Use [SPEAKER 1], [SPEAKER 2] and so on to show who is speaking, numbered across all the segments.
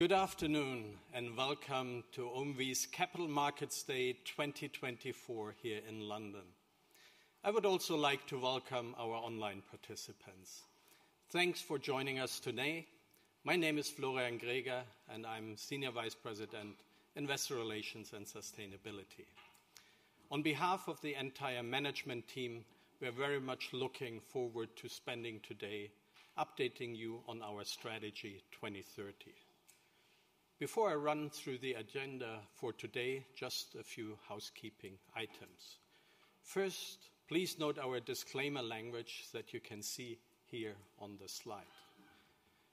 [SPEAKER 1] Good afternoon, and welcome to OMV's Capital Markets Day 2024 here in London. I would also like to welcome our online participants. Thanks for joining us today. My name is Florian Greger, and I'm Senior Vice President, Investor Relations and Sustainability. On behalf of the entire management team, we're very much looking forward to spending today updating you on our Strategy 2030. Before I run through the agenda for today, just a few housekeeping items. First, please note our disclaimer language that you can see here on the slide.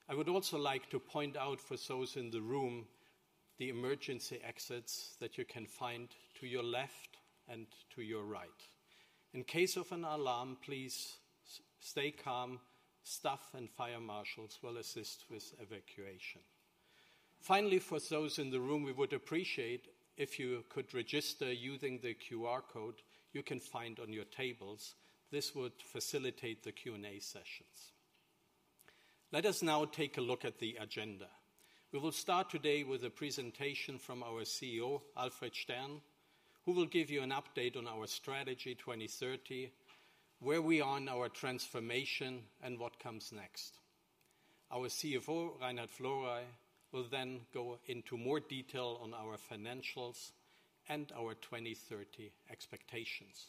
[SPEAKER 1] I would also like to point out for those in the room, the emergency exits that you can find to your left and to your right. In case of an alarm, please stay calm. Staff and fire marshals will assist with evacuation. Finally, for those in the room, we would appreciate if you could register using the QR code you can find on your tables. This would facilitate the Q&A sessions. Let us now take a look at the agenda. We will start today with a presentation from our CEO, Alfred Stern, who will give you an update on our Strategy 2030, where we are in our transformation and what comes next. Our CFO, Reinhard Florey, will then go into more detail on our financials and our 2030 expectations.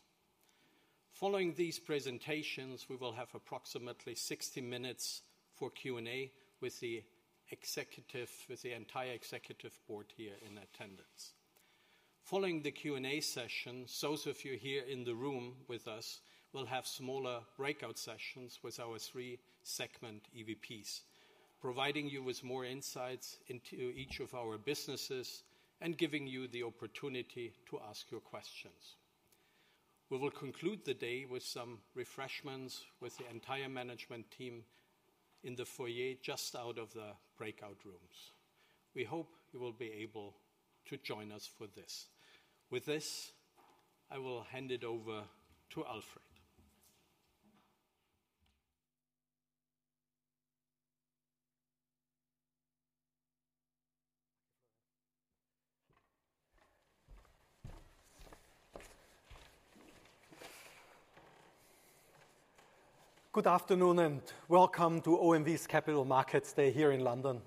[SPEAKER 1] Following these presentations, we will have approximately 60 minutes for Q&A with the executive-- with the entire executive board here in attendance. Following the Q&A session, those of you here in the room with us will have smaller breakout sessions with our three segment EVPs, providing you with more insights into each of our businesses and giving you the opportunity to ask your questions. We will conclude the day with some refreshments, with the entire management team in the foyer just out of the breakout rooms. We hope you will be able to join us for this. With this, I will hand it over to Alfred.
[SPEAKER 2] Good afternoon, and welcome to OMV's Capital Markets Day here in London.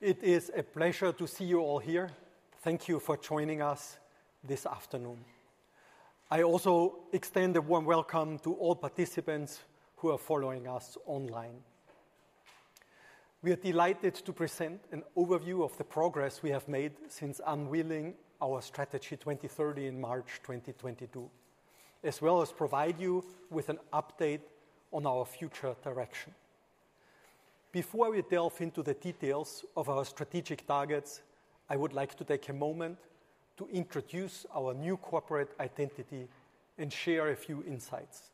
[SPEAKER 2] It is a pleasure to see you all here. Thank you for joining us this afternoon. I also extend a warm welcome to all participants who are following us online. We are delighted to present an overview of the progress we have made since unveiling our Strategy 2030 in March 2022, as well as provide you with an update on our future direction. Before we delve into the details of our strategic targets, I would like to take a moment to introduce our new corporate identity and share a few insights.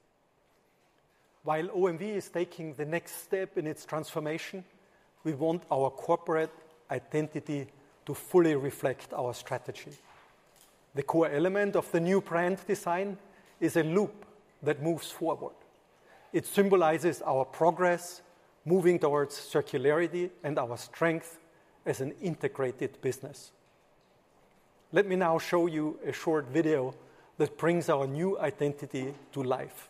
[SPEAKER 2] While OMV is taking the next step in its transformation, we want our corporate identity to fully reflect our strategy. The core element of the new brand design is a loop that moves forward. It symbolizes our progress, moving towards circularity and our strength as an integrated business. Let me now show you a short video that brings our new identity to life.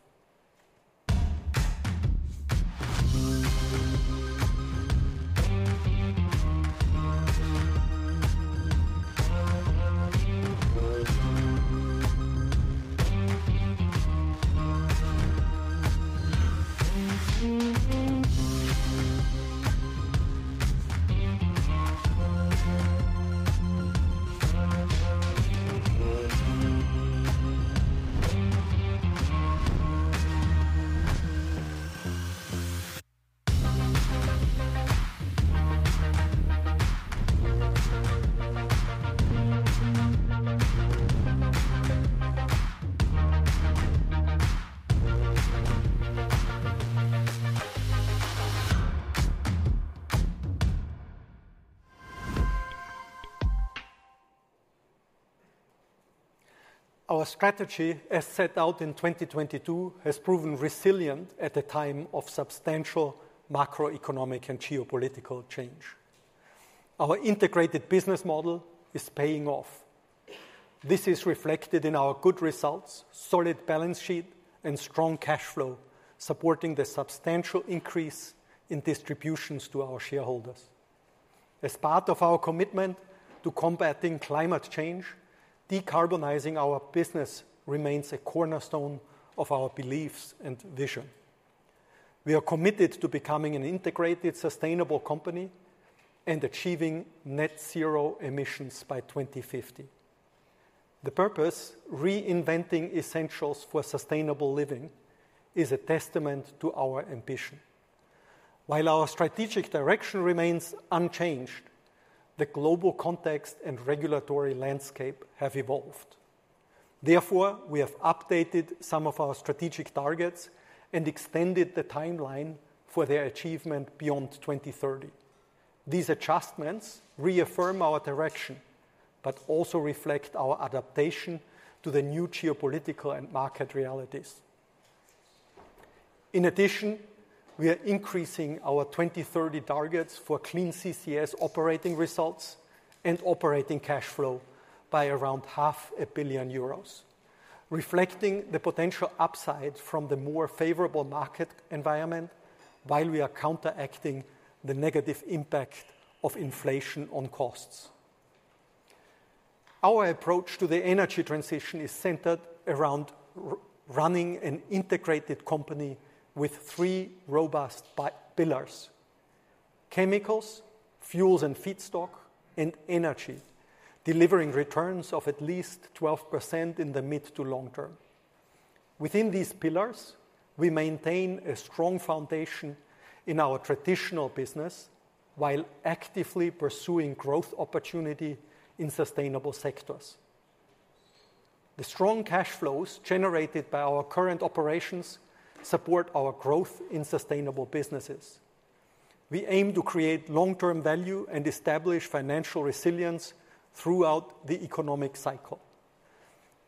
[SPEAKER 2] Our strategy, as set out in 2022, has proven resilient at a time of substantial macroeconomic and geopolitical change. Our integrated business model is paying off. This is reflected in our good results, solid balance sheet, and strong cash flow, supporting the substantial increase in distributions to our shareholders. As part of our commitment to combating climate change, decarbonizing our business remains a cornerstone of our beliefs and vision. We are committed to becoming an integrated, sustainable company and achieving net zero emissions by 2050. The purpose, reinventing essentials for sustainable living, is a testament to our ambition. While our strategic direction remains unchanged, the global context and regulatory landscape have evolved. Therefore, we have updated some of our strategic targets and extended the timeline for their achievement beyond 2030. These adjustments reaffirm our direction, but also reflect our adaptation to the new geopolitical and market realities. In addition, we are increasing our 2030 targets for clean CCS operating results and operating cash flow by around 500 million euros, reflecting the potential upside from the more favorable market environment, while we are counteracting the negative impact of inflation on costs. Our approach to the energy transition is centered around running an integrated company with three robust pillars: chemicals, fuels and feedstock, and energy, delivering returns of at least 12% in the mid to long term. Within these pillars, we maintain a strong foundation in our traditional business while actively pursuing growth opportunity in sustainable sectors. The strong cash flows generated by our current operations support our growth in sustainable businesses. We aim to create long-term value and establish financial resilience throughout the economic cycle.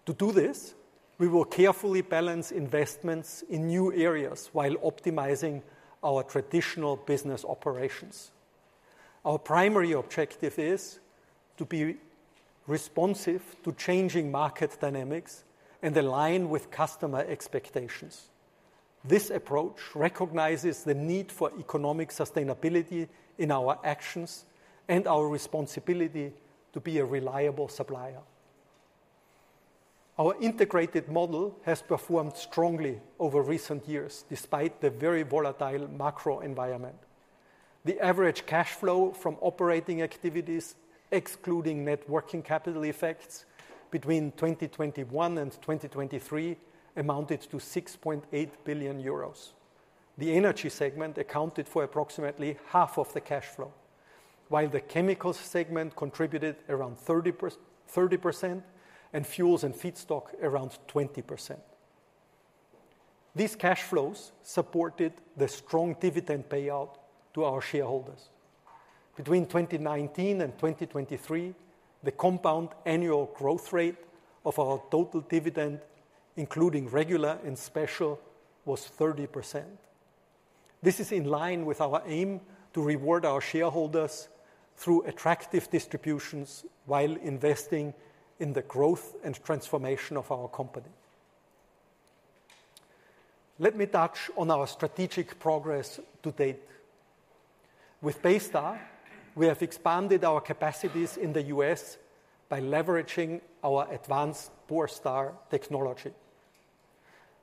[SPEAKER 2] To do this, we will carefully balance investments in new areas while optimizing our traditional business operations. Our primary objective is to be responsive to changing market dynamics and align with customer expectations. This approach recognizes the need for economic sustainability in our actions and our responsibility to be a reliable supplier. Our integrated model has performed strongly over recent years, despite the very volatile macro environment. The average cash flow from operating activities, excluding net working capital effects between 2021 and 2023, amounted to 6.8 billion euros. The energy segment accounted for approximately half of the cash flow, while the chemicals segment contributed around 30% and fuels and feedstock around 20%. These cash flows supported the strong dividend payout to our shareholders. Between 2019 and 2023, the compound annual growth rate of our total dividend, including regular and special, was 30%. This is in line with our aim to reward our shareholders through attractive distributions while investing in the growth and transformation of our company. Let me touch on our strategic progress to date. With Baystar, we have expanded our capacities in the U.S. by leveraging our advanced Borstar technology.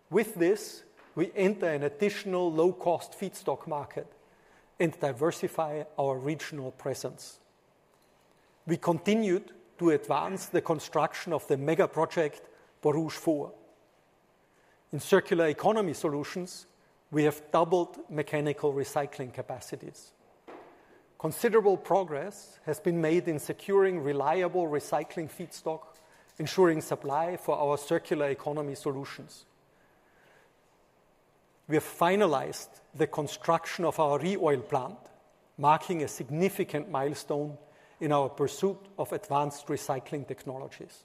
[SPEAKER 2] With this, we enter an additional low-cost feedstock market and diversify our regional presence. We continued to advance the construction of the mega project, Borouge 4. In circular economy solutions, we have doubled mechanical recycling capacities. Considerable progress has been made in securing reliable recycling feedstock, ensuring supply for our circular economy solutions. We have finalized the construction of our ReOil plant, marking a significant milestone in our pursuit of advanced recycling technologies.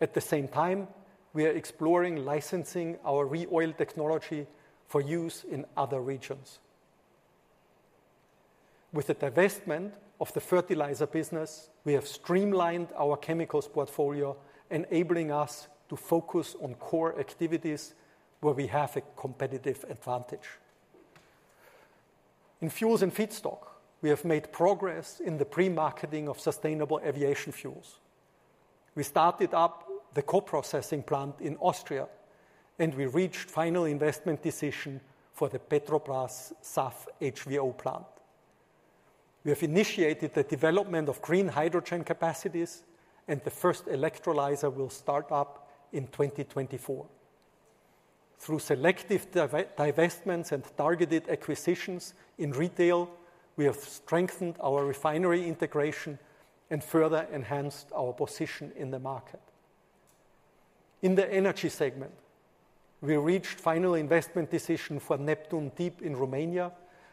[SPEAKER 2] At the same time, we are exploring licensing our ReOil technology for use in other regions. With the divestment of the fertilizer business, we have streamlined our chemicals portfolio, enabling us to focus on core activities where we have a competitive advantage. In fuels and feedstock, we have made progress in the pre-marketing of sustainable aviation fuels. We started up the co-processing plant in Austria, and we reached final investment decision for the Petrobrazi SAF HVO plant. We have initiated the development of green hydrogen capacities, and the first electrolyzer will start up in 2024. Through selective divestments and targeted acquisitions in retail, we have strengthened our refinery integration and further enhanced our position in the market. In the energy segment, we reached final investment decision for Neptun Deep in Romania,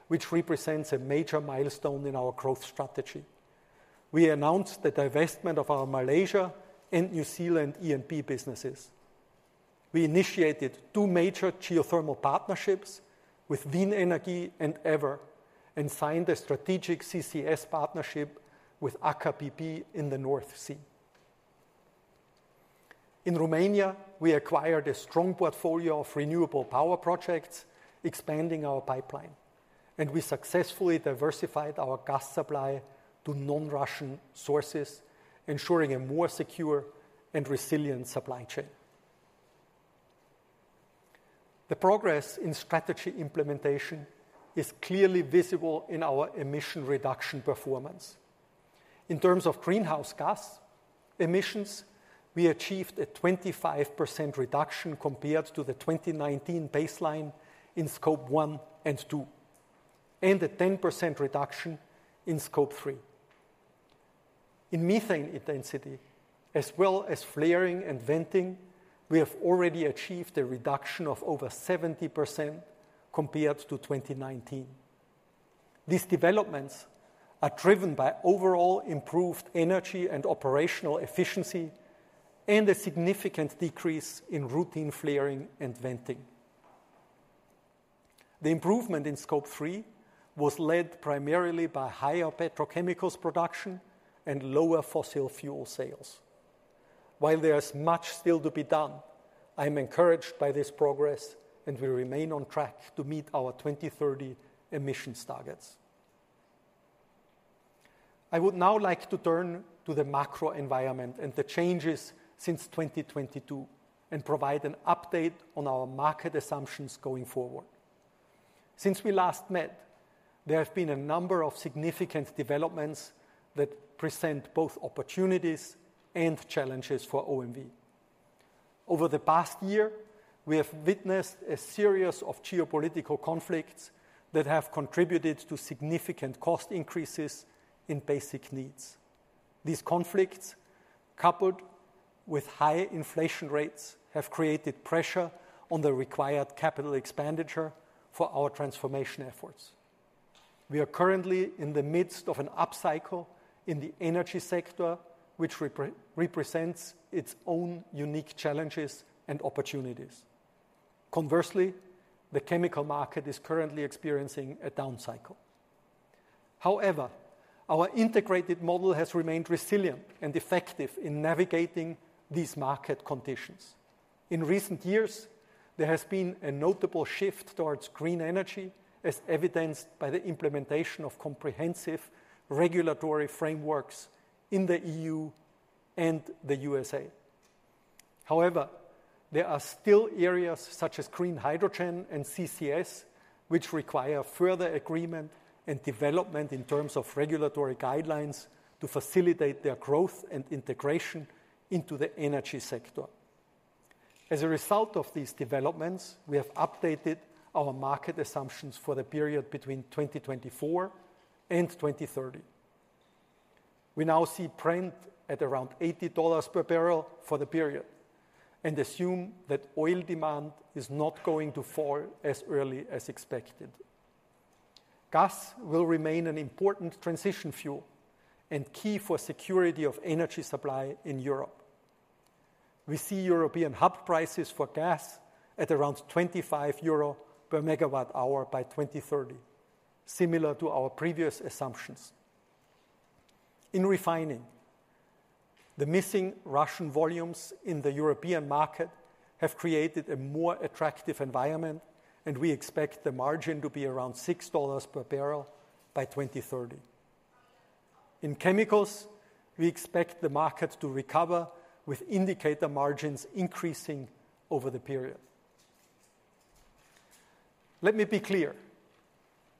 [SPEAKER 2] which represents a major milestone in our growth strategy. We announced the divestment of our Malaysia and New Zealand E&P businesses. We initiated two major geothermal partnerships with Wien Energie and Eavor, and signed a strategic CCS partnership with Aker BP in the North Sea. In Romania, we acquired a strong portfolio of renewable power projects, expanding our pipeline, and we successfully diversified our gas supply to non-Russian sources, ensuring a more secure and resilient supply chain. The progress in strategy implementation is clearly visible in our emission reduction performance. In terms of greenhouse gas emissions, we achieved a 25% reduction compared to the 2019 baseline in Scope 1 and 2, and a 10% reduction in Scope 3. In methane intensity, as well as flaring and venting, we have already achieved a reduction of over 70% compared to 2019. These developments are driven by overall improved energy and operational efficiency and a significant decrease in routine flaring and venting. The improvement in Scope 3 was led primarily by higher petrochemicals production and lower fossil fuel sales. While there is much still to be done, I am encouraged by this progress, and we remain on track to meet our 2030 emissions targets. I would now like to turn to the macro environment and the changes since 2022 and provide an update on our market assumptions going forward. Since we last met, there have been a number of significant developments that present both opportunities and challenges for OMV. Over the past year, we have witnessed a series of geopolitical conflicts that have contributed to significant cost increases in basic needs. These conflicts, coupled with high inflation rates, have created pressure on the required capital expenditure for our transformation efforts. We are currently in the midst of an upcycle in the energy sector, which represents its own unique challenges and opportunities. Conversely, the chemical market is currently experiencing a downcycle. However, our integrated model has remained resilient and effective in navigating these market conditions. In recent years, there has been a notable shift towards green energy, as evidenced by the implementation of comprehensive regulatory frameworks in the E.U. and the U.S.A. However, there are still areas such as green hydrogen and CCS, which require further agreement and development in terms of regulatory guidelines to facilitate their growth and integration into the energy sector. As a result of these developments, we have updated our market assumptions for the period between 2024 and 2030. We now see Brent at around $80 per barrel for the period and assume that oil demand is not going to fall as early as expected. Gas will remain an important transition fuel and key for security of energy supply in Europe. We see European hub prices for gas at around 25 euro per MWh by 2030, similar to our previous assumptions. In refining, the missing Russian volumes in the European market have created a more attractive environment, and we expect the margin to be around $6 per barrel by 2030. In chemicals, we expect the market to recover, with indicator margins increasing over the period. Let me be clear: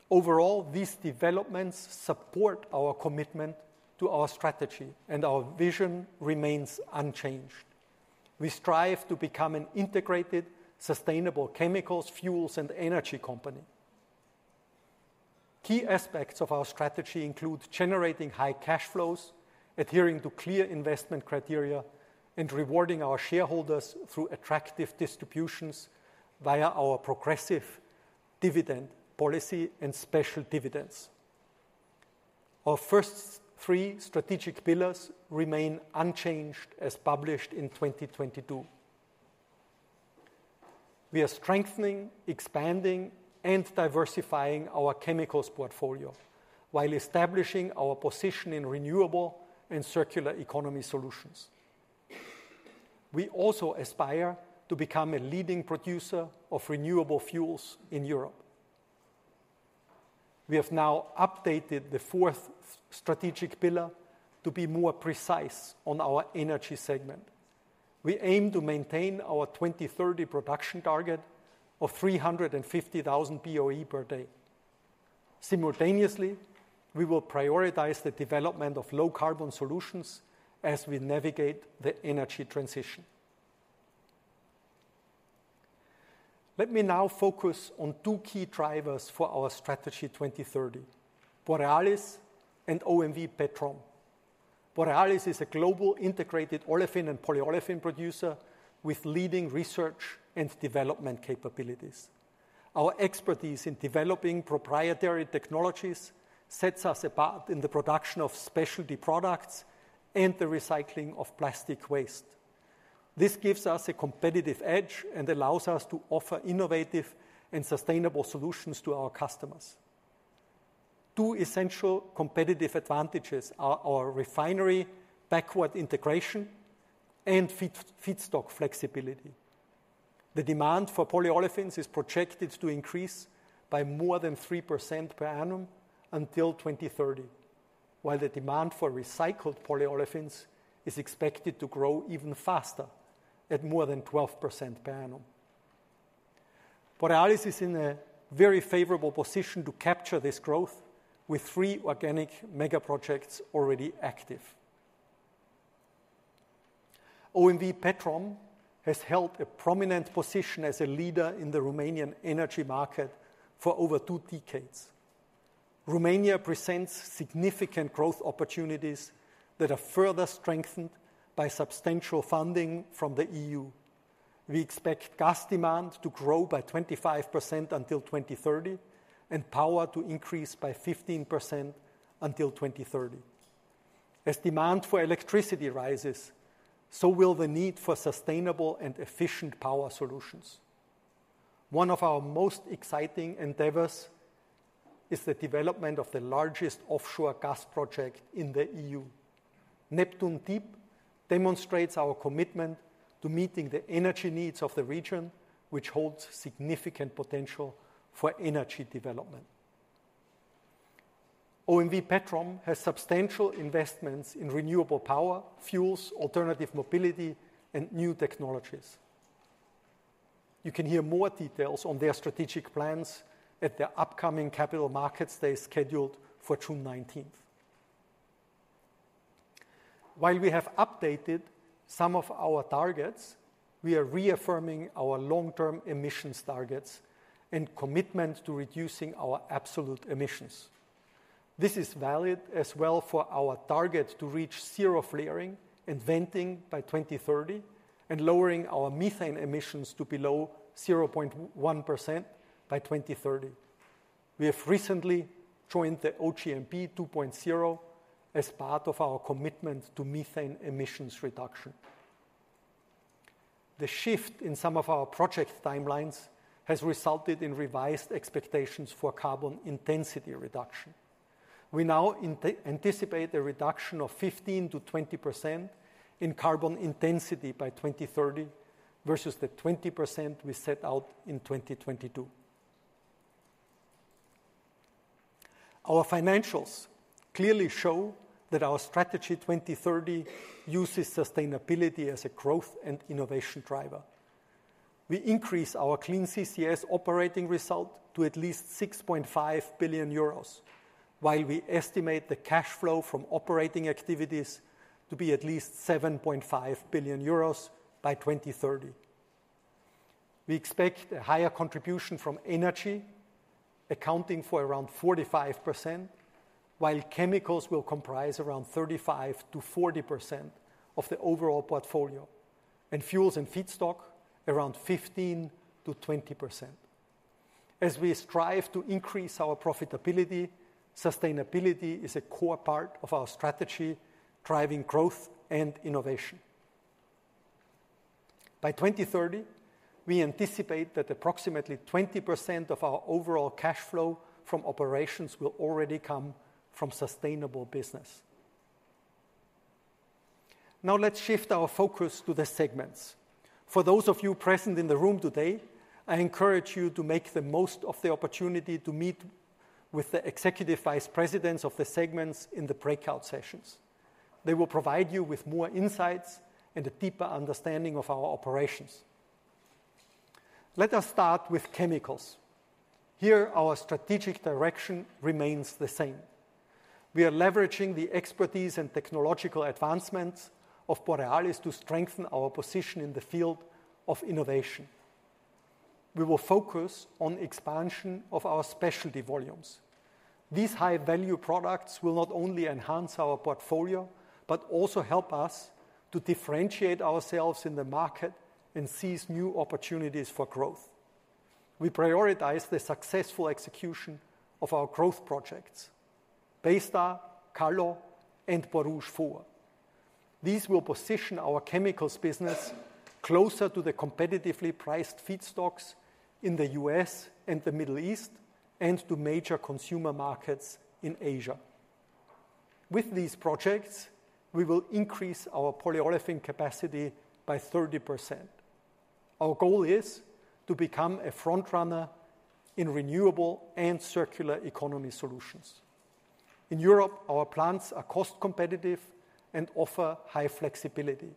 [SPEAKER 2] Overall, these developments support our commitment to our strategy, and our vision remains unchanged. We strive to become an integrated, sustainable chemicals, fuels, and energy company. Key aspects of our strategy include generating high cash flows, adhering to clear investment criteria, and rewarding our shareholders through attractive distributions via our progressive dividend policy and special dividends. Our first three strategic pillars remain unchanged as published in 2022. We are strengthening, expanding, and diversifying our chemicals portfolio while establishing our position in renewable and circular economy solutions. We also aspire to become a leading producer of renewable fuels in Europe. We have now updated the fourth strategic pillar to be more precise on our energy segment. We aim to maintain our 2030 production target of 350,000 BOE per day. Simultaneously, we will prioritize the development of low-carbon solutions as we navigate the energy transition. Let me now focus on two key drivers for our Strategy 2030: Borealis and OMV Petrom. Borealis is a global integrated olefin and polyolefin producer with leading research and development capabilities. Our expertise in developing proprietary technologies sets us apart in the production of specialty products and the recycling of plastic waste. This gives us a competitive edge and allows us to offer innovative and sustainable solutions to our customers. Two essential competitive advantages are our refinery backward integration and feed, feedstock flexibility. The demand for polyolefins is projected to increase by more than 3% per annum until 2030, while the demand for recycled polyolefins is expected to grow even faster at more than 12% per annum. Borealis is in a very favorable position to capture this growth, with three organic mega projects already active. OMV Petrom has held a prominent position as a leader in the Romanian energy market for over two decades. Romania presents significant growth opportunities that are further strengthened by substantial funding from the E.U. We expect gas demand to grow by 25% until 2030, and power to increase by 15% until 2030. As demand for electricity rises, so will the need for sustainable and efficient power solutions. One of our most exciting endeavors is the development of the largest offshore gas project in the EU. Neptun Deep demonstrates our commitment to meeting the energy needs of the region, which holds significant potential for energy development. OMV Petrom has substantial investments in renewable power, fuels, alternative mobility, and new technologies. You can hear more details on their strategic plans at their upcoming Capital Markets Day, scheduled for June nineteenth. While we have updated some of our targets, we are reaffirming our long-term emissions targets and commitment to reducing our absolute emissions. This is valid as well for our target to reach zero flaring and venting by 2030 and lowering our methane emissions to below 0.1% by 2030. We have recently joined the OGMP 2.0 as part of our commitment to methane emissions reduction. The shift in some of our project timelines has resulted in revised expectations for carbon intensity reduction. We now anticipate a reduction of 15%-20% in carbon intensity by 2030, versus the 20% we set out in 2022. Our financials clearly show that our Strategy 2030 uses sustainability as a growth and innovation driver. We increase our Clean CCS Operating Result to at least 6.5 billion euros, while we estimate the cash flow from operating activities to be at least 7.5 billion euros by 2030. We expect a higher contribution from energy, accounting for around 45%, while chemicals will comprise around 35%-40% of the overall portfolio, and fuels and feedstock around 15%-20%. As we strive to increase our profitability, sustainability is a core part of our strategy, driving growth and innovation. By 2030, we anticipate that approximately 20% of our overall cash flow from operations will already come from sustainable business. Now, let's shift our focus to the segments. For those of you present in the room today, I encourage you to make the most of the opportunity to meet with the executive vice presidents of the segments in the breakout sessions. They will provide you with more insights and a deeper understanding of our operations. Let us start with chemicals. Here, our strategic direction remains the same. We are leveraging the expertise and technological advancements of Borealis to strengthen our position in the field of innovation. We will focus on expansion of our specialty volumes. These high-value products will not only enhance our portfolio, but also help us to differentiate ourselves in the market and seize new opportunities for growth. We prioritize the successful execution of our growth projects, Baystar, Kallo, and Borouge 4. These will position our chemicals business closer to the competitively priced feedstocks in the U.S. and the Middle East, and to major consumer markets in Asia. With these projects, we will increase our polyolefin capacity by 30%. Our goal is to become a front runner in renewable and circular economy solutions. In Europe, our plants are cost competitive and offer high flexibility.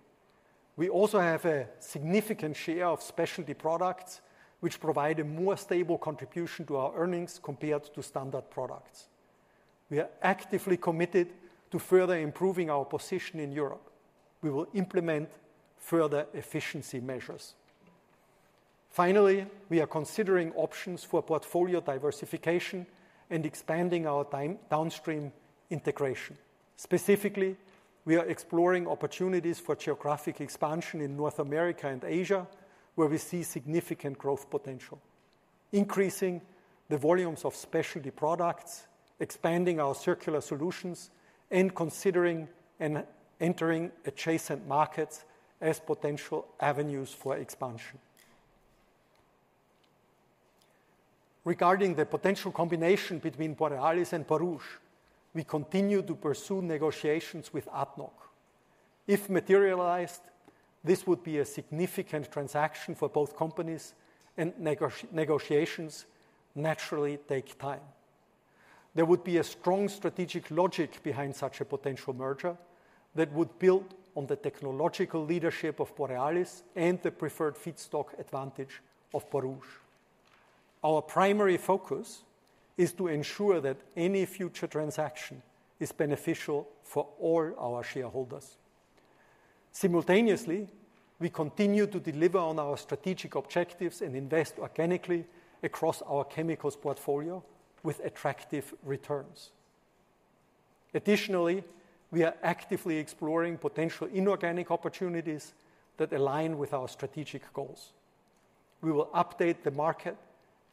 [SPEAKER 2] We also have a significant share of specialty products, which provide a more stable contribution to our earnings compared to standard products. We are actively committed to further improving our position in Europe. We will implement further efficiency measures. Finally, we are considering options for portfolio diversification and expanding our downstream integration. Specifically, we are exploring opportunities for geographic expansion in North America and Asia, where we see significant growth potential, increasing the volumes of specialty products, expanding our circular solutions, and considering and entering adjacent markets as potential avenues for expansion. Regarding the potential combination between Borealis and Borouge, we continue to pursue negotiations with ADNOC. If materialized, this would be a significant transaction for both companies, and negotiations naturally take time. There would be a strong strategic logic behind such a potential merger that would build on the technological leadership of Borealis and the preferred feedstock advantage of Borouge. Our primary focus is to ensure that any future transaction is beneficial for all our shareholders. Simultaneously, we continue to deliver on our strategic objectives and invest organically across our chemicals portfolio with attractive returns.... Additionally, we are actively exploring potential inorganic opportunities that align with our strategic goals. We will update the market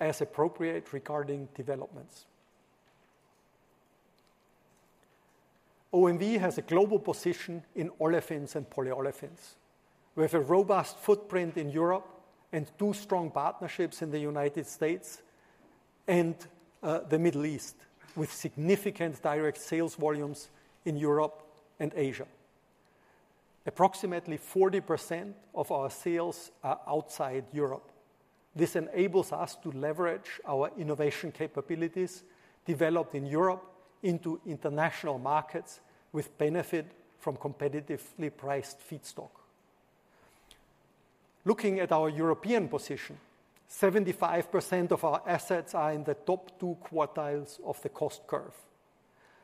[SPEAKER 2] as appropriate regarding developments. OMV has a global position in olefins and polyolefins. We have a robust footprint in Europe and two strong partnerships in the United States and the Middle East, with significant direct sales volumes in Europe and Asia. Approximately 40% of our sales are outside Europe. This enables us to leverage our innovation capabilities developed in Europe into international markets with benefit from competitively priced feedstock. Looking at our European position, 75% of our assets are in the top two quartiles of the cost curve.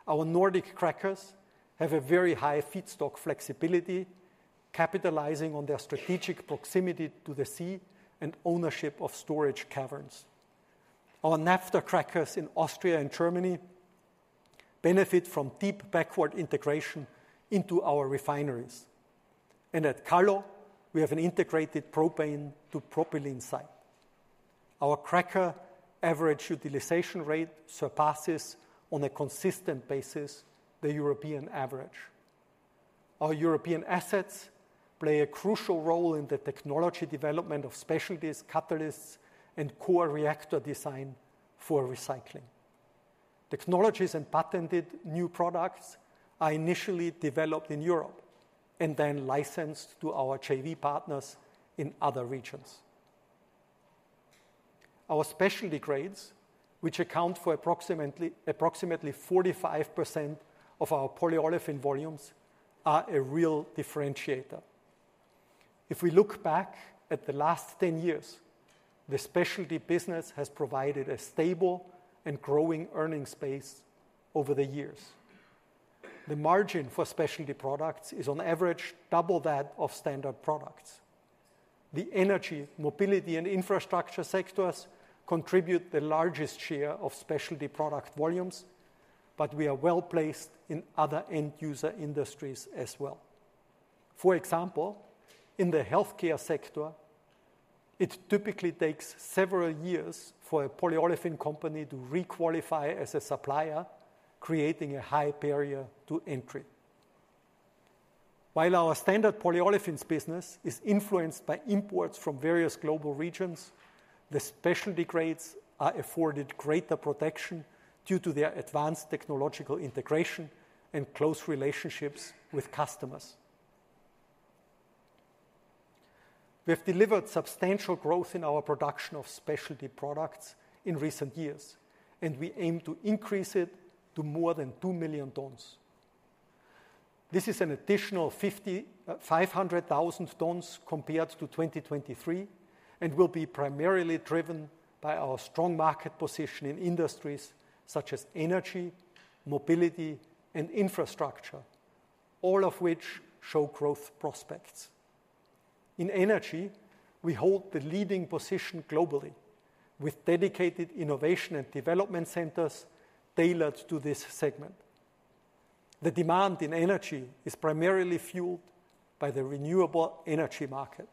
[SPEAKER 2] Our Nordic crackers have a very high feedstock flexibility, capitalizing on their strategic proximity to the sea and ownership of storage caverns. Our naphtha crackers in Austria and Germany benefit from deep backward integration into our refineries. And at Kallo, we have an integrated propane-to-propylene site. Our cracker average utilization rate surpasses, on a consistent basis, the European average. Our European assets play a crucial role in the technology development of specialties, catalysts, and core reactor design for recycling. Technologies and patented new products are initially developed in Europe and then licensed to our JV partners in other regions. Our specialty grades, which account for approximately 45% of our polyolefin volumes, are a real differentiator. If we look back at the last 10 years, the specialty business has provided a stable and growing earning space over the years. The margin for specialty products is, on average, double that of standard products. The energy, mobility, and infrastructure sectors contribute the largest share of specialty product volumes, but we are well-placed in other end-user industries as well. For example, in the healthcare sector, it typically takes several years for a polyolefin company to requalify as a supplier, creating a high barrier to entry. While our standard polyolefins business is influenced by imports from various global regions, the specialty grades are afforded greater protection due to their advanced technological integration and close relationships with customers. We have delivered substantial growth in our production of specialty products in recent years, and we aim to increase it to more than 2 million tons. This is an additional five hundred thousand tons compared to 2023 and will be primarily driven by our strong market position in industries such as energy, mobility, and infrastructure, all of which show growth prospects. In energy, we hold the leading position globally with dedicated innovation and development centers tailored to this segment. The demand in energy is primarily fueled by the renewable energy market.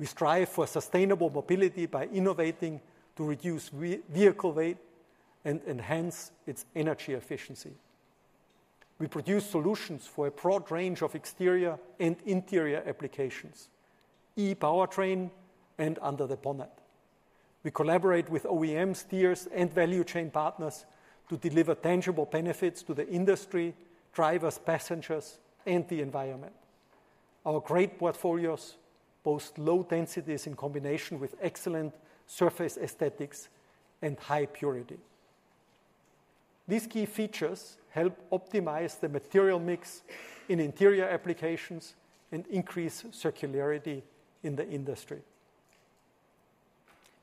[SPEAKER 2] We strive for sustainable mobility by innovating to reduce vehicle weight and enhance its energy efficiency. We produce solutions for a broad range of exterior and interior applications, e-powertrain and under the bonnet. We collaborate with OEMs, tiers, and value chain partners to deliver tangible benefits to the industry, drivers, passengers, and the environment. Our great portfolios boast low densities in combination with excellent surface aesthetics and high purity. These key features help optimize the material mix in interior applications and increase circularity in the industry.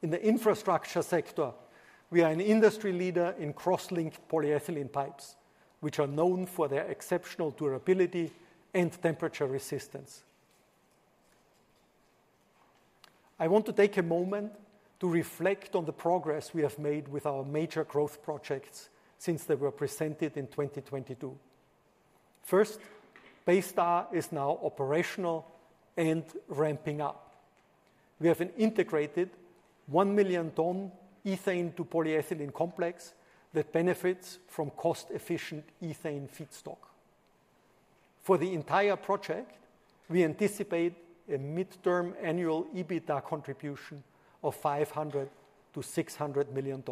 [SPEAKER 2] In the infrastructure sector, we are an industry leader in cross-linked polyethylene pipes, which are known for their exceptional durability and temperature resistance. I want to take a moment to reflect on the progress we have made with our major growth projects since they were presented in 2022. First, Baystar is now operational and ramping up. We have an integrated 1 million ton ethane to polyethylene complex that benefits from cost-efficient ethane feedstock. For the entire project, we anticipate a midterm annual EBITDA contribution of $500 million-$600 million.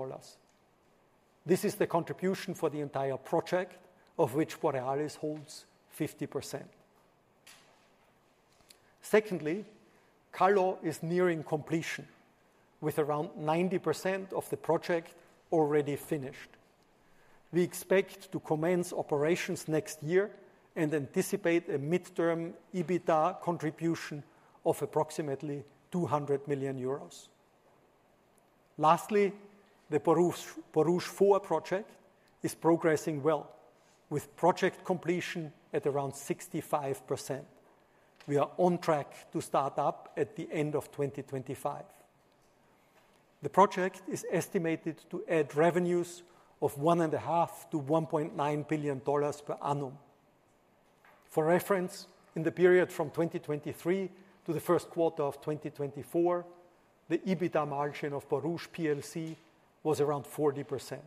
[SPEAKER 2] This is the contribution for the entire project, of which Borealis holds 50%. Secondly, Kallo is nearing completion, with around 90% of the project already finished. We expect to commence operations next year and anticipate a midterm EBITDA contribution of approximately 200 million euros. Lastly, the Borouge 4 project is progressing well, with project completion at around 65%. We are on track to start up at the end of 2025. The project is estimated to add revenues of $1.5 billion-$1.9 billion per annum. For re.ference, in the period from 2023 to the first quarter of 2024, the EBITDA margin of Borouge PLC was around 40%.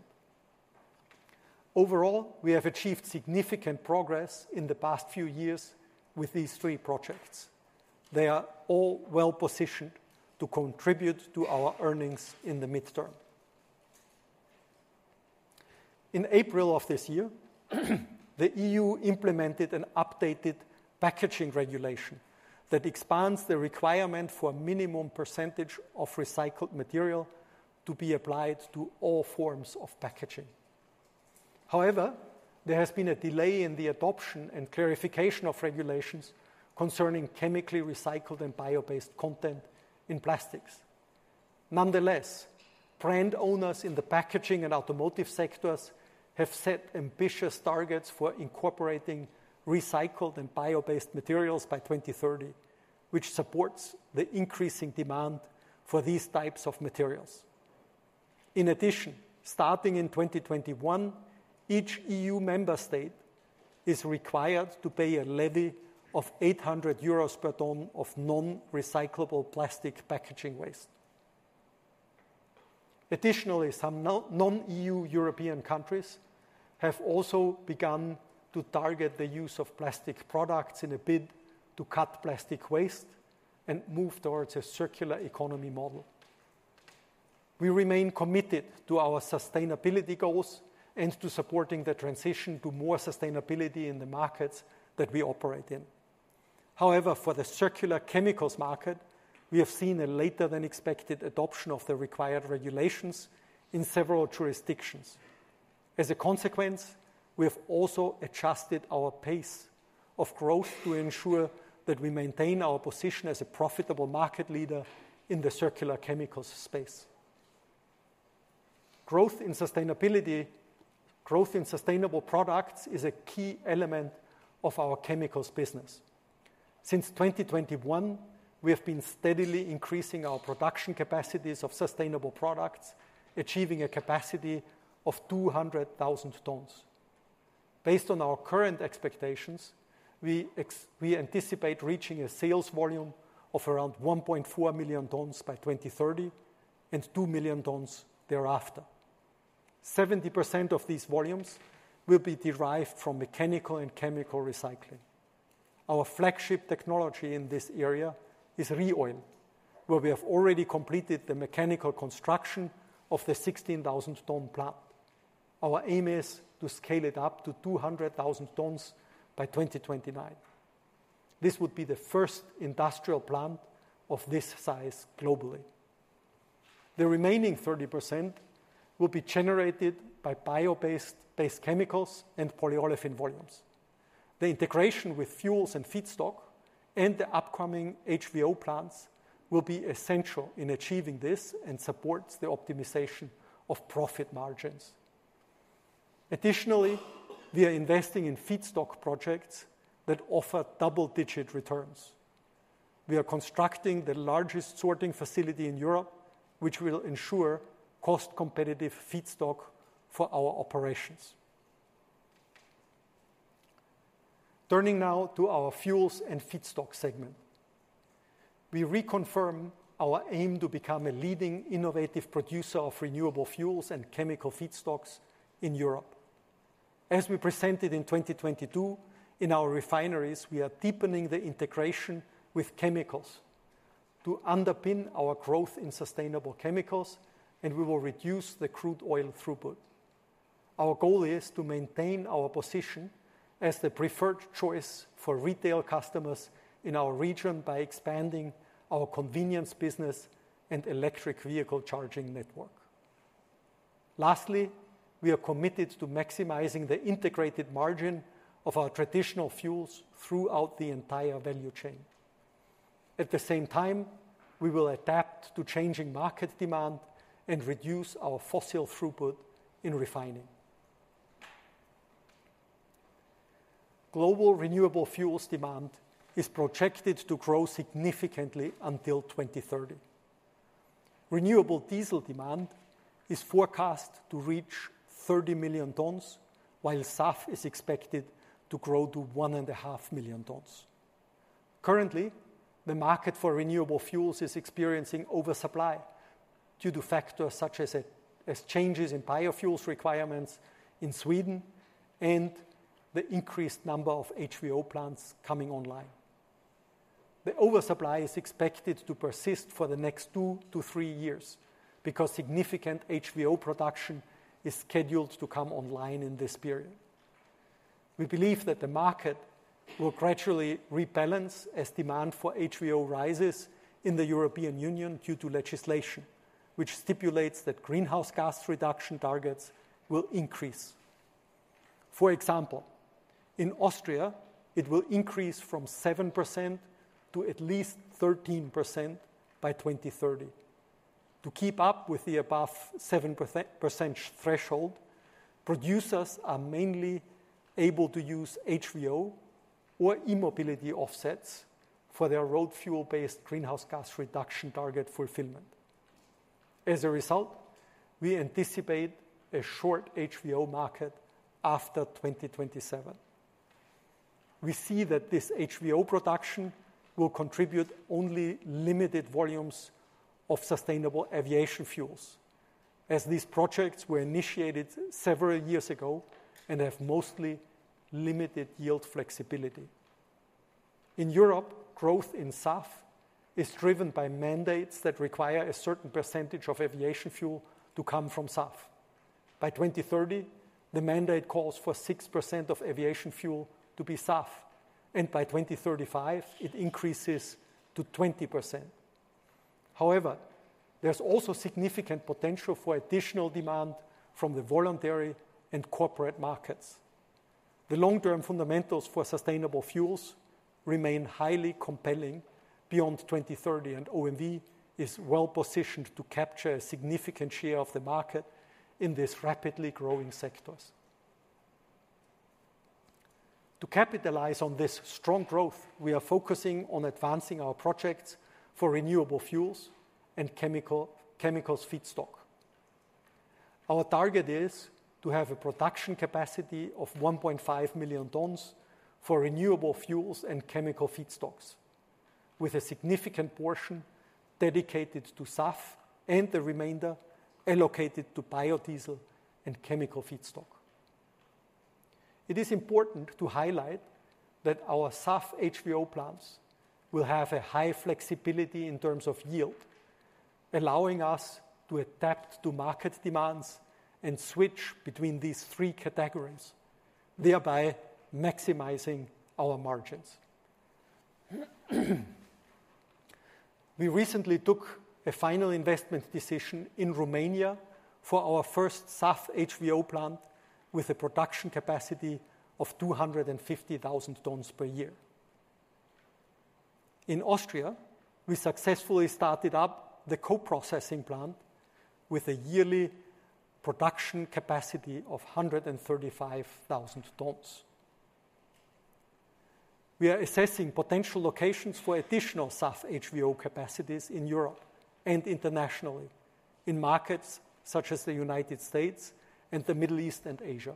[SPEAKER 2] Overall, we have achieved significant progress in the past few years with these three projects. They are all well-positioned to contribute to our earnings in the midterm. In April of this year, the EU implemented an updated packaging regulation that expands the requirement for a minimum percentage of recycled material to be applied to all forms of packaging. However, there has been a delay in the adoption and clarification of regulations concerning chemically recycled and bio-based content in plastics. Nonetheless, brand owners in the packaging and automotive sectors have set ambitious targets for incorporating recycled and bio-based materials by 2030, which supports the increasing demand for these types of materials. In addition, starting in 2021, each EU member state is required to pay a levy of 800 euros per ton of non-recyclable plastic packaging waste. Additionally, some non-EU European countries have also begun to target the use of plastic products in a bid to cut plastic waste and move towards a circular economy model. We remain committed to our sustainability goals and to supporting the transition to more sustainability in the markets that we operate in. However, for the circular chemicals market, we have seen a later-than-expected adoption of the required regulations in several jurisdictions. As a consequence, we have also adjusted our pace of growth to ensure that we maintain our position as a profitable market leader in the circular chemicals space. Growth in sustainable products is a key element of our chemicals business. Since 2021, we have been steadily increasing our production capacities of sustainable products, achieving a capacity of 200,000 tons. Based on our current expectations, we anticipate reaching a sales volume of around 1.4 million tons by 2030 and 2 million tons thereafter. 70% of these volumes will be derived from mechanical and chemical recycling. Our flagship technology in this area is ReOil, where we have already completed the mechanical construction of the 16,000-ton plant. Our aim is to scale it up to 200,000 tons by 2029. This would be the first industrial plant of this size globally. The remaining 30% will be generated by bio-based chemicals and polyolefin volumes. The integration with fuels and feedstock and the upcoming HVO plants will be essential in achieving this and supports the optimization of profit margins. Additionally, we are investing in feedstock projects that offer double-digit returns. We are constructing the largest sorting facility in Europe, which will ensure cost-competitive feedstock for our operations. Turning now to our fuels and feedstock segment. We reconfirm our aim to become a leading innovative producer of renewable fuels and chemical feedstocks in Europe. As we presented in 2022, in our refineries, we are deepening the integration with chemicals to underpin our growth in sustainable chemicals, and we will reduce the crude oil throughput. Our goal is to maintain our position as the preferred choice for retail customers in our region by expanding our convenience business and electric vehicle charging network. Lastly, we are committed to maximizing the integrated margin of our traditional fuels throughout the entire value chain. At the same time, we will adapt to changing market demand and reduce our fossil throughput in refining. Global renewable fuels demand is projected to grow significantly until 2030. Renewable diesel demand is forecast to reach 30 million tons, while SAF is expected to grow to 1.5 million tons. Currently, the market for renewable fuels is experiencing oversupply due to factors such as changes in biofuels requirements in Sweden and the increased number of HVO plants coming online. The oversupply is expected to persist for the next 2-3 years because significant HVO production is scheduled to come online in this period. We believe that the market will gradually rebalance as demand for HVO rises in the European Union due to legislation, which stipulates that greenhouse gas reduction targets will increase. For example, in Austria, it will increase from 7% to at least 13% by 2030. To keep up with the above 7% threshold, producers are mainly able to use HVO or e-mobility offsets for their road fuel-based greenhouse gas reduction target fulfillment. As a result, we anticipate a short HVO market after 2027. We see that this HVO production will contribute only limited volumes of sustainable aviation fuels, as these projects were initiated several years ago and have mostly limited yield flexibility. In Europe, growth in SAF is driven by mandates that require a certain percentage of aviation fuel to come from SAF. By 2030, the mandate calls for 6% of aviation fuel to be SAF, and by 2035, it increases to 20%. However, there's also significant potential for additional demand from the voluntary and corporate markets. The long-term fundamentals for sustainable fuels remain highly compelling beyond 2030, and OMV is well positioned to capture a significant share of the market in these rapidly growing sectors. To capitalize on this strong growth, we are focusing on advancing our projects for renewable fuels and chemical, chemicals feedstock. Our target is to have a production capacity of 1.5 million tons for renewable fuels and chemical feedstocks, with a significant portion dedicated to SAF and the remainder allocated to biodiesel and chemical feedstock. It is important to highlight that our SAF HVO plants will have a high flexibility in terms of yield, allowing us to adapt to market demands and switch between these three categories, thereby maximizing our margins. We recently took a final investment decision in Romania for our first SAF HVO plant with a production capacity of 250,000 tons per year. In Austria, we successfully started up the co-processing plant with a yearly production capacity of 135,000 tons. We are assessing potential locations for additional SAF HVO capacities in Europe and internationally, in markets such as the United States and the Middle East and Asia.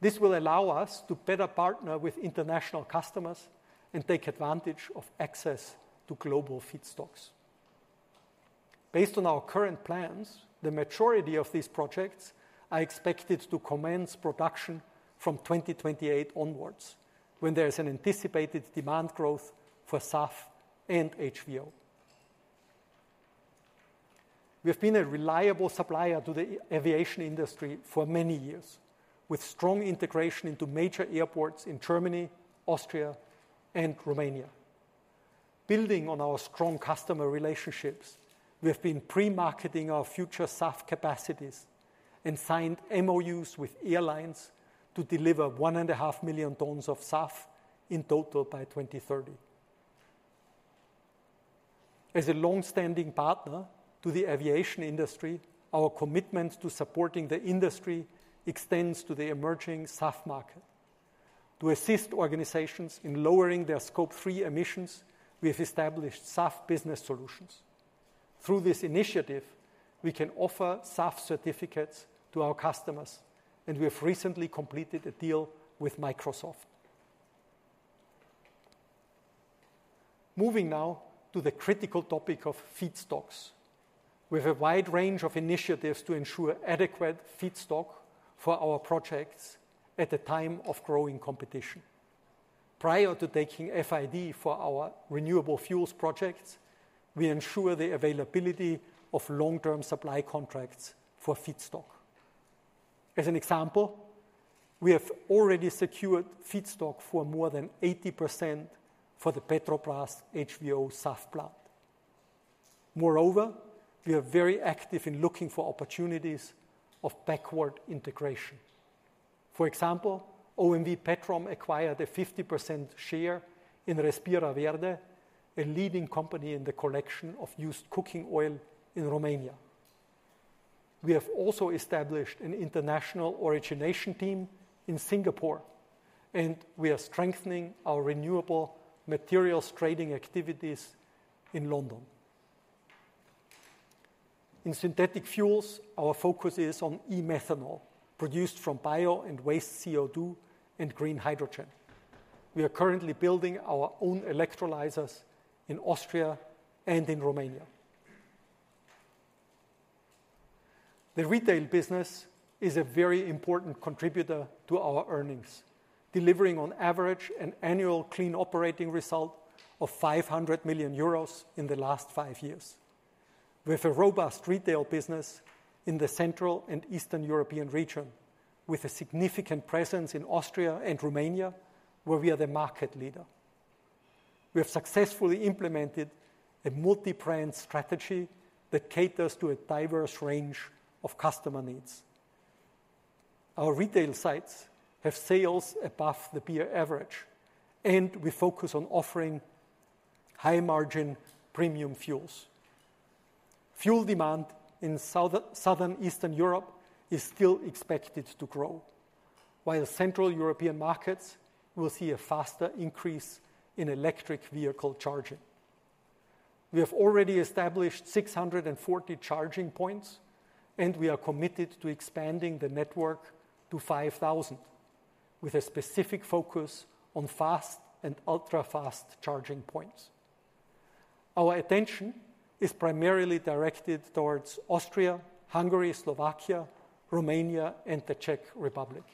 [SPEAKER 2] This will allow us to better partner with international customers and take advantage of access to global feedstocks. Based on our current plans, the majority of these projects are expected to commence production from 2028 onwards, when there is an anticipated demand growth for SAF and HVO. We have been a reliable supplier to the aviation industry for many years, with strong integration into major airports in Germany, Austria, and Romania. Building on our strong customer relationships, we have been pre-marketing our future SAF capacities and signed MOUs with airlines to deliver 1.5 million tons of SAF in total by 2030. As a long-standing partner to the aviation industry, our commitment to supporting the industry extends to the emerging SAF market. To assist organizations in lowering their Scope 3 emissions, we have established SAF Business Solutions. Through this initiative, we can offer SAF certificates to our customers, and we have recently completed a deal with Microsoft. Moving now to the critical topic of feedstocks. We have a wide range of initiatives to ensure adequate feedstock for our projects at a time of growing competition. Prior to taking FID for our renewable fuels projects, we ensure the availability of long-term supply contracts for feedstock. As an example, we have already secured feedstock for more than 80% for the Petrobrazi HVO SAF plant. Moreover, we are very active in looking for opportunities of backward integration. For example, OMV Petrom acquired a 50% share in Respira Verde, a leading company in the collection of used cooking oil in Romania. We have also established an international origination team in Singapore, and we are strengthening our renewable materials trading activities in London. In synthetic fuels, our focus is on e-methanol, produced from bio and waste CO2 and green hydrogen. We are currently building our own electrolyzers in Austria and in Romania. The retail business is a very important contributor to our earnings, delivering on average an annual clean operating result of 500 million euros in the last 5 years. We have a robust retail business in the Central and Eastern European region, with a significant presence in Austria and Romania, where we are the market leader. We have successfully implemented a multi-brand strategy that caters to a diverse range of customer needs.... Our retail sites have sales above the peer average, and we focus on offering high-margin premium fuels. Fuel demand in South-Eastern Europe is still expected to grow, while Central European markets will see a faster increase in electric vehicle charging. We have already established 640 charging points, and we are committed to expanding the network to 5,000, with a specific focus on fast and ultra-fast charging points. Our attention is primarily directed towards Austria, Hungary, Slovakia, Romania, and the Czech Republic.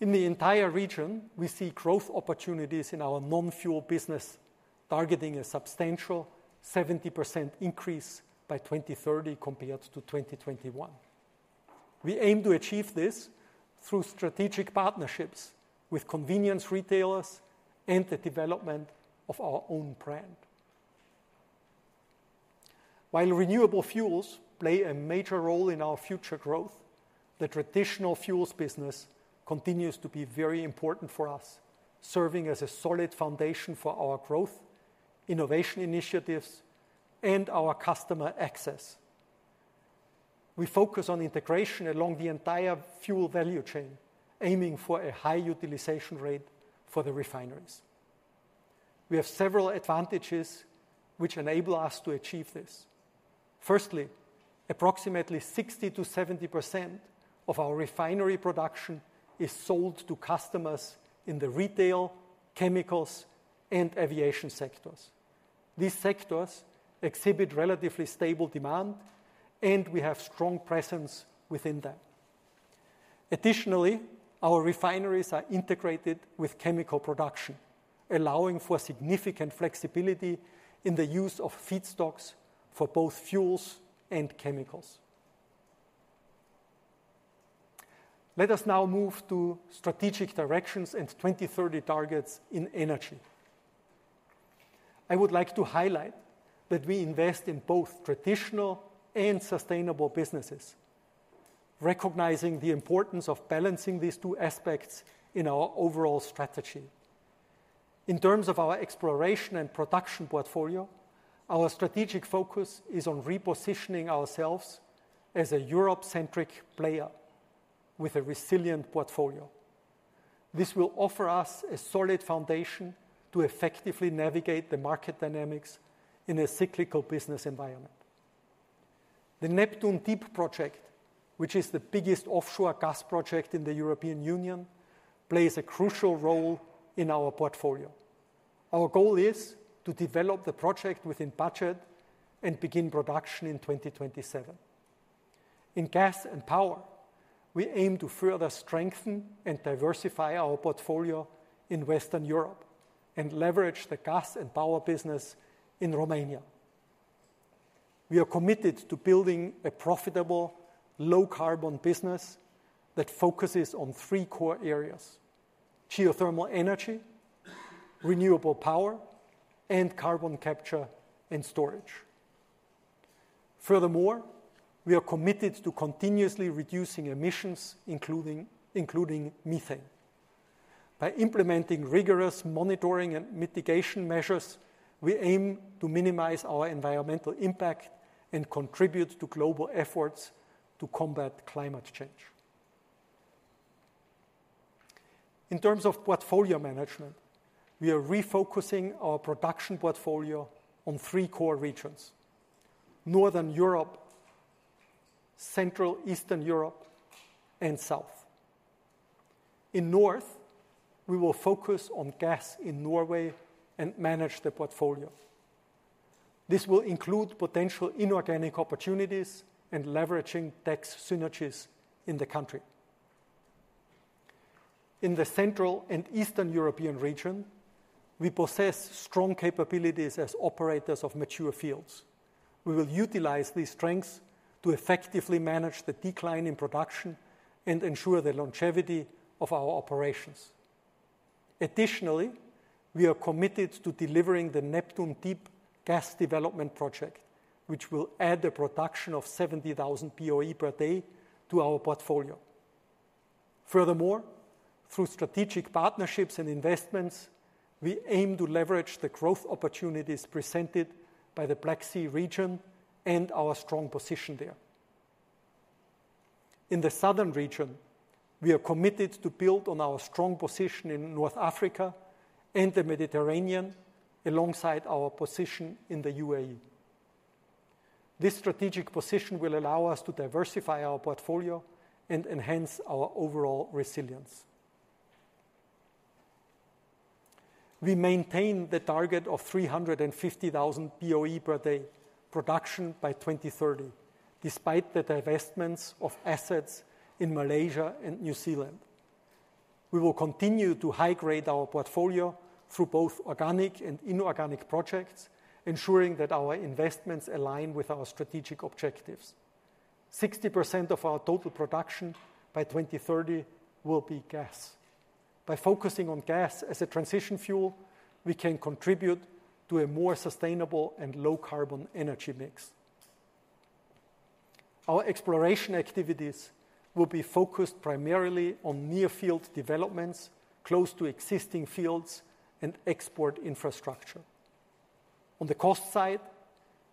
[SPEAKER 2] In the entire region, we see growth opportunities in our non-fuel business, targeting a substantial 70% increase by 2030 compared to 2021. We aim to achieve this through strategic partnerships with convenience retailers and the development of our own brand. While renewable fuels play a major role in our future growth, the traditional fuels business continues to be very important for us, serving as a solid foundation for our growth, innovation initiatives, and our customer access. We focus on integration along the entire fuel value chain, aiming for a high utilization rate for the refineries. We have several advantages which enable us to achieve this. Firstly, approximately 60%-70% of our refinery production is sold to customers in the retail, chemicals, and aviation sectors. These sectors exhibit relatively stable demand, and we have strong presence within them. Additionally, our refineries are integrated with chemical production, allowing for significant flexibility in the use of feedstocks for both fuels and chemicals. Let us now move to strategic directions and 2030 targets in energy. I would like to highlight that we invest in both traditional and sustainable businesses, recognizing the importance of balancing these two aspects in our overall strategy. In terms of our exploration and production portfolio, our strategic focus is on repositioning ourselves as a Europe-centric player with a resilient portfolio. This will offer us a solid foundation to effectively navigate the market dynamics in a cyclical business environment. The Neptun Deep project, which is the biggest offshore gas project in the European Union, plays a crucial role in our portfolio. Our goal is to develop the project within budget and begin production in 2027. In gas and power, we aim to further strengthen and diversify our portfolio in Western Europe and leverage the gas and power business in Romania. We are committed to building a profitable, low-carbon business that focuses on three core areas: geothermal energy, renewable power, and carbon capture and storage. Furthermore, we are committed to continuously reducing emissions, including methane. By implementing rigorous monitoring and mitigation measures, we aim to minimize our environmental impact and contribute to global efforts to combat climate change. In terms of portfolio management, we are refocusing our production portfolio on three core regions: Northern Europe, Central Eastern Europe, and South. In North, we will focus on gas in Norway and manage the portfolio. This will include potential inorganic opportunities and leveraging tax synergies in the country. In the Central and Eastern European region, we possess strong capabilities as operators of mature fields. We will utilize these strengths to effectively manage the decline in production and ensure the longevity of our operations. Additionally, we are committed to delivering the Neptun Deep gas development project, which will add a production of 70,000 BOE per day to our portfolio. Furthermore, through strategic partnerships and investments, we aim to leverage the growth opportunities presented by the Black Sea region and our strong position there. In the Southern region, we are committed to build on our strong position in North Africa and the Mediterranean, alongside our position in the UAE. This strategic position will allow us to diversify our portfolio and enhance our overall resilience. We maintain the target of 350,000 BOE per day production by 2030, despite the divestments of assets in Malaysia and New Zealand. We will continue to high-grade our portfolio through both organic and inorganic projects, ensuring that our investments align with our strategic objectives. 60% of our total production by 2030 will be gas.... By focusing on gas as a transition fuel, we can contribute to a more sustainable and low-carbon energy mix. Our exploration activities will be focused primarily on near-field developments, close to existing fields and export infrastructure. On the cost side,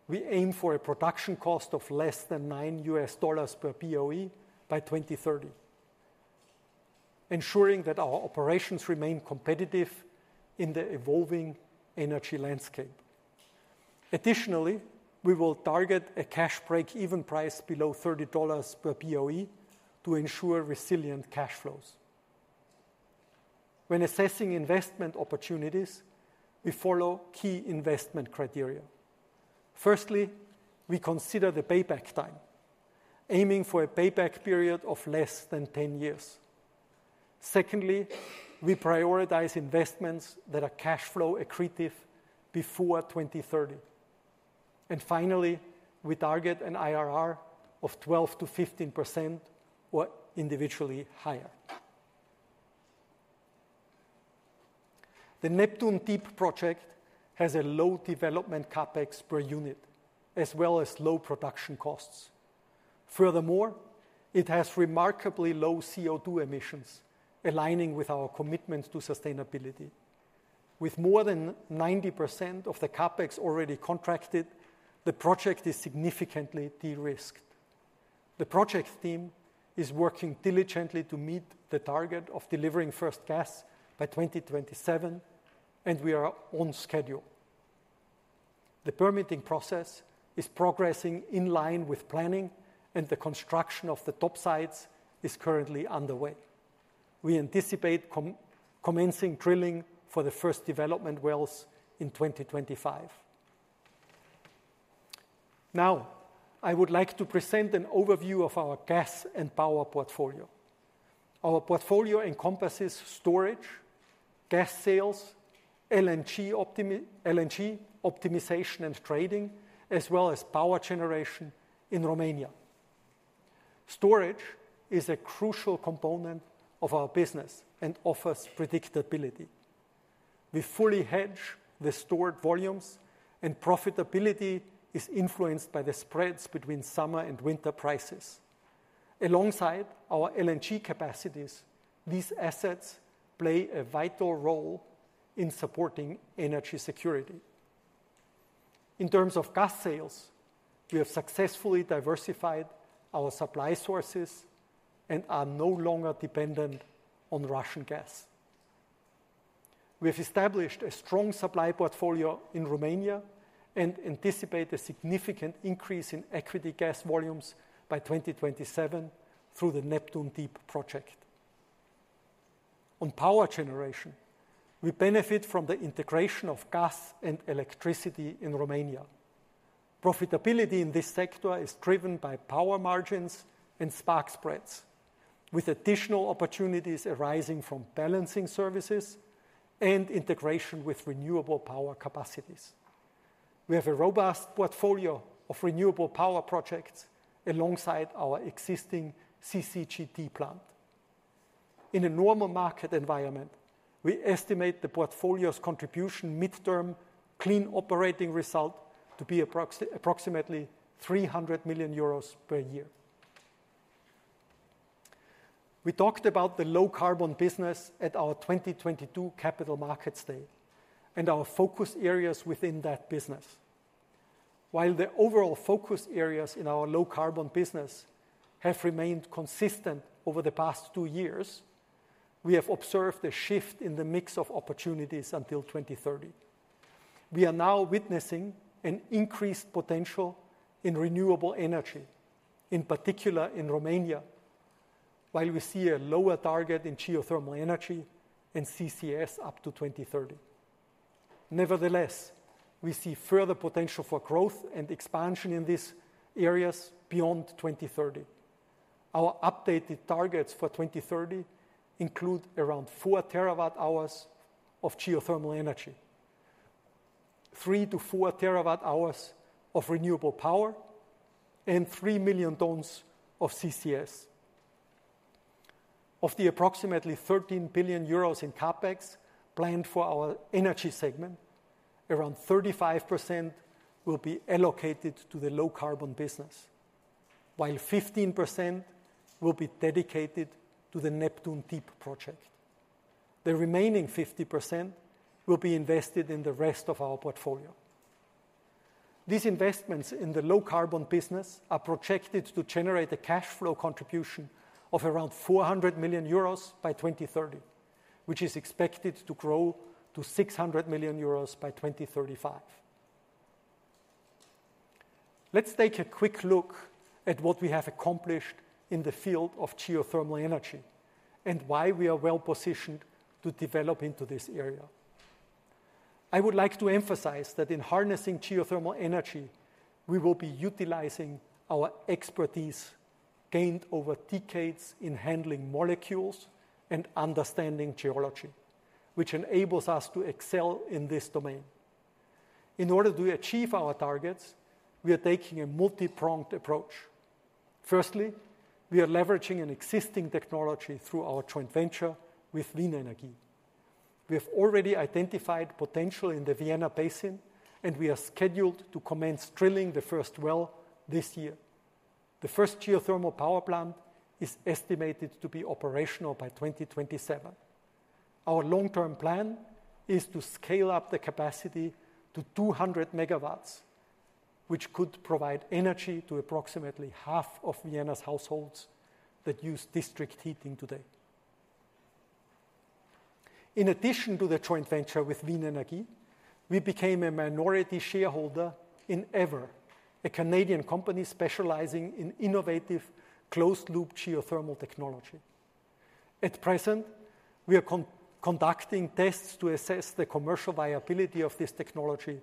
[SPEAKER 2] we aim for a production cost of less than $9 per BOE by 2030, ensuring that our operations remain competitive in the evolving energy landscape. Additionally, we will target a cash break-even price below $30 per BOE to ensure resilient cash flows. When assessing investment opportunities, we follow key investment criteria. Firstly, we consider the payback time, aiming for a payback period of less than 10 years. Secondly, we prioritize investments that are cash flow accretive before 2030. Finally, we target an IRR of 12%-15% or individually higher. The Neptun Deep project has a low development CapEx per unit, as well as low production costs. Furthermore, it has remarkably low CO2 emissions, aligning with our commitment to sustainability. With more than 90% of the CapEx already contracted, the project is significantly de-risked. The project team is working diligently to meet the target of delivering first gas by 2027, and we are on schedule. The permitting process is progressing in line with planning, and the construction of the topsides is currently underway. We anticipate commencing drilling for the first development wells in 2025. Now, I would like to present an overview of our gas and power portfolio. Our portfolio encompasses storage, gas sales, LNG optimization and trading, as well as power generation in Romania. Storage is a crucial component of our business and offers predictability. We fully hedge the stored volumes, and profitability is influenced by the spreads between summer and winter prices. Alongside our LNG capacities, these assets play a vital role in supporting energy security. In terms of gas sales, we have successfully diversified our supply sources and are no longer dependent on Russian gas. We have established a strong supply portfolio in Romania and anticipate a significant increase in equity gas volumes by 2027 through the Neptun Deep project. On power generation, we benefit from the integration of gas and electricity in Romania. Profitability in this sector is driven by power margins and spark spreads, with additional opportunities arising from balancing services and integration with renewable power capacities. We have a robust portfolio of renewable power projects alongside our existing CCGT plant. In a normal market environment, we estimate the portfolio's contribution midterm clean operating result to be approximately 300 million euros per year. We talked about the low-carbon business at our 2022 Capital Markets Day and our focus areas within that business. While the overall focus areas in our low-carbon business have remained consistent over the past two years, we have observed a shift in the mix of opportunities until 2030. We are now witnessing an increased potential in renewable energy, in particular in Romania, while we see a lower target in geothermal energy and CCS up to 2030. Nevertheless, we see further potential for growth and expansion in these areas beyond 2030. Our updated targets for 2030 include around 4 TWh of geothermal energy, 3-4 TWh of renewable power, and 3 million tons of CCS. Of the approximately 13 billion euros in CapEx planned for our energy segment, around 35% will be allocated to the low-carbon business, while 15% will be dedicated to the Neptun Deep project. The remaining 50% will be invested in the rest of our portfolio. These investments in the low-carbon business are projected to generate a cash flow contribution of around 400 million euros by 2030, which is expected to grow to 600 million euros by 2035. Let's take a quick look at what we have accomplished in the field of geothermal energy and why we are well positioned to develop into this area. I would like to emphasize that in harnessing geothermal energy, we will be utilizing our expertise gained over decades in handling molecules and understanding geology, which enables us to excel in this domain.... In order to achieve our targets, we are taking a multi-pronged approach. Firstly, we are leveraging an existing technology through our joint venture with Wien Energie. We have already identified potential in the Vienna Basin, and we are scheduled to commence drilling the first well this year. The first geothermal power plant is estimated to be operational by 2027. Our long-term plan is to scale up the capacity to 200 MW, which could provide energy to approximately half of Vienna's households that use district heating today. In addition to the joint venture with Wien Energie, we became a minority shareholder in Eavor, a Canadian company specializing in innovative closed-loop geothermal technology. At present, we are conducting tests to assess the commercial viability of this technology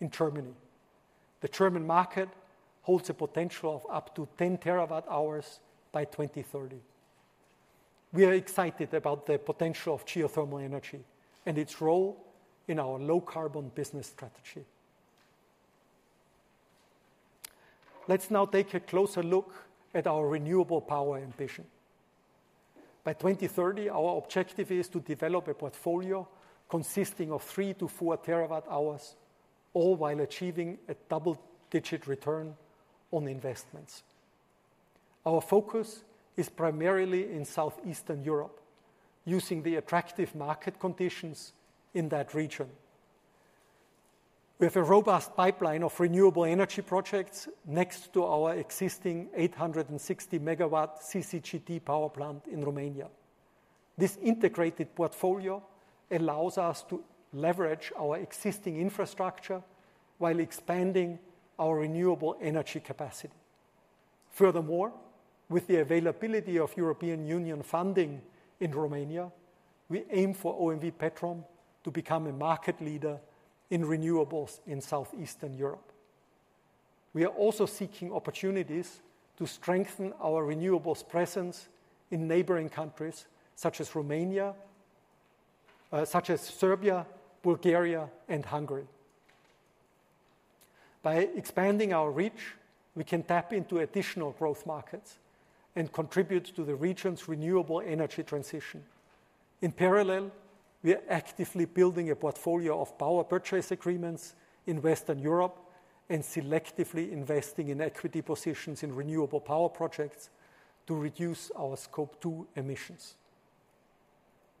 [SPEAKER 2] in Germany. The German market holds a potential of up to 10 TWh by 2030. We are excited about the potential of geothermal energy and its role in our low-carbon business strategy. Let's now take a closer look at our renewable power ambition. By 2030, our objective is to develop a portfolio consisting of 3-4 TWh, all while achieving a double-digit return on investments. Our focus is primarily in Southeastern Europe, using the attractive market conditions in that region. We have a robust pipeline of renewable energy projects next to our existing 860 MW CCGT power plant in Romania. This integrated portfolio allows us to leverage our existing infrastructure while expanding our renewable energy capacity. Furthermore, with the availability of European Union funding in Romania, we aim for OMV Petrom to become a market leader in renewables in Southeastern Europe. We are also seeking opportunities to strengthen our renewables presence in neighboring countries such as Serbia, Bulgaria, and Hungary. By expanding our reach, we can tap into additional growth markets and contribute to the region's renewable energy transition. In parallel, we are actively building a portfolio of power purchase agreements in Western Europe and selectively investing in equity positions in renewable power projects to reduce our Scope 2 emissions.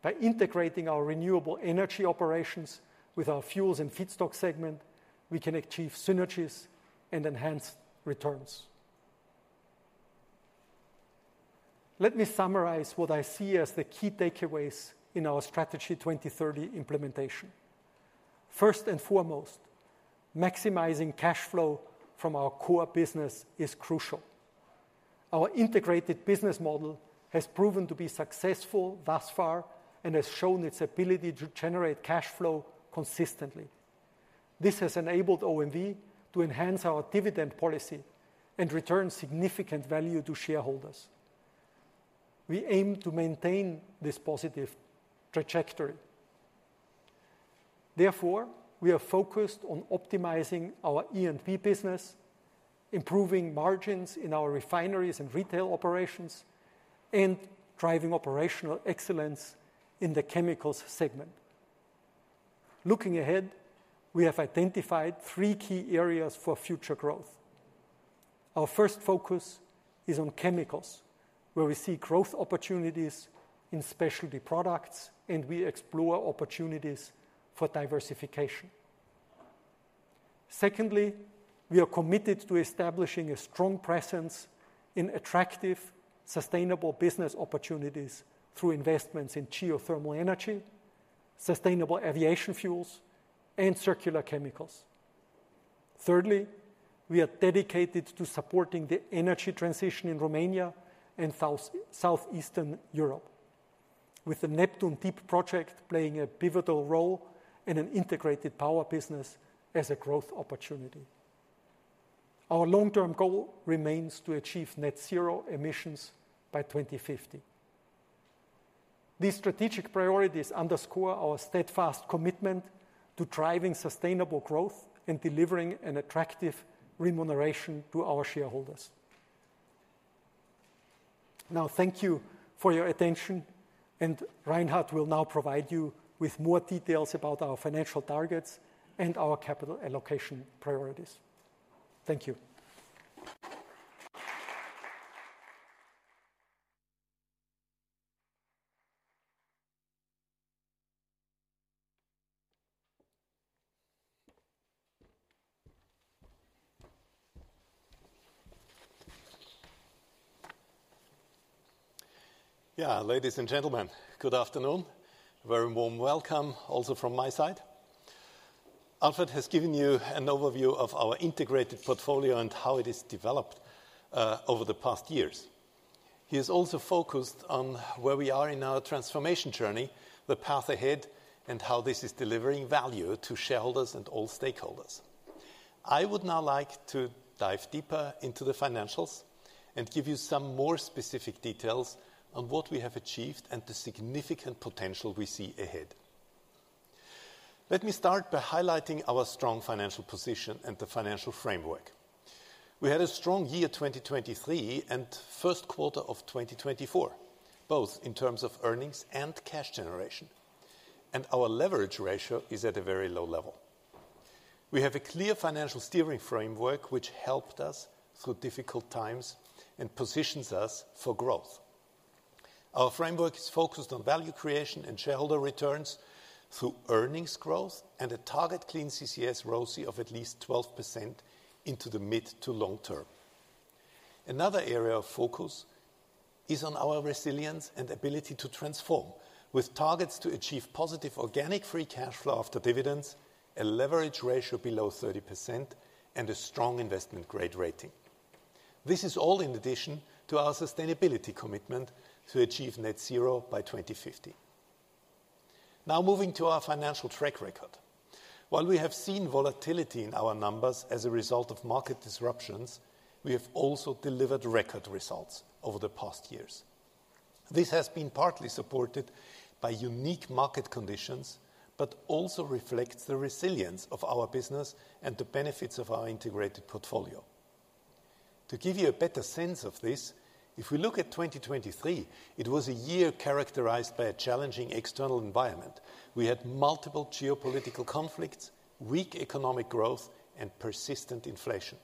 [SPEAKER 2] By integrating our renewable energy operations with our fuels and feedstock segment, we can achieve synergies and enhance returns. Let me summarize what I see as the key takeaways in our Strategy 2030 implementation. First and foremost, maximizing cash flow from our core business is crucial. Our integrated business model has proven to be successful thus far and has shown its ability to generate cash flow consistently. This has enabled OMV to enhance our dividend policy and return significant value to shareholders. We aim to maintain this positive trajectory. Therefore, we are focused on optimizing our E&P business, improving margins in our refineries and retail operations, and driving operational excellence in the chemicals segment. Looking ahead, we have identified three key areas for future growth. Our first focus is on chemicals, where we see growth opportunities in specialty products, and we explore opportunities for diversification. Secondly, we are committed to establishing a strong presence in attractive, sustainable business opportunities through investments in geothermal energy, sustainable aviation fuels, and circular chemicals. Thirdly, we are dedicated to supporting the energy transition in Romania and South, Southeastern Europe, with the Neptun Deep project playing a pivotal role in an integrated power business as a growth opportunity. Our long-term goal remains to achieve net zero emissions by 2050. These strategic priorities underscore our steadfast commitment to driving sustainable growth and delivering an attractive remuneration to our shareholders. Now, thank you for your attention, and Reinhard will now provide you with more details about our financial targets and our capital allocation priorities. Thank you. Yeah, ladies and gentlemen, good afternoon. A very warm welcome also from my side. Alfred has given you an overview of our integrated portfolio and how it has developed over the past years. He has also focused on where we are in our transformation journey, the path ahead, and how this is delivering value to shareholders and all stakeholders.... I would now like to dive deeper into the financials and give you some more specific details on what we have achieved and the significant potential we see ahead. Let me start by highlighting our strong financial position and the financial framework. We had a strong year, 2023, and first quarter of 2024, both in terms of earnings and cash generation, and our leverage ratio is at a very low level. We have a clear financial steering framework, which helped us through difficult times and positions us for growth. Our framework is focused on value creation and shareholder returns through earnings growth and a target Clean CCS ROACE of at least 12% into the mid to long term. Another area of focus is on our resilience and ability to transform, with targets to achieve positive organic free cash flow after dividends, a leverage ratio below 30%, and a strong investment grade rating. This is all in addition to our sustainability commitment to achieve net zero by 2050. Now, moving to our financial track record. While we have seen volatility in our numbers as a result of market disruptions, we have also delivered record results over the past years. This has been partly supported by unique market conditions, but also reflects the resilience of our business and the benefits of our integrated portfolio. To give you a better sense of this, if we look at 2023, it was a year characterized by a challenging external environment. We had multiple geopolitical conflicts, weak economic growth, and persistent inflation.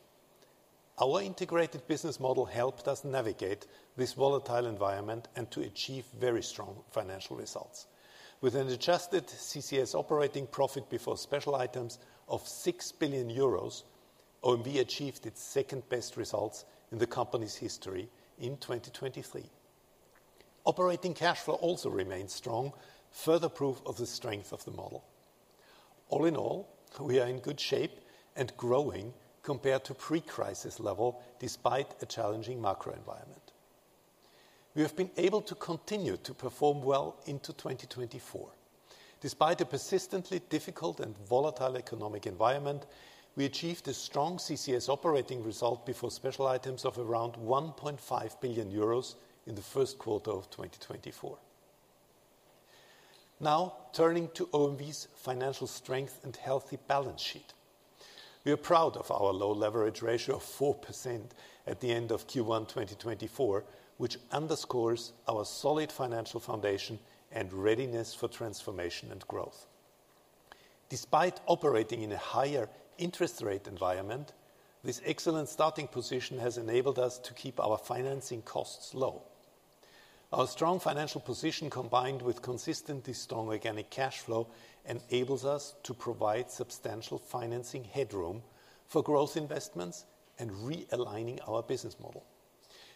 [SPEAKER 2] Our integrated business model helped us navigate this volatile environment and to achieve very strong financial results. With an adjusted CCS operating profit before special items of 6 billion euros, OMV achieved its second-best results in the company's history in 2023. Operating cash flow also remained strong, further proof of the strength of the model. All in all, we are in good shape and growing compared to pre-crisis level despite a challenging macro environment. We have been able to continue to perform well into 2024. Despite a persistently difficult and volatile economic environment, we achieved a strong CCS operating result before special items of around 1.5 billion euros in the first quarter of 2024. Now, turning to OMV's financial strength and healthy balance sheet. We are proud of our low leverage ratio of 4% at the end of Q1 2024, which underscores our solid financial foundation and readiness for transformation and growth. Despite operating in a higher interest rate environment, this excellent starting position has enabled us to keep our financing costs low. Our strong financial position, combined with consistently strong organic cash flow, enables us to provide substantial financing headroom for growth investments and realigning our business model.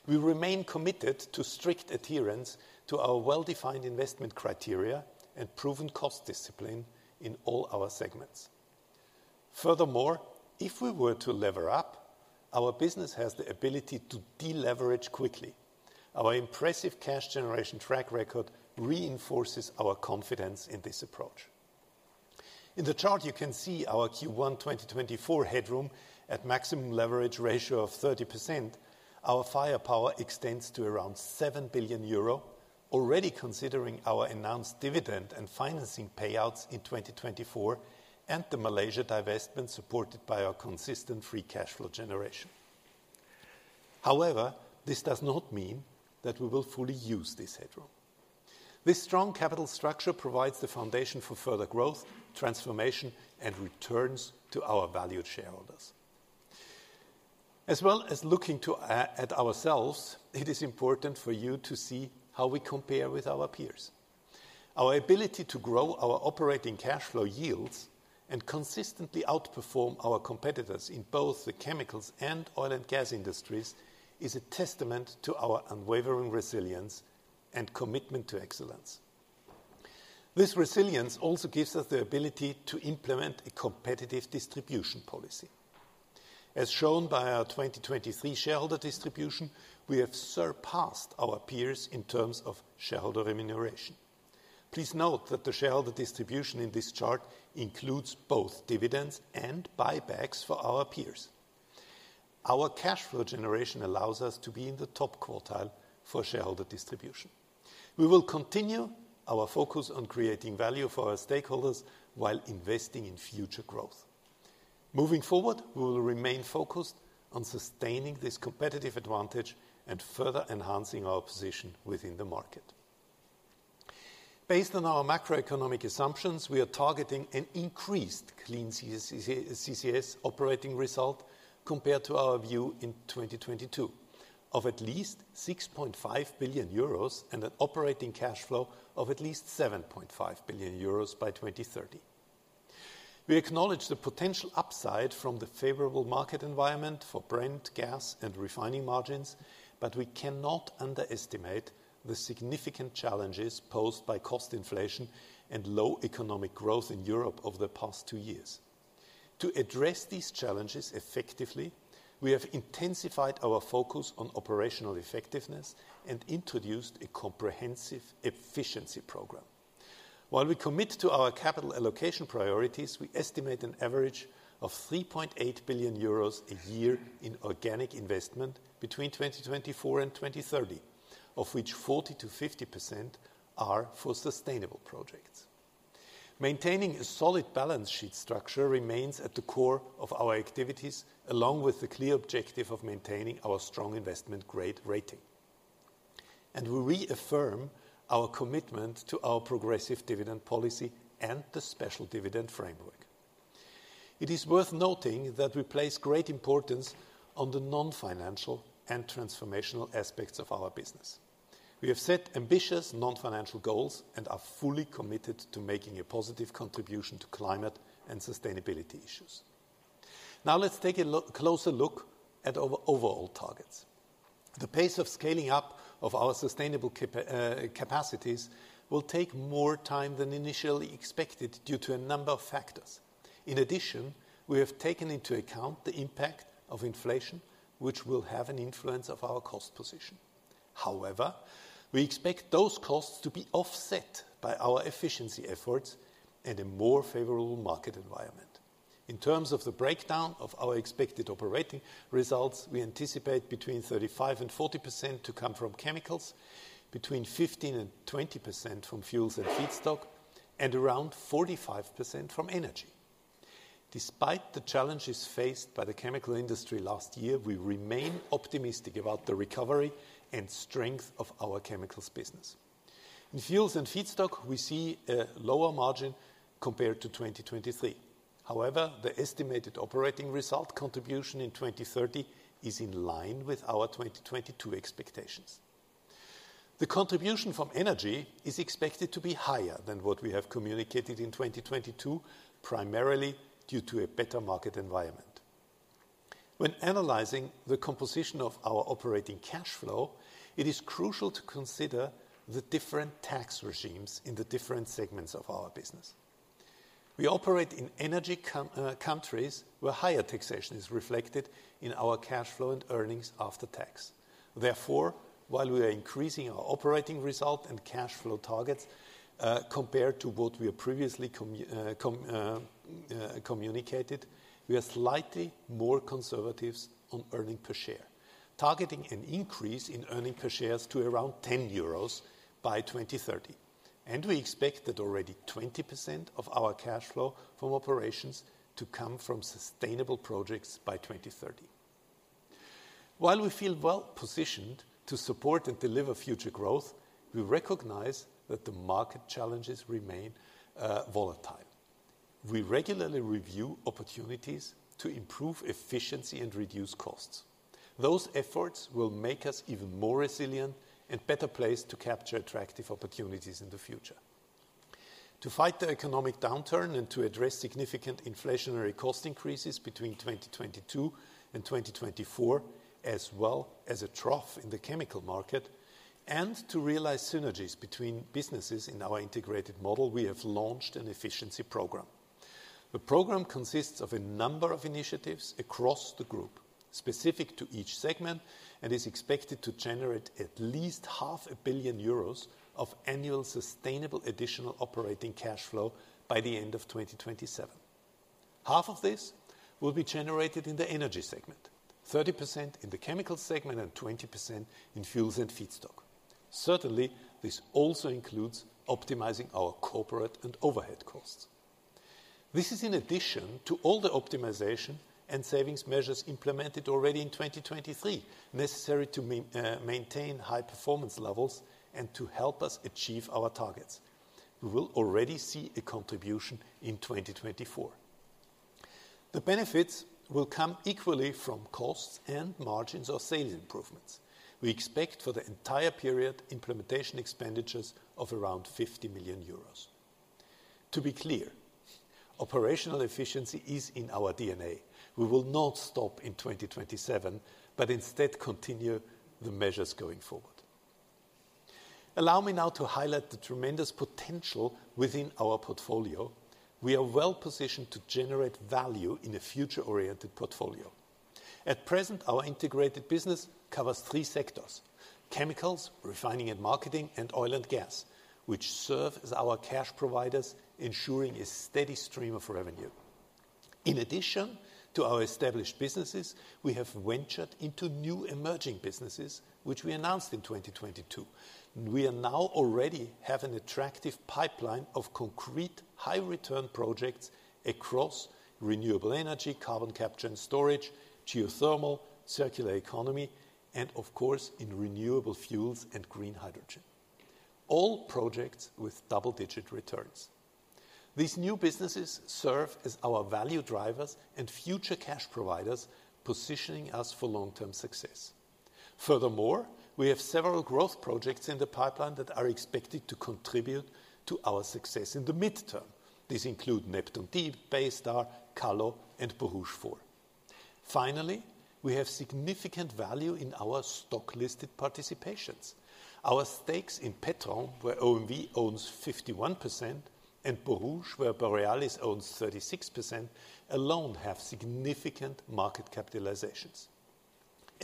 [SPEAKER 2] We remain committed to strict adherence to our well-defined investment criteria and proven cost discipline in all our segments. Furthermore, if we were to lever up, our business has the ability to deleverage quickly. Our impressive cash generation track record reinforces our confidence in this approach. In the chart, you can see our Q1 2024 headroom at maximum leverage ratio of 30%. Our firepower extends to around 7 billion euro, already considering our announced dividend and financing payouts in 2024 and the Malaysia divestment, supported by our consistent free cash flow generation. However, this does not mean that we will fully use this headroom. This strong capital structure provides the foundation for further growth, transformation, and returns to our valued shareholders. As well as looking to, at ourselves, it is important for you to see how we compare with our peers. Our ability to grow our operating cash flow yields and consistently outperform our competitors in both the chemicals and oil and gas industries, is a testament to our unwavering resilience and commitment to excellence. This resilience also gives us the ability to implement a competitive distribution policy. As shown by our 2023 shareholder distribution, we have surpassed our peers in terms of shareholder remuneration. Please note that the shareholder distribution in this chart includes both dividends and buybacks for our peers. Our cash flow generation allows us to be in the top quartile for shareholder distribution. We will continue our focus on creating value for our stakeholders while investing in future growth. Moving forward, we will remain focused on sustaining this competitive advantage and further enhancing our position within the market. Based on our macroeconomic assumptions, we are targeting an increased Clean CCS operating result compared to our view in 2022 of at least 6.5 billion euros and an operating cash flow of at least 7.5 billion euros by 2030. We acknowledge the potential upside from the favorable market environment for Brent, gas, and refining margins, but we cannot underestimate the significant challenges posed by cost inflation and low economic growth in Europe over the past two years. To address these challenges effectively, we have intensified our focus on operational effectiveness and introduced a comprehensive efficiency program... While we commit to our capital allocation priorities, we estimate an average of 3.8 billion euros a year in organic investment between 2024 and 2030, of which 40%-50% are for sustainable projects. Maintaining a solid balance sheet structure remains at the core of our activities, along with the clear objective of maintaining our strong investment grade rating. We reaffirm our commitment to our progressive dividend policy and the special dividend framework. It is worth noting that we place great importance on the non-financial and transformational aspects of our business. We have set ambitious non-financial goals and are fully committed to making a positive contribution to climate and sustainability issues. Now, let's take a closer look at our overall targets. The pace of scaling up of our sustainable capacities will take more time than initially expected due to a number of factors. In addition, we have taken into account the impact of inflation, which will have an influence on our cost position. However, we expect those costs to be offset by our efficiency efforts and a more favorable market environment. In terms of the breakdown of our expected operating results, we anticipate between 35% and 40% to come from chemicals, between 15% and 20% from fuels and feedstock, and around 45% from energy. Despite the challenges faced by the chemical industry last year, we remain optimistic about the recovery and strength of our chemicals business. In fuels and feedstock, we see a lower margin compared to 2023. However, the estimated operating result contribution in 2030 is in line with our 2022 expectations. The contribution from energy is expected to be higher than what we have communicated in 2022, primarily due to a better market environment. When analyzing the composition of our operating cash flow, it is crucial to consider the different tax regimes in the different segments of our business. We operate in energy countries where higher taxation is reflected in our cash flow and earnings after tax. Therefore, while we are increasing our operating result and cash flow targets, compared to what we have previously communicated, we are slightly more conservative on earnings per share, targeting an increase in earnings per share to around 10 euros by 2030. We expect that already 20% of our cash flow from operations to come from sustainable projects by 2030. While we feel well positioned to support and deliver future growth, we recognize that the market challenges remain volatile. We regularly review opportunities to improve efficiency and reduce costs. Those efforts will make us even more resilient and better placed to capture attractive opportunities in the future. To fight the economic downturn and to address significant inflationary cost increases between 2022 and 2024, as well as a trough in the chemical market, and to realize synergies between businesses in our integrated model, we have launched an efficiency program. The program consists of a number of initiatives across the group, specific to each segment, and is expected to generate at least 500 million euros of annual sustainable additional operating cash flow by the end of 2027. Half of this will be generated in the energy segment, 30% in the chemical segment, and 20% in fuels and feedstock. Certainly, this also includes optimizing our corporate and overhead costs. This is in addition to all the optimization and savings measures implemented already in 2023, necessary to maintain high performance levels and to help us achieve our targets. We will already see a contribution in 2024. The benefits will come equally from costs and margins or sales improvements. We expect for the entire period, implementation expenditures of around 50 million euros. To be clear, operational efficiency is in our DNA. We will not stop in 2027, but instead continue the measures going forward. Allow me now to highlight the tremendous potential within our portfolio. We are well positioned to generate value in a future-oriented portfolio. At present, our integrated business covers three sectors: chemicals, refining and marketing, and oil and gas, which serve as our cash providers, ensuring a steady stream of revenue. In addition to our established businesses, we have ventured into new emerging businesses, which we announced in 2022. We are now already have an attractive pipeline of concrete, high-return projects across renewable energy, carbon capture and storage, geothermal, circular economy, and of course, in renewable fuels and green hydrogen. All projects with double-digit returns. These new businesses serve as our value drivers and future cash providers, positioning us for long-term success. Furthermore, we have several growth projects in the pipeline that are expected to contribute to our success in the midterm. These include Neptun Deep, Baystar, Kallo, and Borouge 4. Finally, we have significant value in our stock-listed participations. Our stakes in Petrom, where OMV owns 51%, and Borouge, where Borealis owns 36%, alone have significant market capitalizations....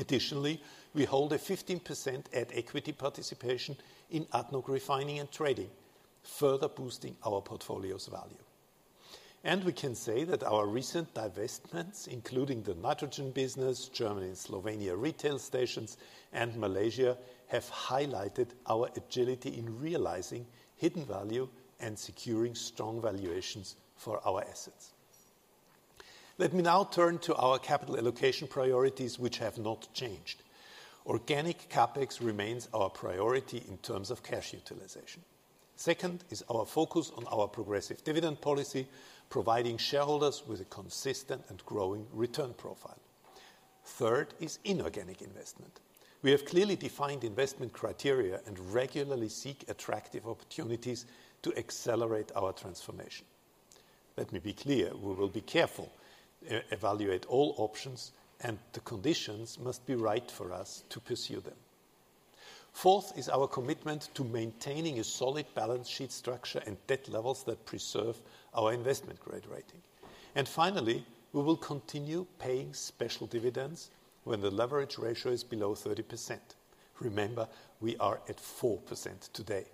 [SPEAKER 2] Additionally, we hold a 15% at-equity participation in ADNOC Refining and Trading, further boosting our portfolio's value. We can say that our recent divestments, including the nitrogen business, Germany and Slovenia retail stations, and Malaysia, have highlighted our agility in realizing hidden value and securing strong valuations for our assets. Let me now turn to our capital allocation priorities, which have not changed. Organic CapEx remains our priority in terms of cash utilization. Second is our focus on our progressive dividend policy, providing shareholders with a consistent and growing return profile. Third is inorganic investment. We have clearly defined investment criteria and regularly seek attractive opportunities to accelerate our transformation. Let me be clear, we will be careful, evaluate all options, and the conditions must be right for us to pursue them. Fourth is our commitment to maintaining a solid balance sheet structure and debt levels that preserve our investment grade rating. Finally, we will continue paying special dividends when the leverage ratio is below 30%. Remember, we are at 4% today.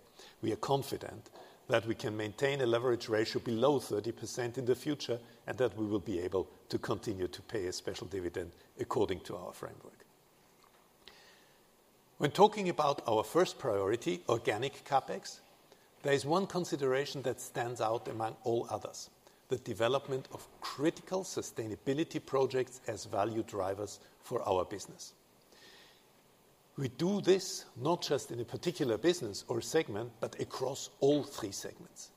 [SPEAKER 2] We are confident that we can maintain a leverage ratio below 30% in the future, and that we will be able to continue to pay a special dividend according to our framework. When talking about our first priority, organic CapEx, there is one consideration that stands out among all others: the development of critical sustainability projects as value drivers for our business. We do this not just in a particular business or segment, but across all three segments.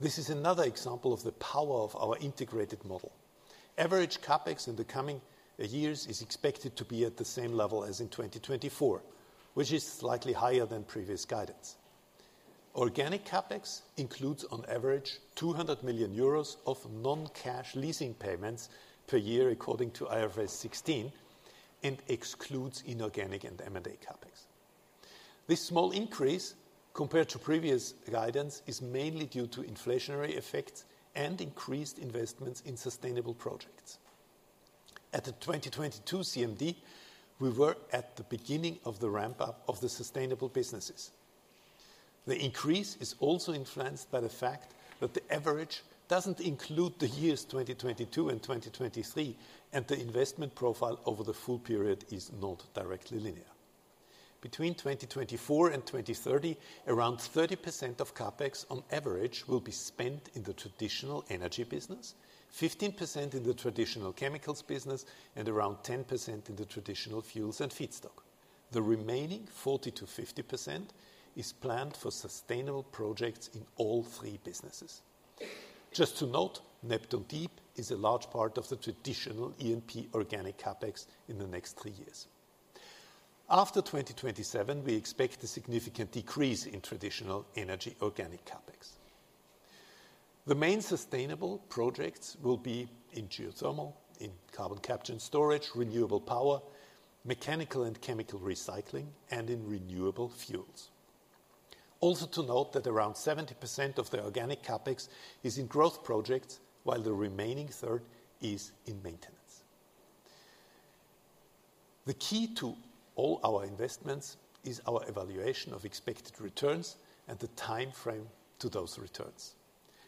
[SPEAKER 2] This is another example of the power of our integrated model. Average CapEx in the coming years is expected to be at the same level as in 2024, which is slightly higher than previous guidance. Organic CapEx includes, on average, 200 million euros of non-cash leasing payments per year, according to IFRS 16, and excludes inorganic and M&A CapEx. This small increase, compared to previous guidance, is mainly due to inflationary effects and increased investments in sustainable projects. At the 2022 CMD, we were at the beginning of the ramp-up of the sustainable businesses. The increase is also influenced by the fact that the average doesn't include the years 2022 and 2023, and the investment profile over the full period is not directly linear. Between 2024 and 2030, around 30% of CapEx on average, will be spent in the traditional energy business, 15% in the traditional chemicals business, and around 10% in the traditional fuels and feedstock. The remaining 40%-50% is planned for sustainable projects in all three businesses. Just to note, Neptun Deep is a large part of the traditional E&P organic CapEx in the next three years. After 2027, we expect a significant decrease in traditional energy organic CapEx. The main sustainable projects will be in geothermal, in carbon capture and storage, renewable power, mechanical and chemical recycling, and in renewable fuels. Also to note that around 70% of the organic CapEx is in growth projects, while the remaining third is in maintenance. The key to all our investments is our evaluation of expected returns and the time frame to those returns.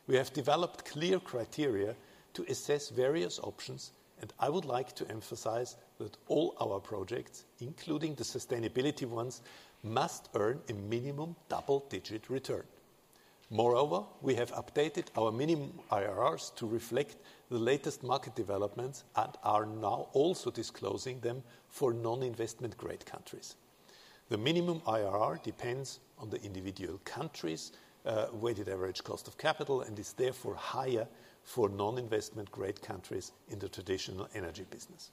[SPEAKER 2] We have developed clear criteria to assess various options, and I would like to emphasize that all our projects, including the sustainability ones, must earn a minimum double-digit return. Moreover, we have updated our minimum IRRs to reflect the latest market developments and are now also disclosing them for non-investment grade countries. The minimum IRR depends on the individual countries', weighted average cost of capital and is therefore higher for non-investment grade countries in the traditional energy business.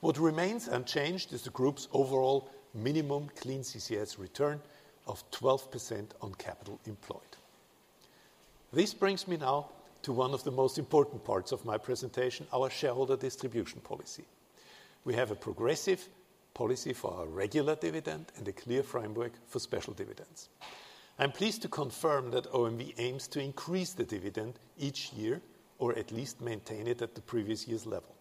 [SPEAKER 2] What remains unchanged is the group's overall minimum clean CCS return of 12% on capital employed. This brings me now to one of the most important parts of my presentation, our shareholder distribution policy. We have a progressive policy for our regular dividend and a clear framework for special dividends. I'm pleased to confirm that OMV aims to increase the dividend each year, or at least maintain it at the previous year's level.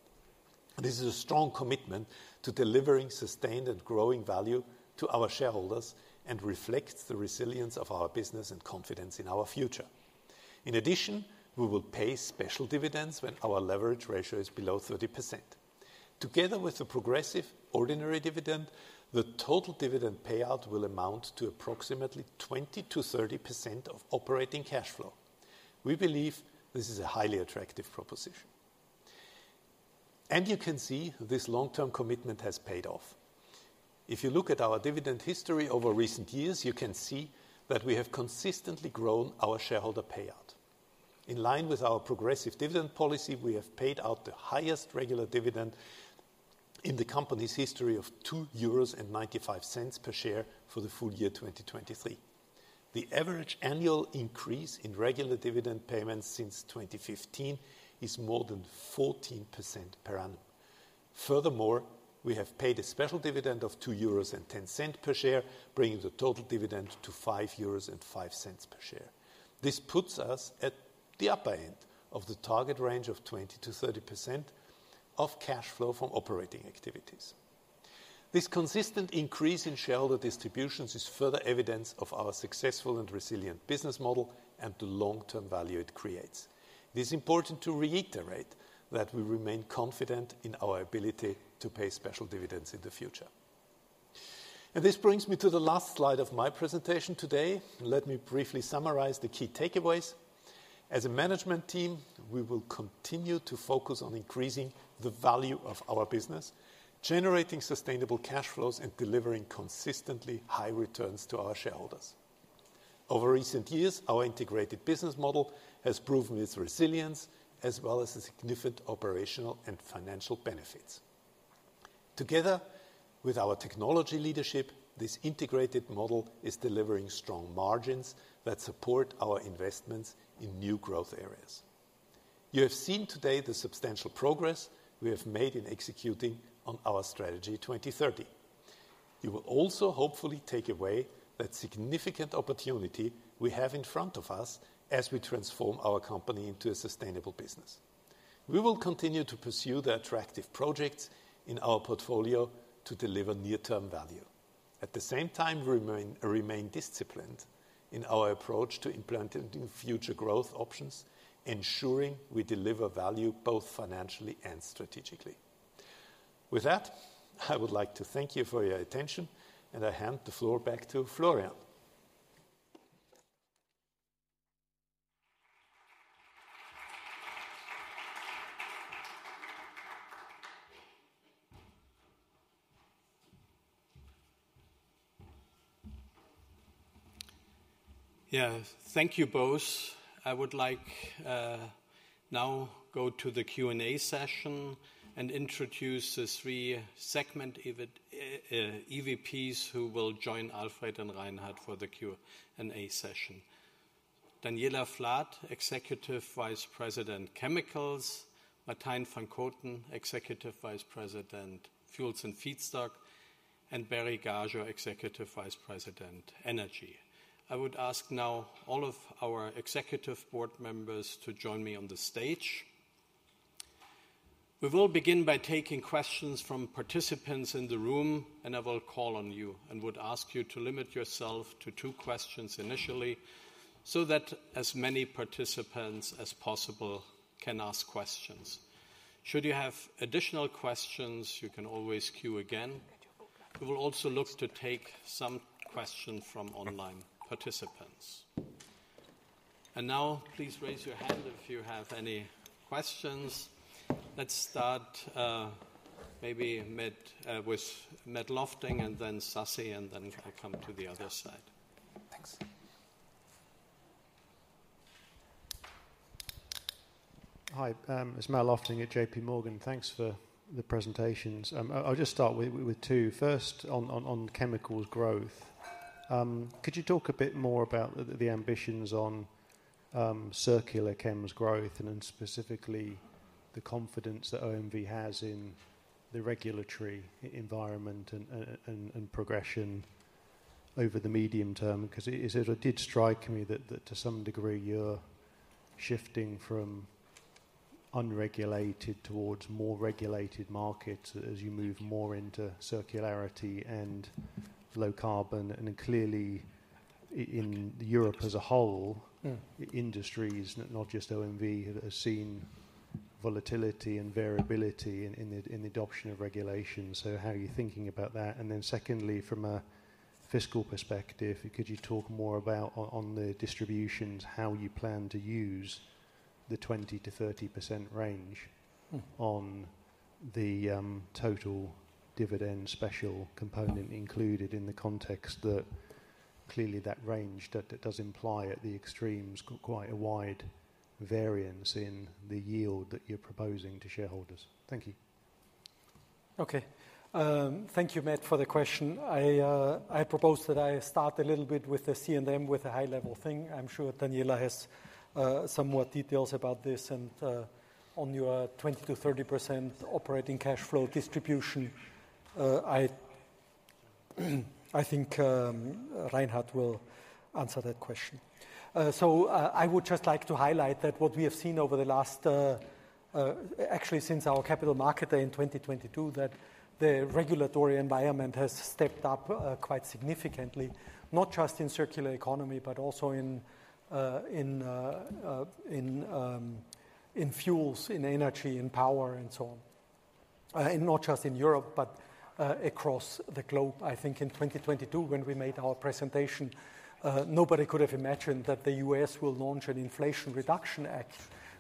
[SPEAKER 2] This is a strong commitment to delivering sustained and growing value to our shareholders and reflects the resilience of our business and confidence in our future. In addition, we will pay special dividends when our leverage ratio is below 30%. Together with the progressive ordinary dividend, the total dividend payout will amount to approximately 20%-30% of operating cash flow. We believe this is a highly attractive proposition. You can see this long-term commitment has paid off. If you look at our dividend history over recent years, you can see that we have consistently grown our shareholder payout. In line with our progressive dividend policy, we have paid out the highest regular dividend in the company's history of 2.95 euros per share for the full year 2023. The average annual increase in regular dividend payments since 2015 is more than 14% per annum. Furthermore, we have paid a special dividend of 2.10 euros per share, bringing the total dividend to 5.05 euros per share.... This puts us at the upper end of the target range of 20%-30% of cash flow from operating activities. This consistent increase in shareholder distributions is further evidence of our successful and resilient business model and the long-term value it creates. It is important to reiterate that we remain confident in our ability to pay special dividends in the future. This brings me to the last slide of my presentation today. Let me briefly summarize the key takeaways. As a management team, we will continue to focus on increasing the value of our business, generating sustainable cash flows, and delivering consistently high returns to our shareholders. Over recent years, our integrated business model has proven its resilience, as well as the significant operational and financial benefits. Together with our technology leadership, this integrated model is delivering strong margins that support our investments in new growth areas. You have seen today the substantial progress we have made in executing on our Strategy 2030. You will also hopefully take away that significant opportunity we have in front of us as we transform our company into a sustainable business. We will continue to pursue the attractive projects in our portfolio to deliver near-term value. At the same time, remain disciplined in our approach to implementing future growth options, ensuring we deliver value both financially and strategically. With that, I would like to thank you for your attention, and I hand the floor back to Florian.
[SPEAKER 1] Yeah, thank you both. I would like now to go to the Q&A session and introduce the three segment EVPs who will join Alfred and Reinhard for the Q&A session. Daniela Vlad, Executive Vice President, Chemicals; Martijn van Koten, Executive Vice President, Fuels and Feedstock; and Berislav Gašo, Executive Vice President, Energy. I would ask now all of our executive board members to join me on the stage. We will begin by taking questions from participants in the room, and I will call on you and would ask you to limit yourself to two questions initially, so that as many participants as possible can ask questions. Should you have additional questions, you can always queue again. We will also look to take some questions from online participants. And now, please raise your hand if you have any questions. Let's start, maybe Matt, with Matt Lofting and then Sasi, and then we'll come to the other side.
[SPEAKER 3] Thanks. Hi, it's Matt Lofting at JP Morgan. Thanks for the presentations. I'll just start with two. First, on chemicals growth. Could you talk a bit more about the ambitions on circular chems growth and then specifically the confidence that OMV has in the regulatory environment and progression over the medium term? Because it did strike me that to some degree, you're shifting from unregulated towards more regulated markets as you move more into circularity and low carbon. And clearly in Europe as a whole-
[SPEAKER 2] Mm.
[SPEAKER 3] Industries, not just OMV, have seen volatility and variability in the adoption of regulations. So how are you thinking about that? And then secondly, from a fiscal perspective, could you talk more about the distributions, how you plan to use the 20%-30% range-
[SPEAKER 2] Mm...
[SPEAKER 3] on the, total dividend special component included in the context that clearly that range, that does imply at the extremes, quite a wide variance in the yield that you're proposing to shareholders. Thank you.
[SPEAKER 2] Okay. Thank you, Matt, for the question. I propose that I start a little bit with the C&M, with a high-level thing. I'm sure Daniela has some details about this and on your 20%-30% operating cash flow distribution, I think Reinhard will answer that question. So I would just like to highlight that what we have seen over the last actually since our Capital Markets Day in 2022, that the regulatory environment has stepped up quite significantly, not just in circular economy, but also in fuels, in energy, in power, and so on. And not just in Europe, but across the globe. I think in 2022, when we made our presentation, nobody could have imagined that the U.S. will launch an Inflation Reduction Act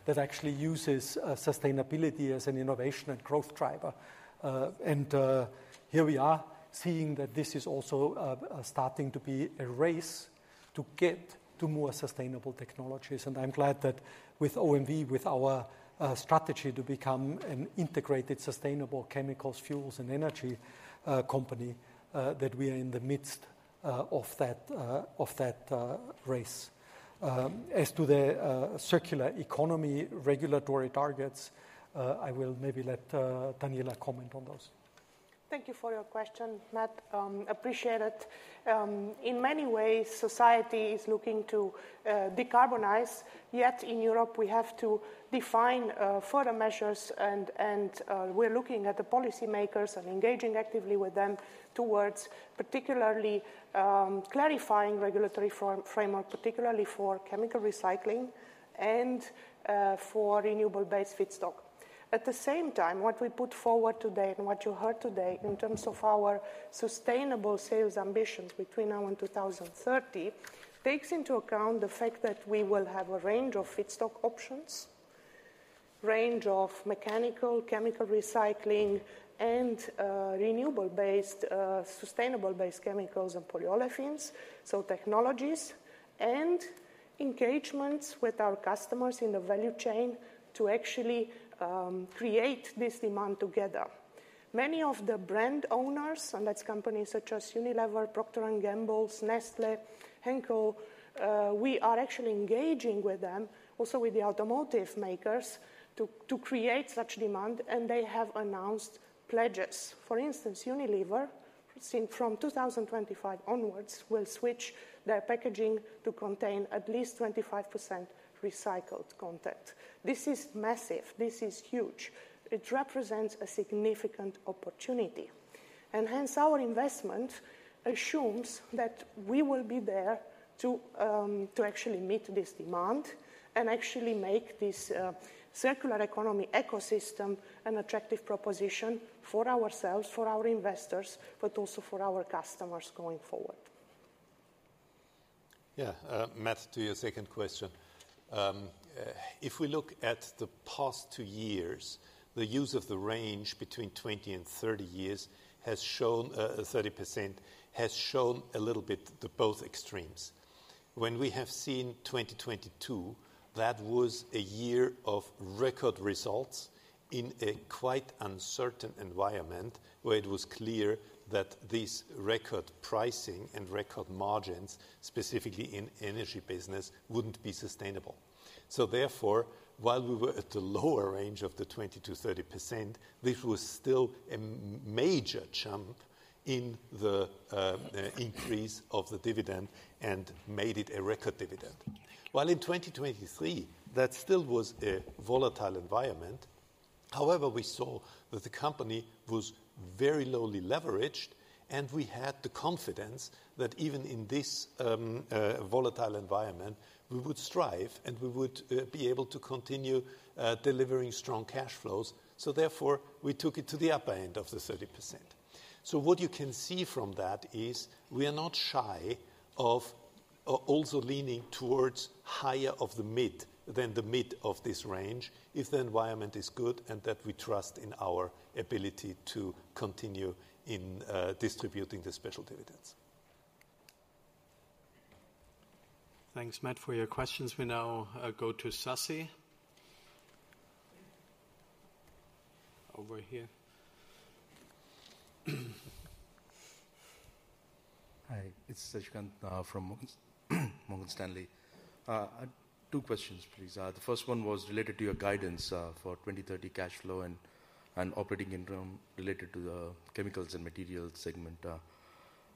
[SPEAKER 2] that actually uses sustainability as an innovation and growth driver. And here we are seeing that this is also starting to be a race to get to more sustainable technologies. And I'm glad that with OMV, with our strategy to become an integrated, sustainable chemicals, fuels, and energy company, that we are in the midst of that race. As to the circular economy regulatory targets, I will maybe let Daniela comment on those.
[SPEAKER 4] ...Thank you for your question, Matt. Appreciate it. In many ways, society is looking to decarbonize, yet in Europe, we have to define further measures, and we're looking at the policymakers and engaging actively with them towards particularly clarifying regulatory framework, particularly for chemical recycling and for renewable-based feedstock. At the same time, what we put forward today and what you heard today in terms of our sustainable sales ambitions between now and 2030, takes into account the fact that we will have a range of feedstock options, range of mechanical, chemical recycling, and renewable-based sustainable-based chemicals and polyolefins, so technologies and engagements with our customers in the value chain to actually create this demand together. Many of the brand owners, and that's companies such as Unilever, Procter & Gamble, Nestlé, Henkel, we are actually engaging with them, also with the automotive makers, to create such demand, and they have announced pledges. For instance, Unilever, since from 2025 onwards, will switch their packaging to contain at least 25% recycled content. This is massive. This is huge. It represents a significant opportunity, and hence our investment assumes that we will be there to actually meet this demand and actually make this, circular economy ecosystem an attractive proposition for ourselves, for our investors, but also for our customers going forward.
[SPEAKER 5] Yeah, Matt, to your second question, if we look at the past two years, the use of the range between 20 and 30 years has shown, 30%, has shown a little bit to both extremes. When we have seen 2022, that was a year of record results in a quite uncertain environment, where it was clear that this record pricing and record margins, specifically in energy business, wouldn't be sustainable. So therefore, while we were at the lower range of the 20%-30%, this was still a major jump in the, increase of the dividend and made it a record dividend. While in 2023, that still was a volatile environment, however, we saw that the company was very lowly leveraged, and we had the confidence that even in this, volatile environment, we would strive, and we would, be able to continue, delivering strong cash flows. So therefore, we took it to the upper end of the 30%. So what you can see from that is we are not shy of also leaning towards higher of the mid than the mid of this range if the environment is good and that we trust in our ability to continue in, distributing the special dividends.
[SPEAKER 1] Thanks, Matt, for your questions. We now go to Sasi. Over here.
[SPEAKER 6] Hi, it's Sasikanth from Morgan Stanley. Two questions, please. The first one was related to your guidance for 2030 cash flow and operating interim related to the chemicals and materials segment.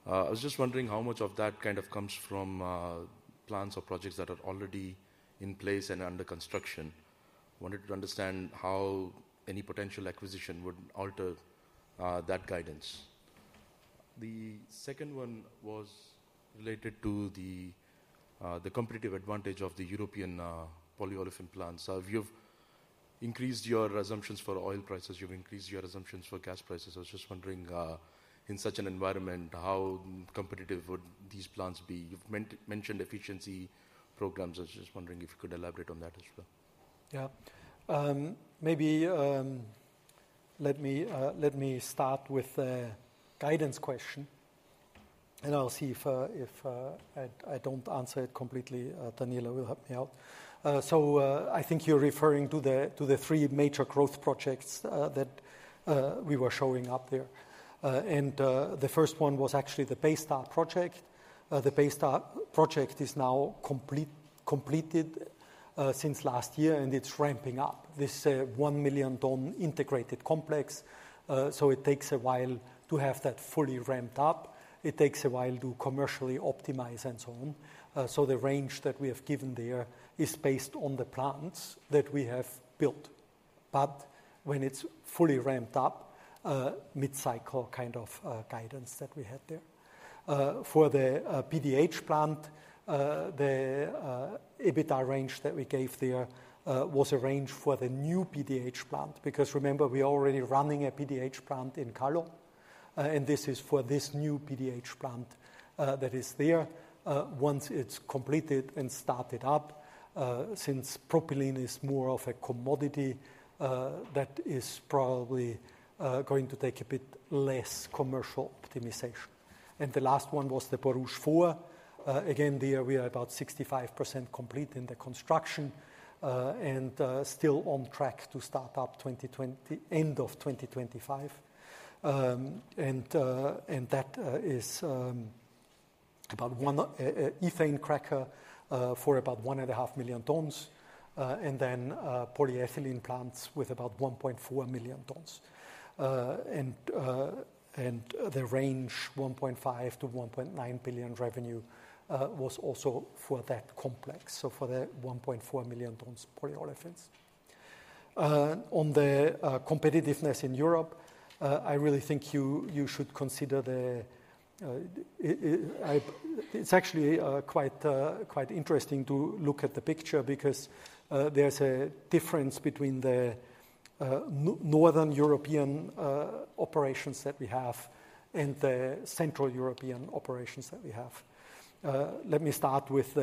[SPEAKER 6] I was just wondering how much of that kind of comes from plans or projects that are already in place and under construction. Wanted to understand how any potential acquisition would alter that guidance. The second one was related to the competitive advantage of the European polyolefin plants. So you've increased your assumptions for oil prices, you've increased your assumptions for gas prices. I was just wondering, in such an environment, how competitive would these plants be? You've mentioned efficiency programs. I was just wondering if you could elaborate on that as well.
[SPEAKER 2] Yeah. Maybe, let me start with the guidance question, and I'll see if, if I don't answer it completely, Daniela will help me out. So, I think you're referring to the, to the three major growth projects, that we were showing up there. And, the first one was actually the Baystar project. The Baystar project is now completed, since last year, and it's ramping up. This, 1 million ton integrated complex, so it takes a while to have that fully ramped up. It takes a while to commercially optimize and so on. So the range that we have given there is based on the plants that we have built. But when it's fully ramped up, mid-cycle kind of, guidance that we had there. For the PDH plant, the EBITDA range that we gave there was a range for the new PDH plant, because remember, we're already running a PDH plant in Kallo, and this is for this new PDH plant that is there. Once it's completed and started up, since propylene is more of a commodity, that is probably going to take a bit less commercial optimization. And the last one was the Borouge 4. Again, there we are about 65% complete in the construction, and still on track to start up end of 2025. And that is about one ethane cracker for about 1.5 million tons, and then polyethylene plants with about 1.4 million tons. And the range, 1.5 billion-1.9 billion revenue, was also for that complex, so for the 1.4 million tons polyolefins. On the competitiveness in Europe, I really think you should consider the – it's actually quite interesting to look at the picture because there's a difference between the Northern European operations that we have and the Central European operations that we have. Let me start with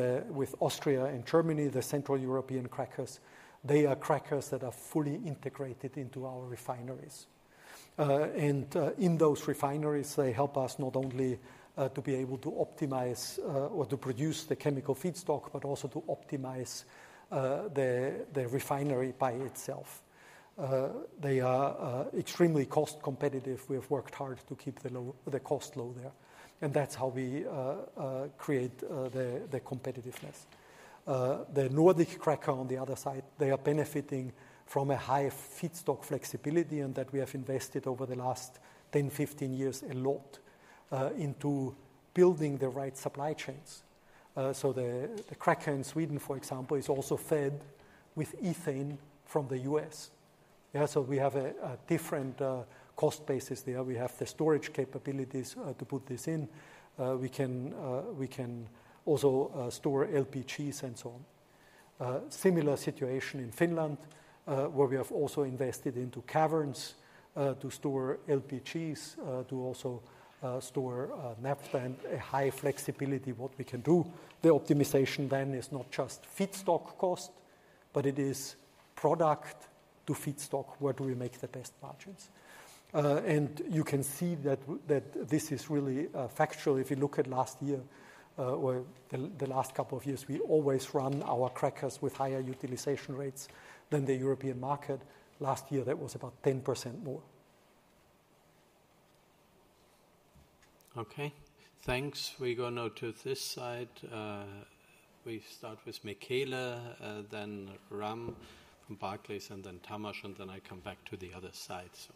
[SPEAKER 2] Austria and Germany, the Central European crackers. They are crackers that are fully integrated into our refineries. And in those refineries, they help us not only to be able to optimize or to produce the chemical feedstock, but also to optimize the refinery by itself. They are extremely cost competitive. We have worked hard to keep the cost low there, and that's how we create the competitiveness. The Nordic cracker, on the other side, they are benefiting from a high feedstock flexibility, and that we have invested over the last 10, 15 years, a lot, into building the right supply chains. So the cracker in Sweden, for example, is also fed with ethane from the US. Yeah, so we have a different cost basis there. We have the storage capabilities to put this in. We can also store LPGs and so on. Similar situation in Finland, where we have also invested into caverns to store LPGs, to also store naphtha and a high flexibility what we can do. The optimization then is not just feedstock cost, but it is product to feedstock, where do we make the best margins? And you can see that that this is really factual. If you look at last year, or the last couple of years, we always run our crackers with higher utilization rates than the European market. Last year, that was about 10% more.
[SPEAKER 1] Okay, thanks. We go now to this side. We start with Michele, then Ram from Barclays, and then Tamas, and then I come back to the other side, so.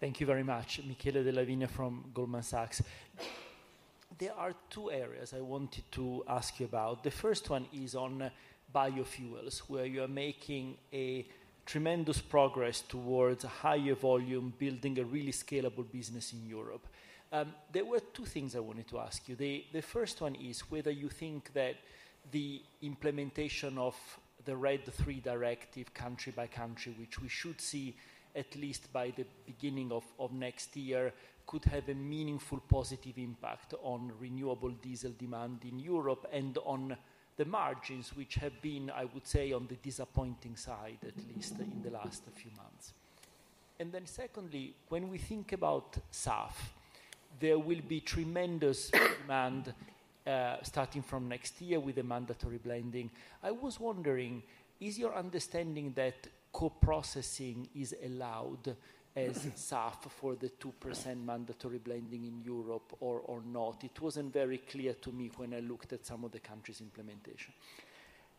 [SPEAKER 7] Thank you very much. Michele Della Vigna from Goldman Sachs. There are two areas I wanted to ask you about. The first one is on biofuels, where you are making a tremendous progress towards a higher volume, building a really scalable business in Europe. There were two things I wanted to ask you. The first one is whether you think that the implementation of the RED III directive, country by country, which we should see at least by the beginning of next year, could have a meaningful positive impact on renewable diesel demand in Europe and on the margins, which have been, I would say, on the disappointing side, at least in the last few months. And then secondly, when we think about SAF, there will be tremendous demand starting from next year with the mandatory blending. I was wondering, is your understanding that co-processing is allowed as SAF for the 2% mandatory blending in Europe or not? It wasn't very clear to me when I looked at some of the countries' implementation.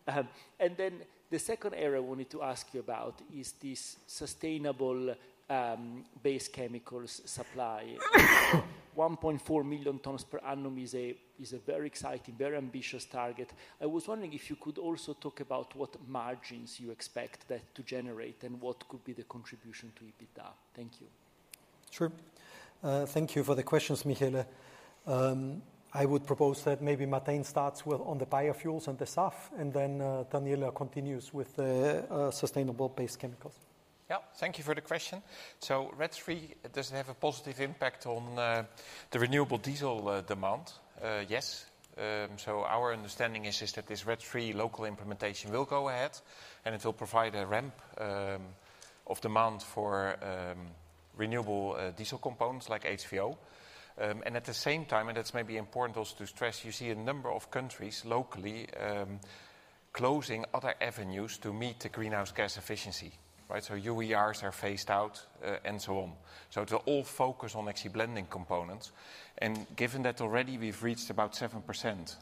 [SPEAKER 7] And then the second area I wanted to ask you about is this sustainable base chemicals supply. 1.4 million tons per annum is a very exciting, very ambitious target. I was wondering if you could also talk about what margins you expect that to generate and what could be the contribution to EBITDA. Thank you.
[SPEAKER 2] Sure. Thank you for the questions, Michele. I would propose that maybe Martijn starts with on the biofuels and the SAF, and then, Daniela continues with the sustainable base chemicals.
[SPEAKER 8] Yeah, thank you for the question. So RED III, does it have a positive impact on the renewable diesel demand? Yes. So our understanding is that this RED III local implementation will go ahead, and it will provide a ramp of demand for renewable diesel components like HVO. And at the same time, and that's maybe important also to stress, you see a number of countries locally closing other avenues to meet the greenhouse gas efficiency, right? So UERs are phased out, and so on. So to all focus on actually blending components, and given that already we've reached about 7%,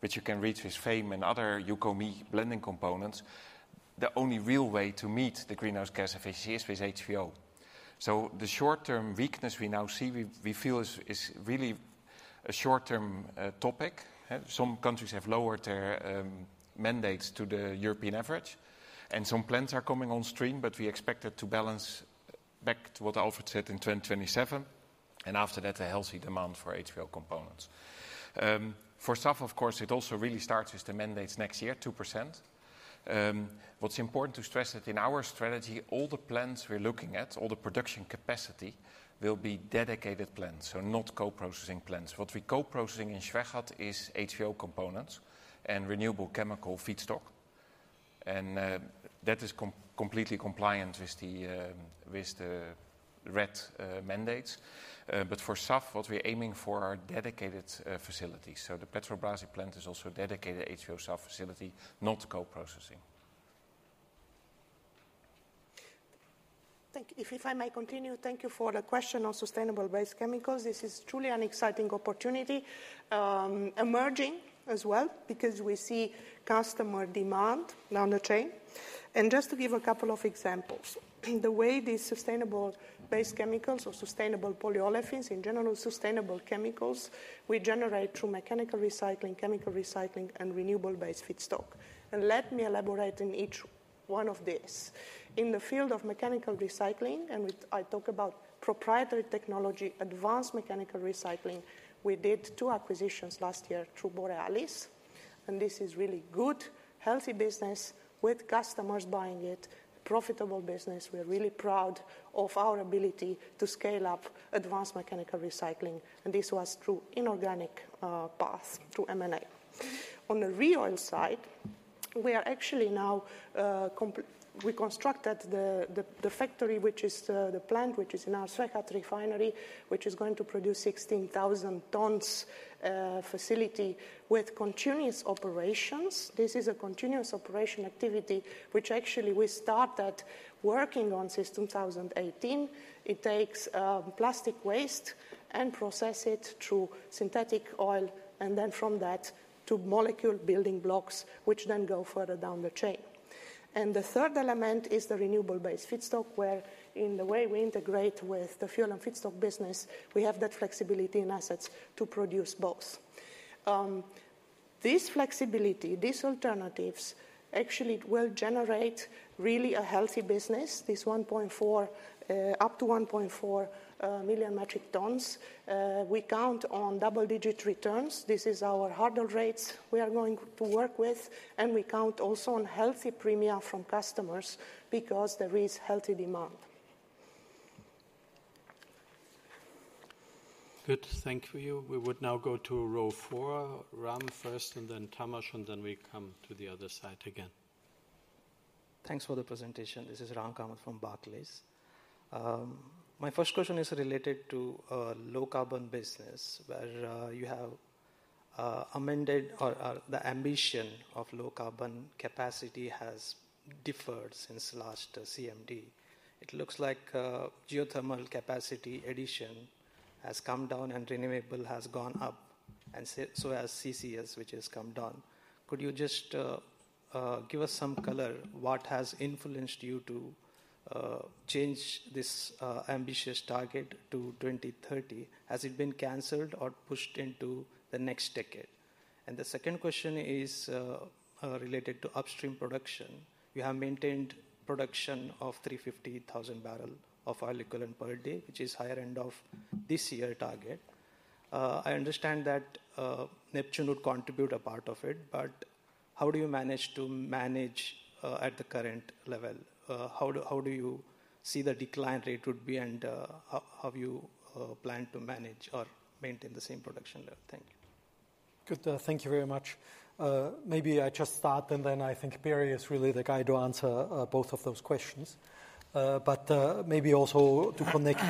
[SPEAKER 8] which you can reach with FAME and other UCOME blending components, the only real way to meet the greenhouse gas efficiency is with HVO. So the short-term weakness we now see, we feel is really a short-term topic. Some countries have lowered their mandates to the European average, and some plants are coming on stream, but we expect it to balance back to what Alfred said in 2027, and after that, a healthy demand for HVO components. For SAF, of course, it also really starts with the mandates next year, 2%. What's important to stress that in our strategy, all the plants we're looking at, all the production capacity, will be dedicated plants, so not co-processing plants. What we're co-processing in Schwechat is HVO components and renewable chemical feedstock, and that is completely compliant with the RED mandates. But for SAF, what we're aiming for are dedicated facilities. The Petrobrazi plant is also dedicated HVO SAF facility, not co-processing....
[SPEAKER 4] Thank you. If I may continue, thank you for the question on sustainable-based chemicals. This is truly an exciting opportunity, emerging as well, because we see customer demand down the chain. And just to give a couple of examples, the way these sustainable-based chemicals or sustainable polyolefins, in general, sustainable chemicals, we generate through mechanical recycling, chemical recycling, and renewable-based feedstock. And let me elaborate on each one of these. In the field of mechanical recycling, and with I talk about proprietary technology, advanced mechanical recycling, we did two acquisitions last year through Borealis, and this is really good, healthy business with customers buying it, profitable business. We're really proud of our ability to scale up advanced mechanical recycling, and this was through inorganic path, through M&A. On the ReOil side, we are actually now, comp-- we constructed the, the, the factory, which is, the plant, which is in our Schwechat refinery, which is going to produce 16,000 tons, facility with continuous operations. This is a continuous operation activity, which actually we started working on since 2018. It takes, plastic waste and process it through synthetic oil, and then from that to molecule building blocks, which then go further down the chain. And the third element is the renewable-based feedstock, where in the way we integrate with the fuel and feedstock business, we have that flexibility and assets to produce both. This flexibility, these alternatives, actually will generate really a healthy business, this 1.4, up to 1.4, million metric tons. We count on double-digit returns. This is our hurdle rates we are going to work with, and we count also on healthy premia from customers because there is healthy demand.
[SPEAKER 1] Good. Thank you. We would now go to row four. Ram first, and then Tamas, and then we come to the other side again.
[SPEAKER 9] Thanks for the presentation. This is Ram Kamath from Barclays. My first question is related to low-carbon business, where you have amended or the ambition of low-carbon capacity has differed since last CMD. It looks like geothermal capacity addition has come down and renewable has gone up, and so has CCS, which has come down. Could you just give us some color, what has influenced you to change this ambitious target to 2030? Has it been canceled or pushed into the next decade? And the second question is related to upstream production. You have maintained production of 350,000 barrel of oil equivalent per day, which is higher end of this year target. I understand that, Neptune would contribute a part of it, but how do you manage to manage at the current level? How do you see the decline rate would be, and, how you plan to manage or maintain the same production level? Thank you.
[SPEAKER 2] Good. Thank you very much. Maybe I just start, and then I think Beri is really the guy to answer both of those questions. But maybe also to connect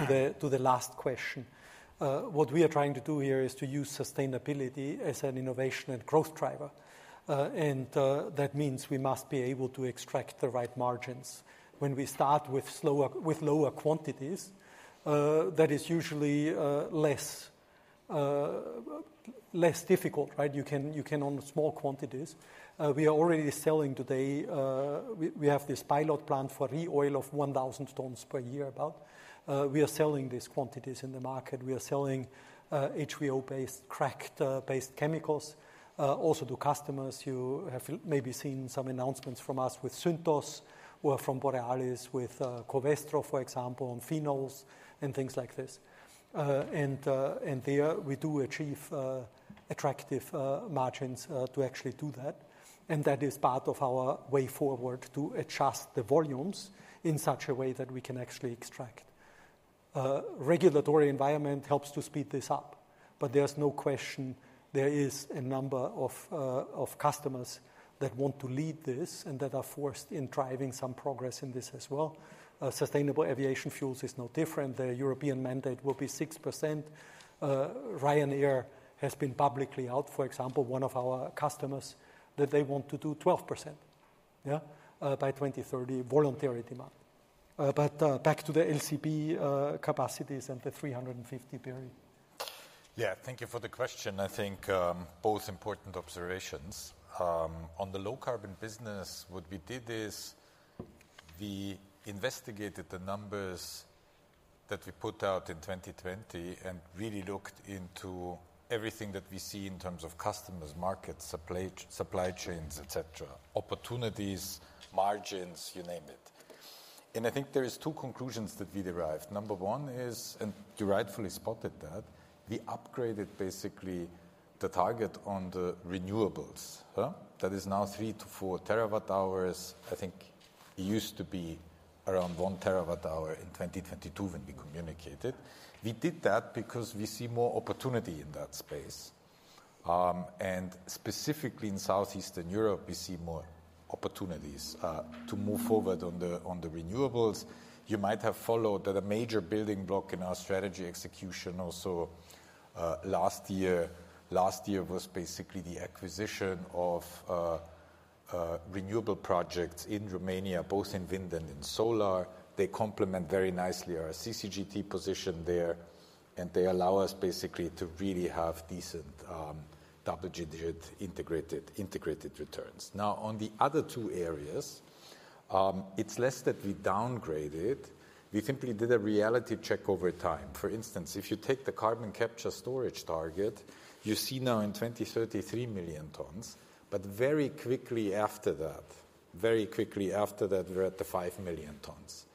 [SPEAKER 2] to the last question. What we are trying to do here is to use sustainability as an innovation and growth driver, and that means we must be able to extract the right margins. When we start with lower quantities, that is usually less difficult, right? You can, you can on small quantities. We are already selling today, we have this pilot plant for ReOil of 1,000 tons per year, about. We are selling these quantities in the market. We are selling HVO-based, cracked based chemicals also to customers who have maybe seen some announcements from us with Syntos or from Borealis with Covestro, for example, on phenols and things like this. And there we do achieve attractive margins to actually do that, and that is part of our way forward to adjust the volumes in such a way that we can actually extract. Regulatory environment helps to speed this up, but there's no question there is a number of customers that want to lead this and that are forced in driving some progress in this as well. Sustainable aviation fuels is no different. The European mandate will be 6%. Ryanair has been publicly out, for example, one of our customers, that they want to do 12%, yeah, by 2030, voluntary demand. But back to the LCB capacities and the 350, Beri.
[SPEAKER 10] Yeah, thank you for the question. I think both important observations. On the low-carbon business, what we did is we investigated the numbers that we put out in 2020 and really looked into everything that we see in terms of customers, markets, supply chains, et cetera, opportunities, margins, you name it. And I think there is two conclusions that we derived. Number one is, and you rightfully spotted that, we upgraded basically the target on the renewables. That is now 3-4 terawatt-hours. I think it used to be around one terawatt-hour in 2022 when we communicated. We did that because we see more opportunity in that space. And specifically in Southeastern Europe, we see more opportunities to move forward on the renewables. You might have followed that a major building block in our strategy execution also last year, last year was basically the acquisition of renewable projects in Romania, both in wind and in solar. They complement very nicely our CCGT position there, and they allow us basically to really have decent double-digit integrated, integrated returns. Now, on the other two areas, it's less that we downgraded. We simply did a reality check over time. For instance, if you take the carbon capture storage target, you see now in 2030, 3 million tons, but very quickly after that, very quickly after that, we're at the 5 million tons.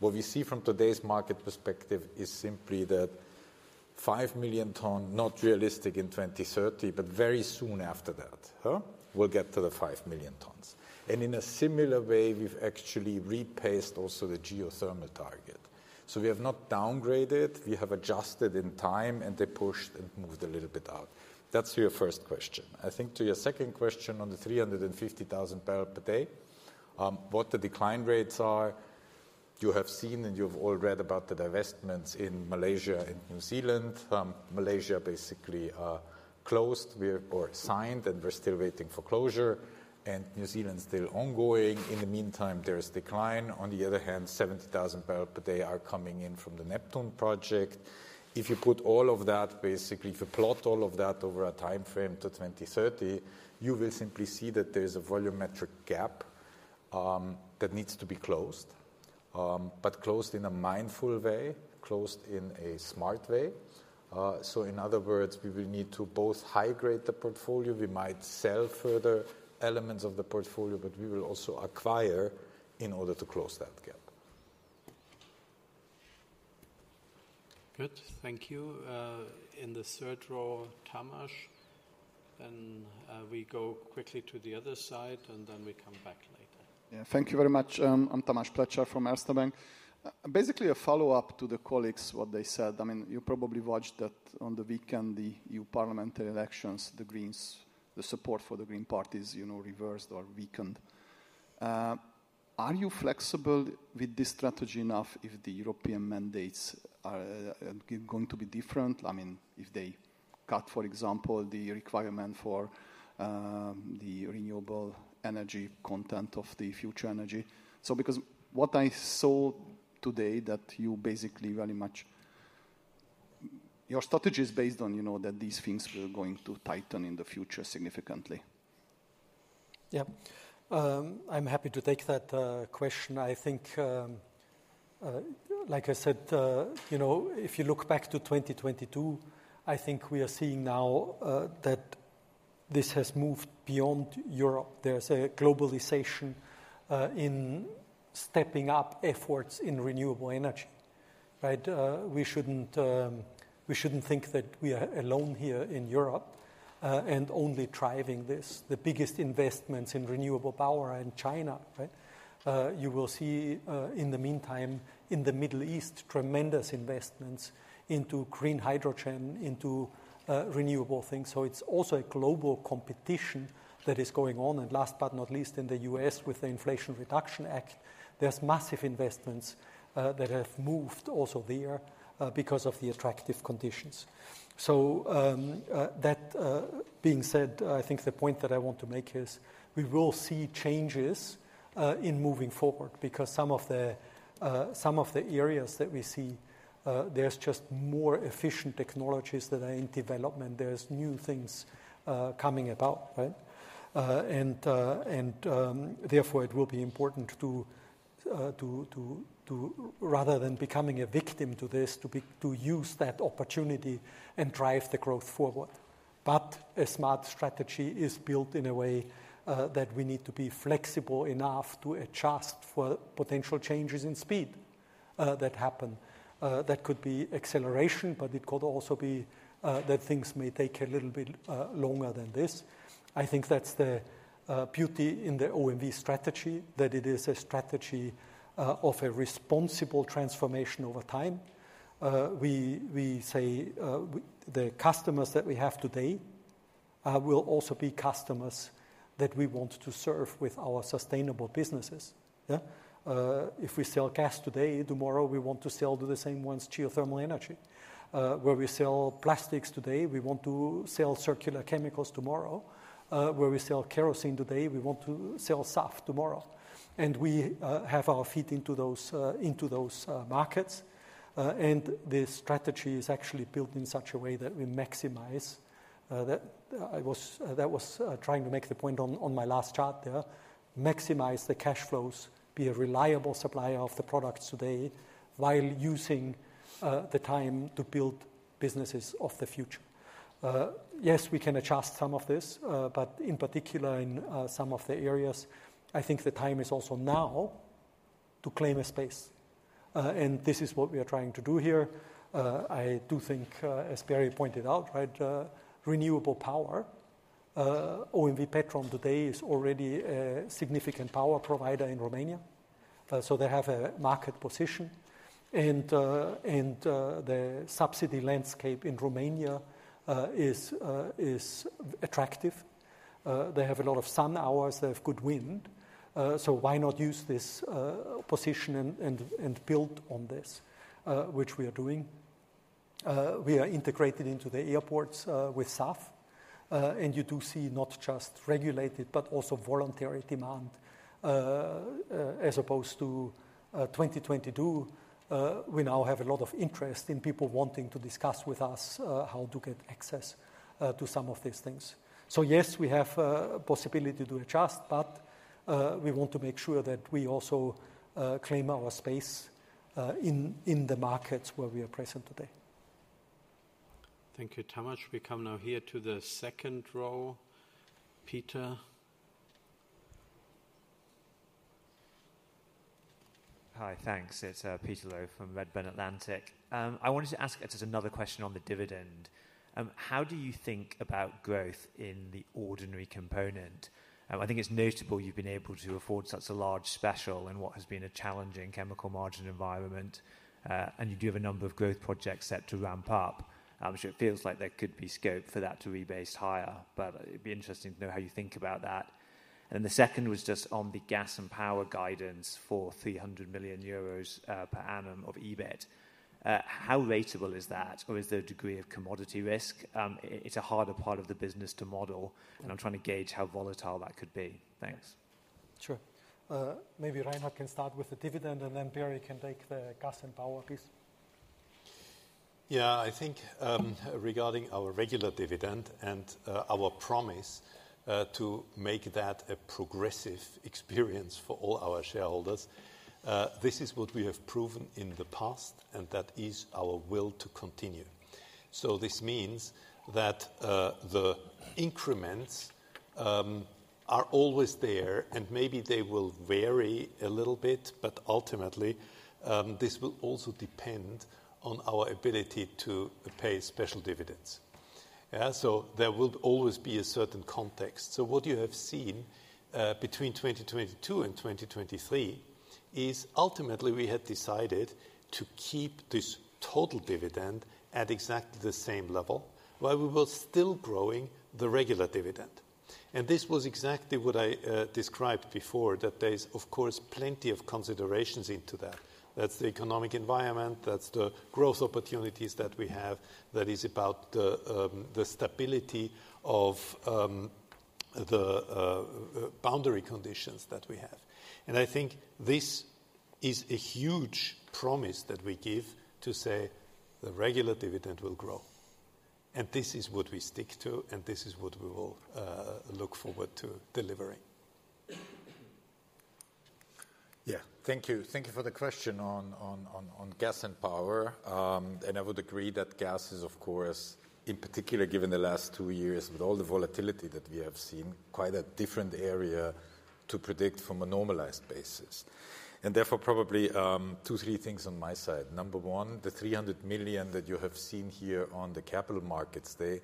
[SPEAKER 10] What we see from today's market perspective is simply that 5 million ton not realistic in 2030, but very soon after that, we'll get to the 5 million tons. In a similar way, we've actually rephased also the geothermal target. So we have not downgraded, we have adjusted in time, and they pushed and moved a little bit out. That's your first question. I think to your second question, on the 350,000 barrels per day, what the decline rates are, you have seen and you've all read about the divestments in Malaysia and New Zealand. Malaysia basically closed. We signed, and we're still waiting for closure, and New Zealand's still ongoing. In the meantime, there is decline. On the other hand, 70,000 barrels per day are coming in from the Neptun Deep project. If you put all of that, basically, if you plot all of that over a timeframe to 2030, you will simply see that there is a volumetric gap, that needs to be closed, but closed in a mindful way, closed in a smart way. So in other words, we will need to both high-grade the portfolio, we might sell further elements of the portfolio, but we will also acquire in order to close that gap.
[SPEAKER 1] Good. Thank you. In the third row, Tamas, then, we go quickly to the other side, and then we come back later.
[SPEAKER 11] Yeah. Thank you very much. I'm Tamas Pletser from Erste Bank. Basically, a follow-up to the colleagues, what they said. I mean, you probably watched that on the weekend, the new parliamentary elections, the Greens... the support for the Green Party is, you know, reversed or weakened. Are you flexible with this strategy enough if the European mandates are going to be different? I mean, if they cut, for example, the requirement for the renewable energy content of the future energy. So because what I saw today, that you basically very much... Your strategy is based on, you know, that these things were going to tighten in the future significantly.
[SPEAKER 2] Yeah. I'm happy to take that question. I think, like I said, you know, if you look back to 2022, I think we are seeing now that this has moved beyond Europe. There's a globalization in stepping up efforts in renewable energy, right? We shouldn't think that we are alone here in Europe and only driving this. The biggest investment's in renewable power are in China, right? You will see, in the meantime, in the Middle East, tremendous investments into green hydrogen, into renewable things. So it's also a global competition that is going on. And last but not least, in the U.S., with the Inflation Reduction Act, there's massive investments that have moved also there because of the attractive conditions. So, that being said, I think the point that I want to make is, we will see changes in moving forward because some of the areas that we see, there's just more efficient technologies that are in development. There's new things coming about, right? And therefore, it will be important to rather than becoming a victim to this, to use that opportunity and drive the growth forward. But a smart strategy is built in a way that we need to be flexible enough to adjust for potential changes in speed that happen. That could be acceleration, but it could also be that things may take a little bit longer than this. I think that's the beauty in the OMV strategy, that it is a strategy of a responsible transformation over time. We say the customers that we have today will also be customers that we want to serve with our sustainable businesses. Yeah. If we sell gas today, tomorrow, we want to sell to the same ones, geothermal energy. Where we sell plastics today, we want to sell circular chemicals tomorrow. Where we sell kerosene today, we want to sell SAF tomorrow. And we have our feet into those markets. And the strategy is actually built in such a way that we maximize that. That was trying to make the point on my last chart there. Maximize the cash flows, be a reliable supplier of the products today, while using the time to build businesses of the future. Yes, we can adjust some of this, but in particular, in some of the areas, I think the time is also now to claim a space. And this is what we are trying to do here. I do think, as Perry pointed out, right, renewable power, OMV Petrom today is already a significant power provider in Romania, so they have a market position. And the subsidy landscape in Romania is attractive. They have a lot of sun hours, they have good wind, so why not use this position and build on this? Which we are doing. We are integrated into the airports with SAF. You do see not just regulated, but also voluntary demand. As opposed to 2022, we now have a lot of interest in people wanting to discuss with us how to get access to some of these things. So yes, we have a possibility to adjust, but we want to make sure that we also claim our space in the markets where we are present today.
[SPEAKER 1] Thank you, Tamas. We come now here to the second row. Peter?
[SPEAKER 12] Hi. Thanks. It's Peter Low from Redburn Atlantic. I wanted to ask just another question on the dividend. How do you think about growth in the ordinary component? I think it's notable you've been able to afford such a large special in what has been a challenging chemical margin environment, and you do have a number of growth projects set to ramp up. So it feels like there could be scope for that to rebase higher, but it'd be interesting to know how you think about that. And then the second was just on the gas and power guidance for 300 million euros per annum of EBIT. How ratable is that, or is there a degree of commodity risk? It's a harder part of the business to model, and I'm trying to gauge how volatile that could be. Thanks.
[SPEAKER 2] Sure. Maybe Reinhard can start with the dividend, and then Beri can take the gas and power, please. Yeah, I think, regarding our regular dividend and our promise to make that a progressive experience for all our shareholders, this is what we have proven in the past, and that is our will to continue. So this means that the increments are always there, and maybe they will vary a little bit, but ultimately, this will also depend on our ability to pay special dividends. Yeah, so there will always be a certain context. So what you have seen between 2022 and 2023 is ultimately we had decided to keep this total dividend at exactly the same level, while we were still growing the regular dividend. And this was exactly what I described before, that there is, of course, plenty of considerations into that.
[SPEAKER 5] That's the economic environment, that's the growth opportunities that we have, that is about the stability of the boundary conditions that we have. I think this is a huge promise that we give to say the regular dividend will grow, and this is what we stick to, and this is what we will look forward to delivering.
[SPEAKER 10] Yeah. Thank you. Thank you for the question on gas and power. And I would agree that gas is, of course, in particular, given the last two years with all the volatility that we have seen, quite a different area to predict from a normalized basis. And therefore, probably two, three things on my side. Number one, the 300 million that you have seen here on the capital markets, they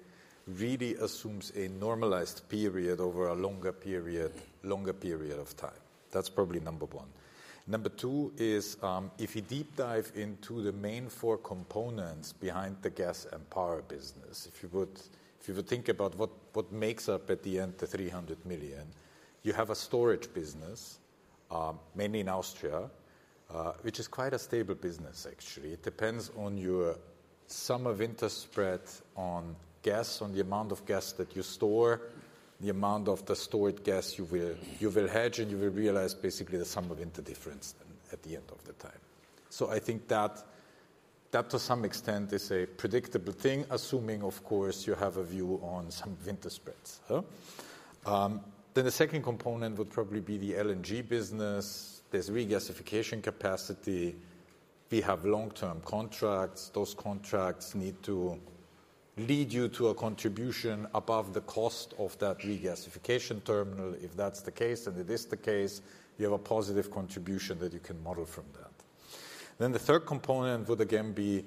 [SPEAKER 10] really assumes a normalized period over a longer period of time. That's probably number one. Number two is, if you deep dive into the main four components behind the gas and power business, if you would think about what makes up at the end the 300 million, you have a storage business, mainly in Austria, which is quite a stable business, actually. It depends on your summer-winter spread on gas, on the amount of gas that you store, the amount of the stored gas you will, you will hedge, and you will realize basically the sum of the difference at the end of the time. So I think that, that to some extent is a predictable thing, assuming, of course, you have a view on summer-winter spreads, huh? Then the second component would probably be the LNG business. There's regasification capacity. We have long-term contracts. Those contracts need to lead you to a contribution above the cost of that regasification terminal. If that's the case, and it is the case, you have a positive contribution that you can model from that. Then the third component would again be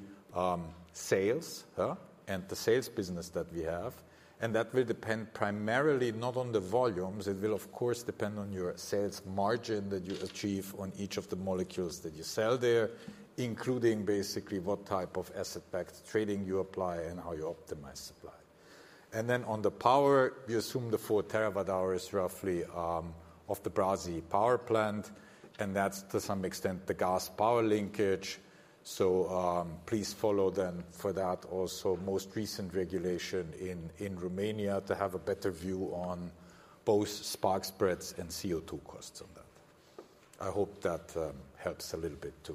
[SPEAKER 10] sales, huh, and the sales business that we have, and that will depend primarily not on the volumes. It will, of course, depend on your sales margin that you achieve on each of the molecules that you sell there, including basically what type of asset-backed trading you apply and how you optimize supply. And then on the power, you assume the 4 TWh roughly of the Brazi power plant, and that's to some extent the gas power linkage. So, please follow then for that also most recent regulation in in Romania to have a better view on both spark spreads and CO2 costs on that. I hope that helps a little bit to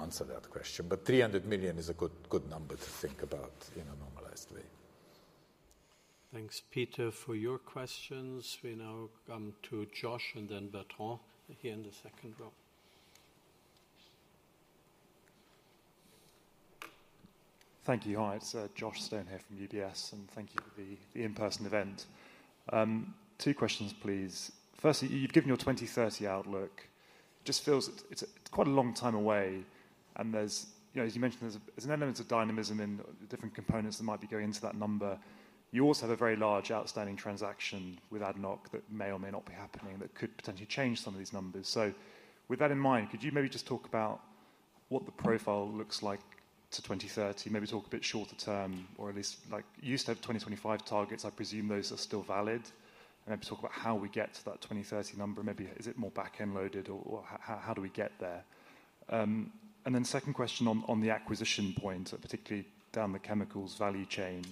[SPEAKER 10] answer that question, but 300 million is a good, good number to think about in a normalized way.
[SPEAKER 1] Thanks, Peter, for your questions. We now come to Josh and then Bertrand here in the second row.
[SPEAKER 13] Thank you. Hi, it's Josh Stone here from UBS, and thank you for the in-person event. Two questions, please. Firstly, you've given your 2030 outlook. Just feels it's quite a long time away, and there's... You know, as you mentioned, there's an element of dynamism in the different components that might be going into that number. You also have a very large outstanding transaction with ADNOC that may or may not be happening, that could potentially change some of these numbers. So with that in mind, could you maybe just talk about what the profile looks like to 2030? Maybe talk a bit shorter term, or at least like, you used to have 2025 targets. I presume those are still valid. And maybe talk about how we get to that 2030 number. Maybe is it more back-end loaded, or how do we get there? Then second question on the acquisition point, particularly down the chemicals value chain.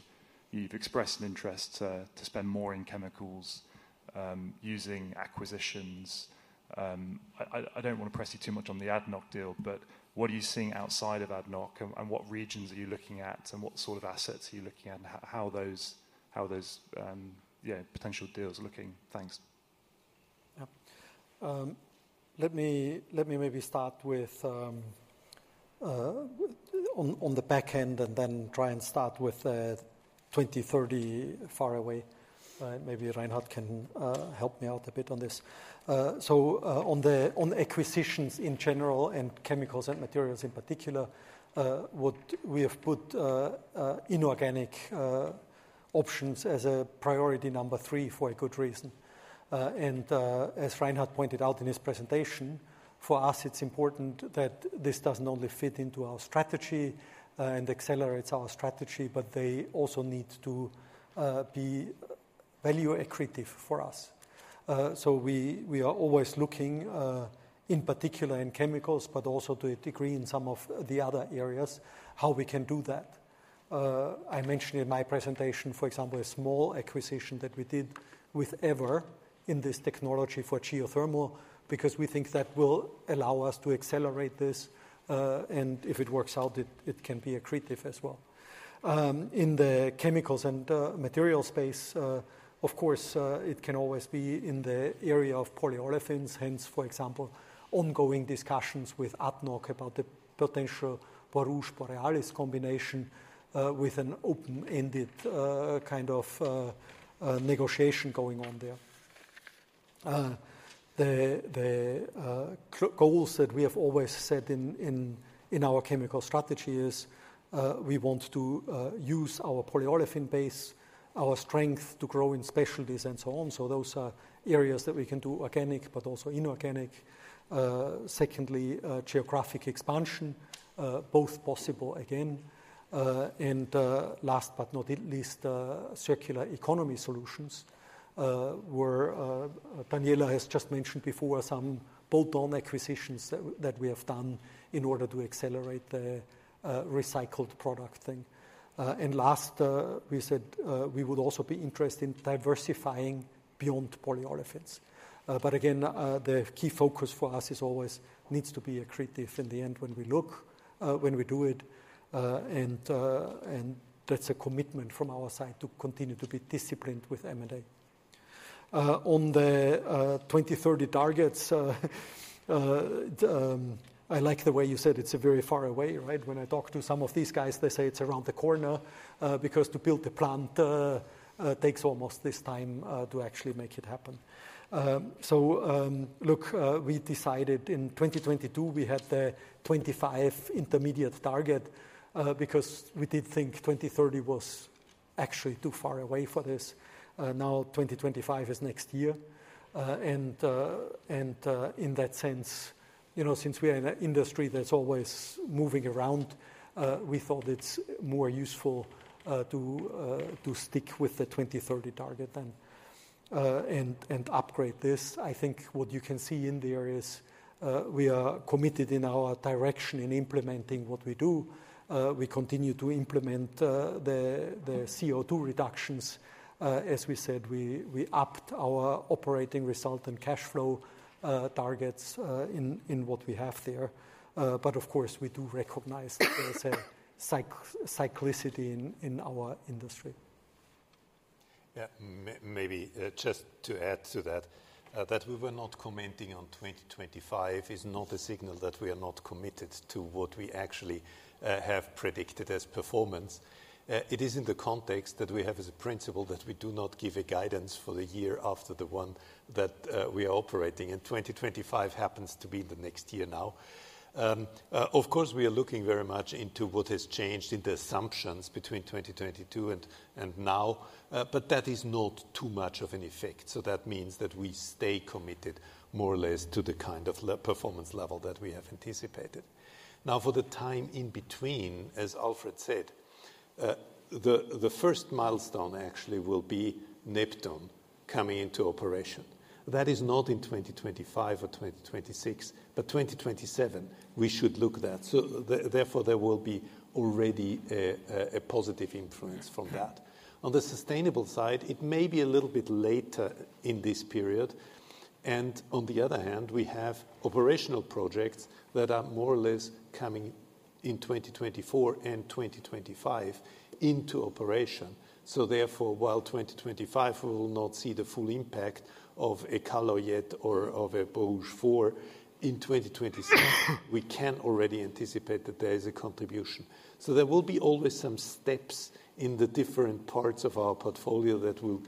[SPEAKER 13] You've expressed an interest to spend more in chemicals using acquisitions. I don't want to press you too much on the ADNOC deal, but what are you seeing outside of ADNOC, and what regions are you looking at, and what sort of assets are you looking at, and how are those potential deals looking? Thanks.
[SPEAKER 2] Yeah. Let me, let me maybe start with on the back end and then try and start with 2030 far away. Maybe Reinhard can help me out a bit on this. So, on acquisitions in general and chemicals and materials in particular, what we have put inorganic options as a priority number 3 for a good reason. And, as Reinhard pointed out in his presentation, for us, it's important that this doesn't only fit into our strategy and accelerates our strategy, but they also need to be value accretive for us. So we, we are always looking in particular in chemicals, but also to a degree in some of the other areas, how we can do that. I mentioned in my presentation, for example, a small acquisition that we did with Eavor in this technology for geothermal, because we think that will allow us to accelerate this, and if it works out, it can be accretive as well. In the chemicals and material space, of course, it can always be in the area of polyolefins. Hence, for example, ongoing discussions with ADNOC about the potential Borouge, Borealis combination, with an open-ended kind of negotiation going on there. The goals that we have always set in our chemical strategy is, we want to use our polyolefin base, our strength to grow in specialties and so on. So those are areas that we can do organic, but also inorganic. Secondly, geographic expansion, both possible again. Last but not least, circular economy solutions, where Daniela has just mentioned before, some bolt-on acquisitions that we have done in order to accelerate the recycled product thing. Last, we said we would also be interested in diversifying beyond polyolefins. But again, the key focus for us is always needs to be accretive in the end when we look, when we do it. And that's a commitment from our side to continue to be disciplined with M&A. On the 2030 targets, I like the way you said it's a very far away, right? When I talk to some of these guys, they say it's around the corner, because to build the plant takes almost this time to actually make it happen. So, look, we decided in 2022, we had the 25 intermediate target, because we did think 2030 was actually too far away for this. Now 2025 is next year. And, in that sense, you know, since we are in an industry that's always moving around, we thought it's more useful to stick with the 2030 target and upgrade this. I think what you can see in there is we are committed in our direction in implementing what we do. We continue to implement the CO2 reductions. As we said, we upped our operating result and cash flow targets in what we have there. But of course, we do recognize there is a cyclicity in our industry.
[SPEAKER 5] Yeah. Maybe just to add to that, that we were not commenting on 2025 is not a signal that we are not committed to what we actually have predicted as performance. It is in the context that we have as a principle that we do not give a guidance for the year after the one that we are operating, and 2025 happens to be the next year now. Of course, we are looking very much into what has changed in the assumptions between 2022 and now, but that is not too much of an effect. So that means that we stay committed more or less to the kind of level performance level that we have anticipated. Now, for the time in between, as Alfred said, the first milestone actually will be Neptun coming into operation. That is not in 2025 or 2026, but 2027, we should look that. So therefore, there will be already a positive influence from that. On the sustainable side, it may be a little bit later in this period, and on the other hand, we have operational projects that are more or less coming in 2024 and 2025 into operation. So therefore, while 2025, we will not see the full impact of Kallo yet or of Borouge 4, in 2026, we can already anticipate that there is a contribution. So there will be always some steps in the different parts of our portfolio that will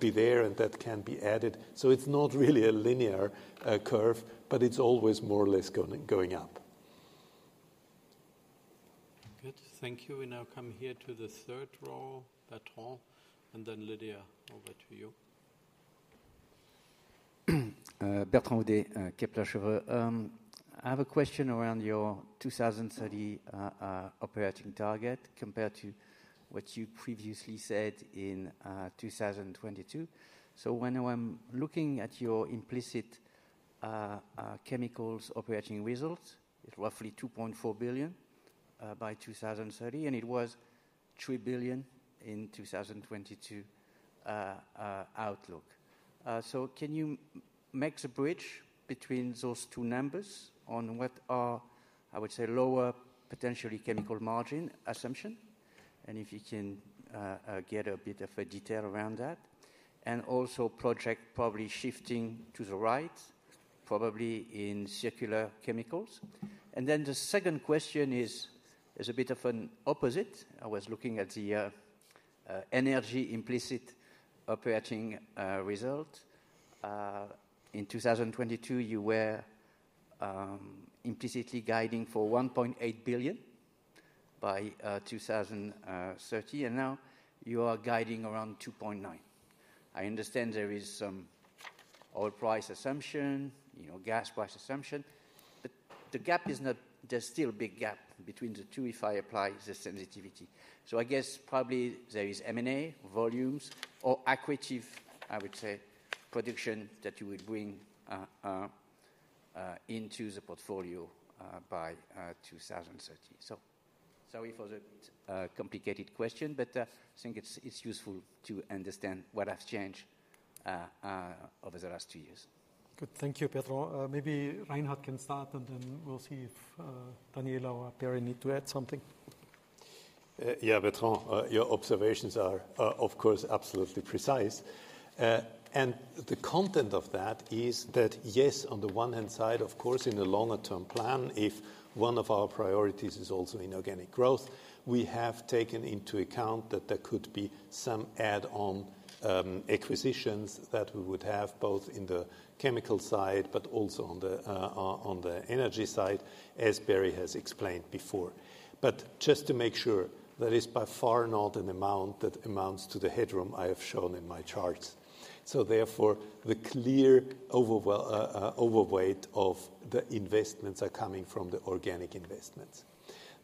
[SPEAKER 5] be there and that can be added. So it's not really a linear curve, but it's always more or less going, going up.
[SPEAKER 1] Good. Thank you. We now come here to the third row, Bertrand, and then Lydia, over to you.
[SPEAKER 12] Bertrand Hodee, Kepler Cheuvreux. I have a question around your 2030 operating target compared to what you previously said in 2022. So when I'm looking at your implicit-... chemicals operating results is roughly 2.4 billion by 2030, and it was 3 billion in 2022 outlook. So can you make the bridge between those two numbers on what are, I would say, lower potentially chemical margin assumption? And if you can get a bit of a detail around that. And also project probably shifting to the right, probably in circular chemicals. And then the second question is a bit of an opposite. I was looking at the energy implicit operating result. In 2022, you were implicitly guiding for 1.8 billion by 2030, and now you are guiding around 2.9 billion. I understand there is some oil price assumption, you know, gas price assumption, but the gap is not, there's still a big gap between the two if I apply the sensitivity. So I guess probably there is M&A, volumes, or accretive, I would say, production that you will bring into the portfolio by 2030. So sorry for the complicated question, but I think it's useful to understand what has changed over the last two years.
[SPEAKER 2] Good. Thank you, Bertrand. Maybe Reinhard can start, and then we'll see if Daniela or Barry need to add something.
[SPEAKER 5] Yeah, Bertrand, your observations are of course absolutely precise. And the content of that is that, yes, on the one hand side, of course, in the longer-term plan, if one of our priorities is also inorganic growth, we have taken into account that there could be some add-on acquisitions that we would have, both in the chemical side but also on the energy side, as Perry has explained before. But just to make sure, that is by far not an amount that amounts to the headroom I have shown in my charts. So therefore, the clear overall overweight of the investments are coming from the organic investments.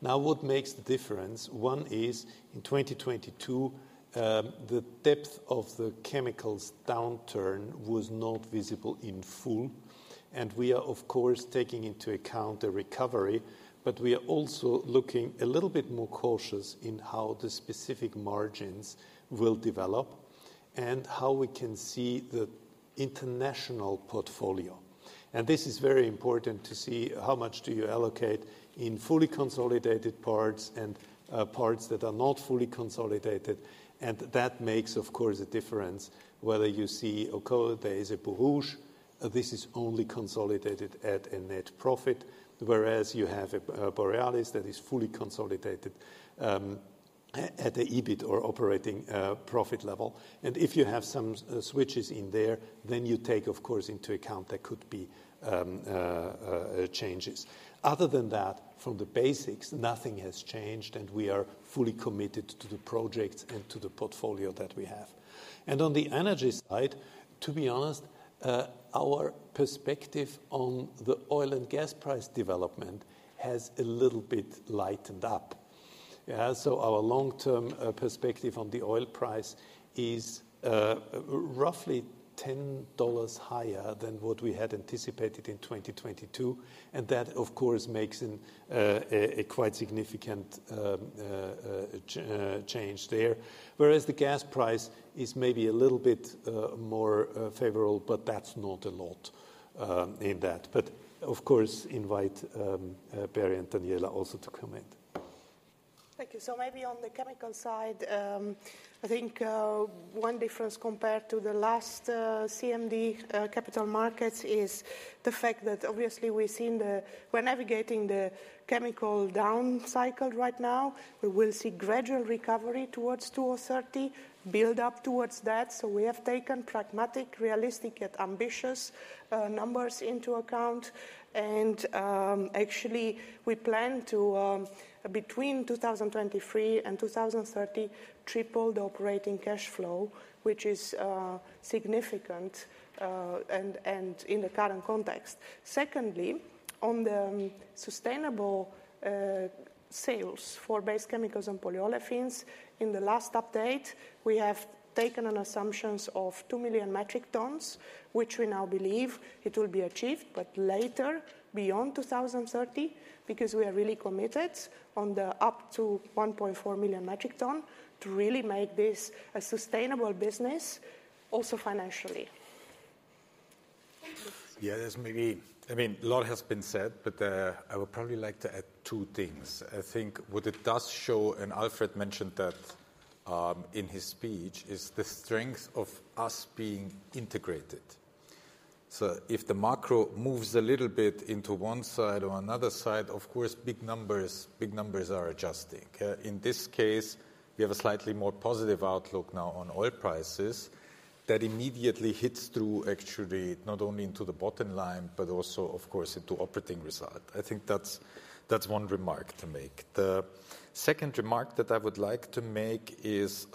[SPEAKER 5] Now, what makes the difference? One is, in 2022, the depth of the chemicals downturn was not visible in full, and we are, of course, taking into account a recovery, but we are also looking a little bit more cautious in how the specific margins will develop and how we can see the international portfolio. And this is very important to see how much do you allocate in fully consolidated parts and parts that are not fully consolidated, and that makes, of course, a difference whether you see equity, there is a Borouge, this is only consolidated at a net profit, whereas you have a Borealis that is fully consolidated at the EBIT or operating profit level. And if you have some switches in there, then you take, of course, into account there could be changes. Other than that, from the basics, nothing has changed, and we are fully committed to the projects and to the portfolio that we have. And on the energy side, to be honest, our perspective on the oil and gas price development has a little bit lightened up. So our long-term perspective on the oil price is roughly $10 higher than what we had anticipated in 2022, and that, of course, makes a quite significant change there. Whereas the gas price is maybe a little bit more favorable, but that's not a lot in that. But of course, invite Perry and Daniela also to comment.
[SPEAKER 4] Thank you. So maybe on the chemical side, I think, one difference compared to the last, CMD, capital markets is the fact that obviously we've seen the... We're navigating the chemical down cycle right now. We will see gradual recovery towards 2030, build up towards that. So we have taken pragmatic, realistic, yet ambitious, numbers into account. Actually, we plan to, between 2023 and 2030, triple the operating cash flow, which is, significant, and, and in the current context. Secondly, on the sustainable sales for base chemicals and polyolefins, in the last update, we have taken an assumptions of 2 million metric tons, which we now believe it will be achieved, but later, beyond 2030, because we are really committed on the up to 1.4 million metric ton to really make this a sustainable business, also financially.
[SPEAKER 10] Yeah, there's maybe I mean, a lot has been said, but, I would probably like to add 2 things. I think what it does show, and Alfred mentioned that, in his speech, is the strength of us being integrated. So if the macro moves a little bit into one side or another side, of course, big numbers, big numbers are adjusting. In this case, we have a slightly more positive outlook now on oil prices. That immediately hits through actually not only into the bottom line, but also, of course, into operating result. I think that's, that's one remark to make. The second remark that I would like to make is,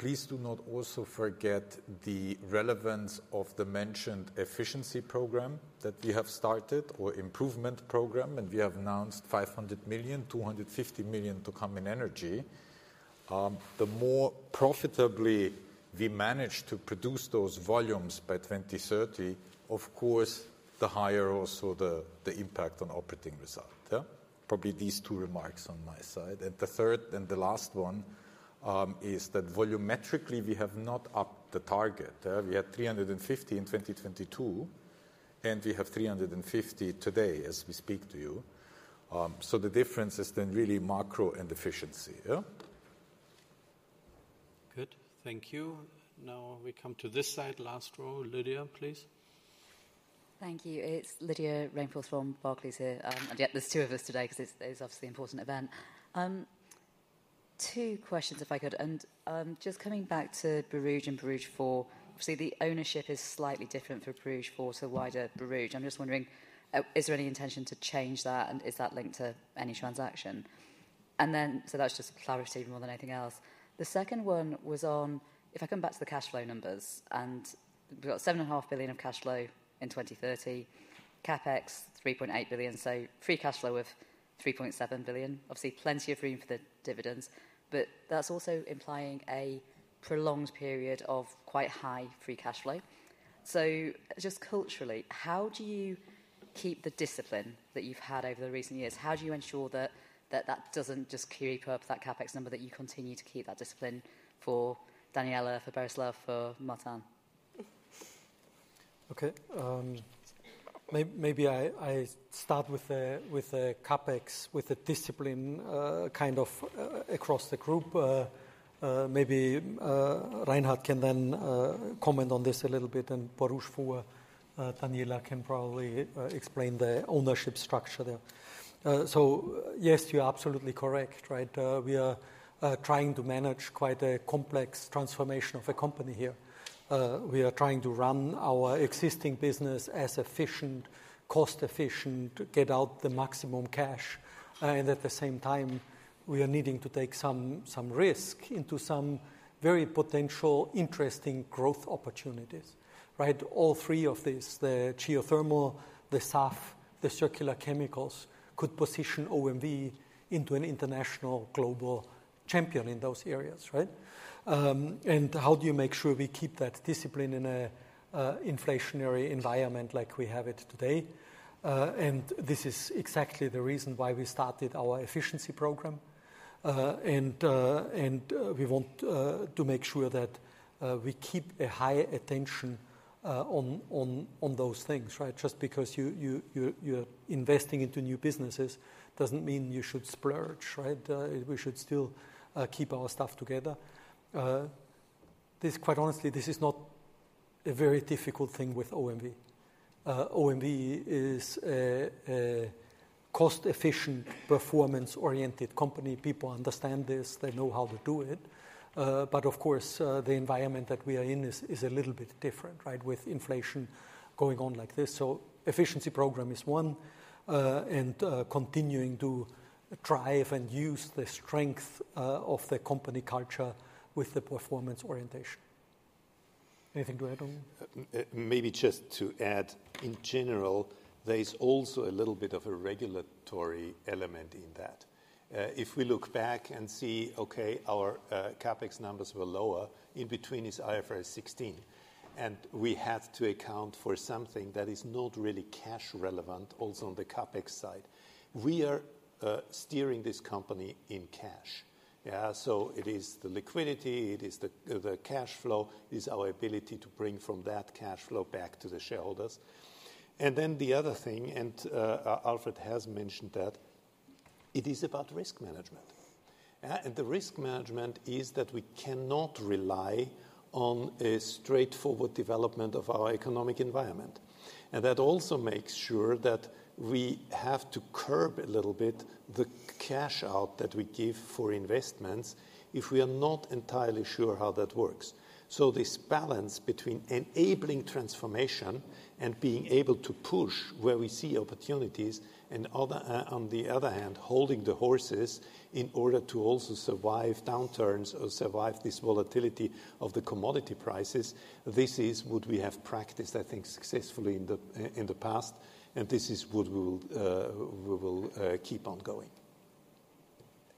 [SPEAKER 10] please do not also forget the relevance of the mentioned efficiency program that we have started or improvement program, and we have announced 500 million, 250 million to come in energy. the more profitably we manage to produce those volumes by 2030, of course, the higher also the, the impact on operating result, yeah? Probably these two remarks on my side. And the third and the last one, is that volumetrically, we have not upped the target. We had 350 in 2022, and we have 350 today as we speak to you. So the difference is then really macro and efficiency, yeah?
[SPEAKER 1] Good. Thank you. Now we come to this side. Last row, Lydia, please.
[SPEAKER 14] Thank you. It's Lydia Rainforth from Barclays here. And, yeah, there's two of us today because it's obviously an important event. Two questions, if I could, and, just coming back to Borouge and Borouge 4. Obviously, the ownership is slightly different for Borouge 4 to wider Borouge. I'm just wondering, is there any intention to change that, and is that linked to any transaction? And then... So that's just clarity more than anything else. The second one was on, if I come back to the cash flow numbers, and we've got 7.5 billion of cash flow in 2030, CapEx 3.8 billion, so free cash flow of 3.7 billion. Obviously, plenty of room for the dividends, but that's also implying a prolonged period of quite high free cash flow. So just culturally, how do you keep the discipline that you've had over the recent years? How do you ensure that that doesn't just creep up that CapEx number, that you continue to keep that discipline for Daniela, for Berislav, for Martijn?
[SPEAKER 2] Okay, maybe I start with the CapEx, with the discipline, kind of across the group. Maybe Reinhard can then comment on this a little bit and Borouge 4, Daniela can probably explain the ownership structure there. So yes, you are absolutely correct, right? We are trying to manage quite a complex transformation of the company here. We are trying to run our existing business as efficient, cost efficient, to get out the maximum cash, and at the same time, we are needing to take some risk into some very potential interesting growth opportunities, right? All three of these, the geothermal, the SAF, the circular chemicals, could position OMV into an international global champion in those areas, right? And how do you make sure we keep that discipline in an inflationary environment like we have it today? And this is exactly the reason why we started our efficiency program. And we want to make sure that we keep a high attention on those things, right? Just because you are investing into new businesses doesn't mean you should splurge, right? We should still keep our stuff together. This, quite honestly, this is not a very difficult thing with OMV. OMV is a cost-efficient, performance-oriented company. People understand this. They know how to do it. But of course, the environment that we are in is a little bit different, right, with inflation going on like this. So efficiency program is one, and continuing to drive and use the strength of the company culture with the performance orientation. Anything to add on?
[SPEAKER 5] Maybe just to add, in general, there is also a little bit of a regulatory element in that. If we look back and see, okay, our CapEx numbers were lower, in between is IFRS 16, and we have to account for something that is not really cash relevant also on the CapEx side. We are steering this company in cash. Yeah, so it is the liquidity, it is the, the cash flow, is our ability to bring from that cash flow back to the shareholders. And then the other thing, and, Alfred has mentioned that, it is about risk management. And the risk management is that we cannot rely on a straightforward development of our economic environment. And that also makes sure that we have to curb a little bit the cash out that we give for investments if we are not entirely sure how that works. So this balance between enabling transformation and being able to push where we see opportunities, and other, on the other hand, holding the horses in order to also survive downturns or survive this volatility of the commodity prices, this is what we have practiced, I think, successfully in the past, and this is what we will keep on going.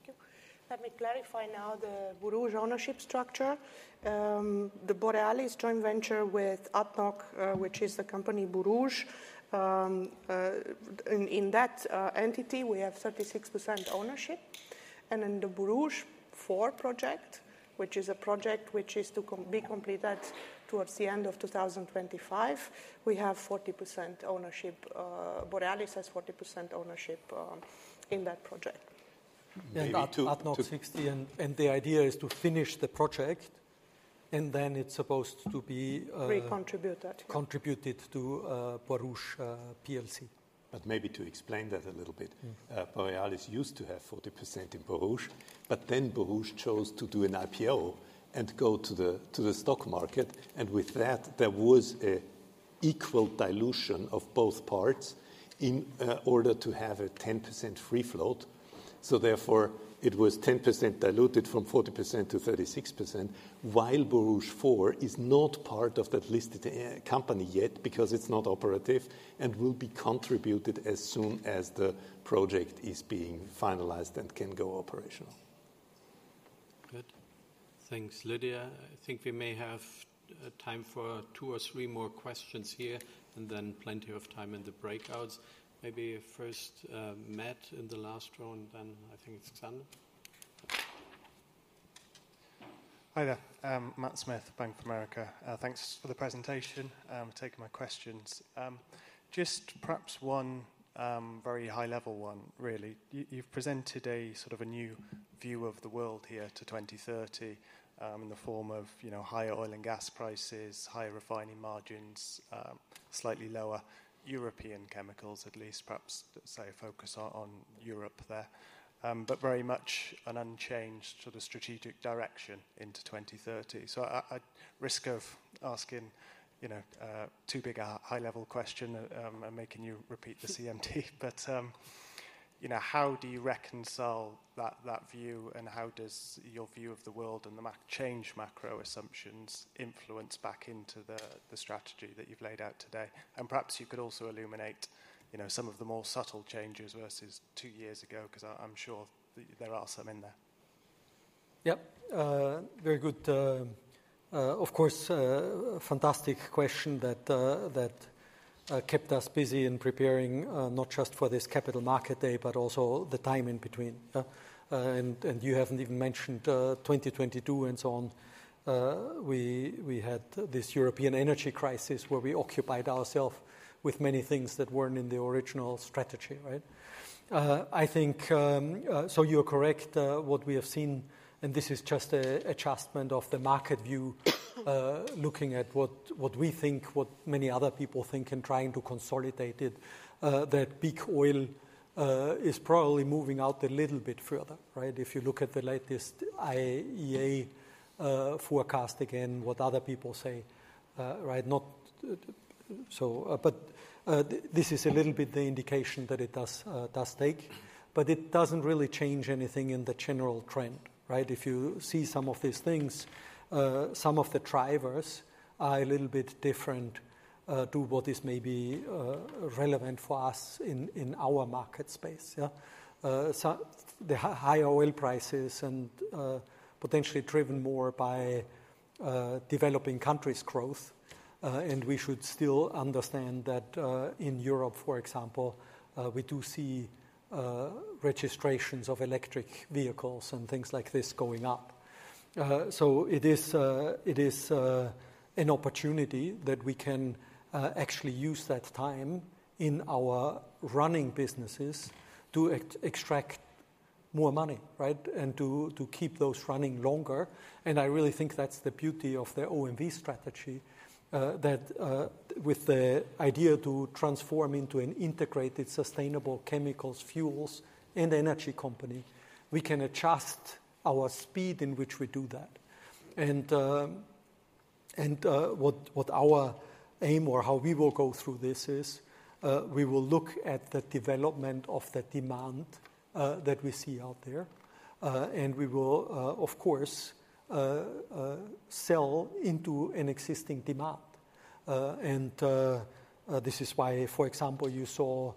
[SPEAKER 4] Thank you. Let me clarify now the Borouge ownership structure. The Borealis joint venture with ADNOC, which is the company Borouge, in that entity, we have 36% ownership. And in the Borouge 4 project, which is to be completed towards the end of 2025, we have 40% ownership. Borealis has 40% ownership in that project.
[SPEAKER 2] ADNOC 60, and the idea is to finish the project, and then it's supposed to be
[SPEAKER 4] Recontributed...
[SPEAKER 2] contributed to Borouge PLC.
[SPEAKER 5] But maybe to explain that a little bit-
[SPEAKER 2] Mm...
[SPEAKER 5] Borealis used to have 40% in Borouge, but then Borouge chose to do an IPO and go to the, to the stock market, and with that, there was a equal dilution of both parts in, order to have a 10% free float. So therefore, it was 10% diluted from 40% to 36%, while Borouge 4 is not part of that listed, company yet because it's not operative and will be contributed as soon as the project is being finalized and can go operational. ...
[SPEAKER 1] Good. Thanks, Lydia. I think we may have time for two or three more questions here, and then plenty of time in the breakouts. Maybe first, Matt, in the last row, and then I think it's Sander.
[SPEAKER 15] Hi there. Matt Smith, Bank of America. Thanks for the presentation, and taking my questions. Just perhaps one, very high-level one, really. You, you've presented a sort of a new view of the world here to 2030, in the form of, you know, higher oil and gas prices, higher refining margins, slightly lower European chemicals, at least, perhaps, let's say, focus on, on Europe there. But very much an unchanged sort of strategic direction into 2030. So at, at risk of asking, you know, a too big a high-level question, and making you repeat the CMT, but, you know, how do you reconcile that, that view, and how does your view of the world and the macro changed macro assumptions influence back into the, the strategy that you've laid out today? Perhaps you could also illuminate, you know, some of the more subtle changes versus two years ago, 'cause I, I'm sure there are some in there.
[SPEAKER 2] Yep. Very good, of course, fantastic question that kept us busy in preparing, not just for this Capital Markets Day, but also the time in between. And you haven't even mentioned 2022 and so on. We had this European energy crisis, where we occupied ourselves with many things that weren't in the original strategy, right? I think, so you're correct, what we have seen, and this is just an adjustment of the market view, looking at what we think, what many other people think, and trying to consolidate it, that peak oil is probably moving out a little bit further, right? If you look at the latest IEA forecast again, what other people say, right, not so... But this is a little bit the indication that it does take, but it doesn't really change anything in the general trend, right? If you see some of these things, some of the drivers are a little bit different to what is maybe relevant for us in our market space, yeah? So the high oil prices and potentially driven more by developing countries' growth, and we should still understand that in Europe, for example, we do see registrations of electric vehicles and things like this going up. So it is an opportunity that we can actually use that time in our running businesses to extract more money, right? And to keep those running longer. I really think that's the beauty of the OMV strategy, that with the idea to transform into an integrated, sustainable chemicals, fuels, and energy company, we can adjust our speed in which we do that. What our aim or how we will go through this is, we will look at the development of the demand that we see out there, and we will of course sell into an existing demand. This is why, for example, you saw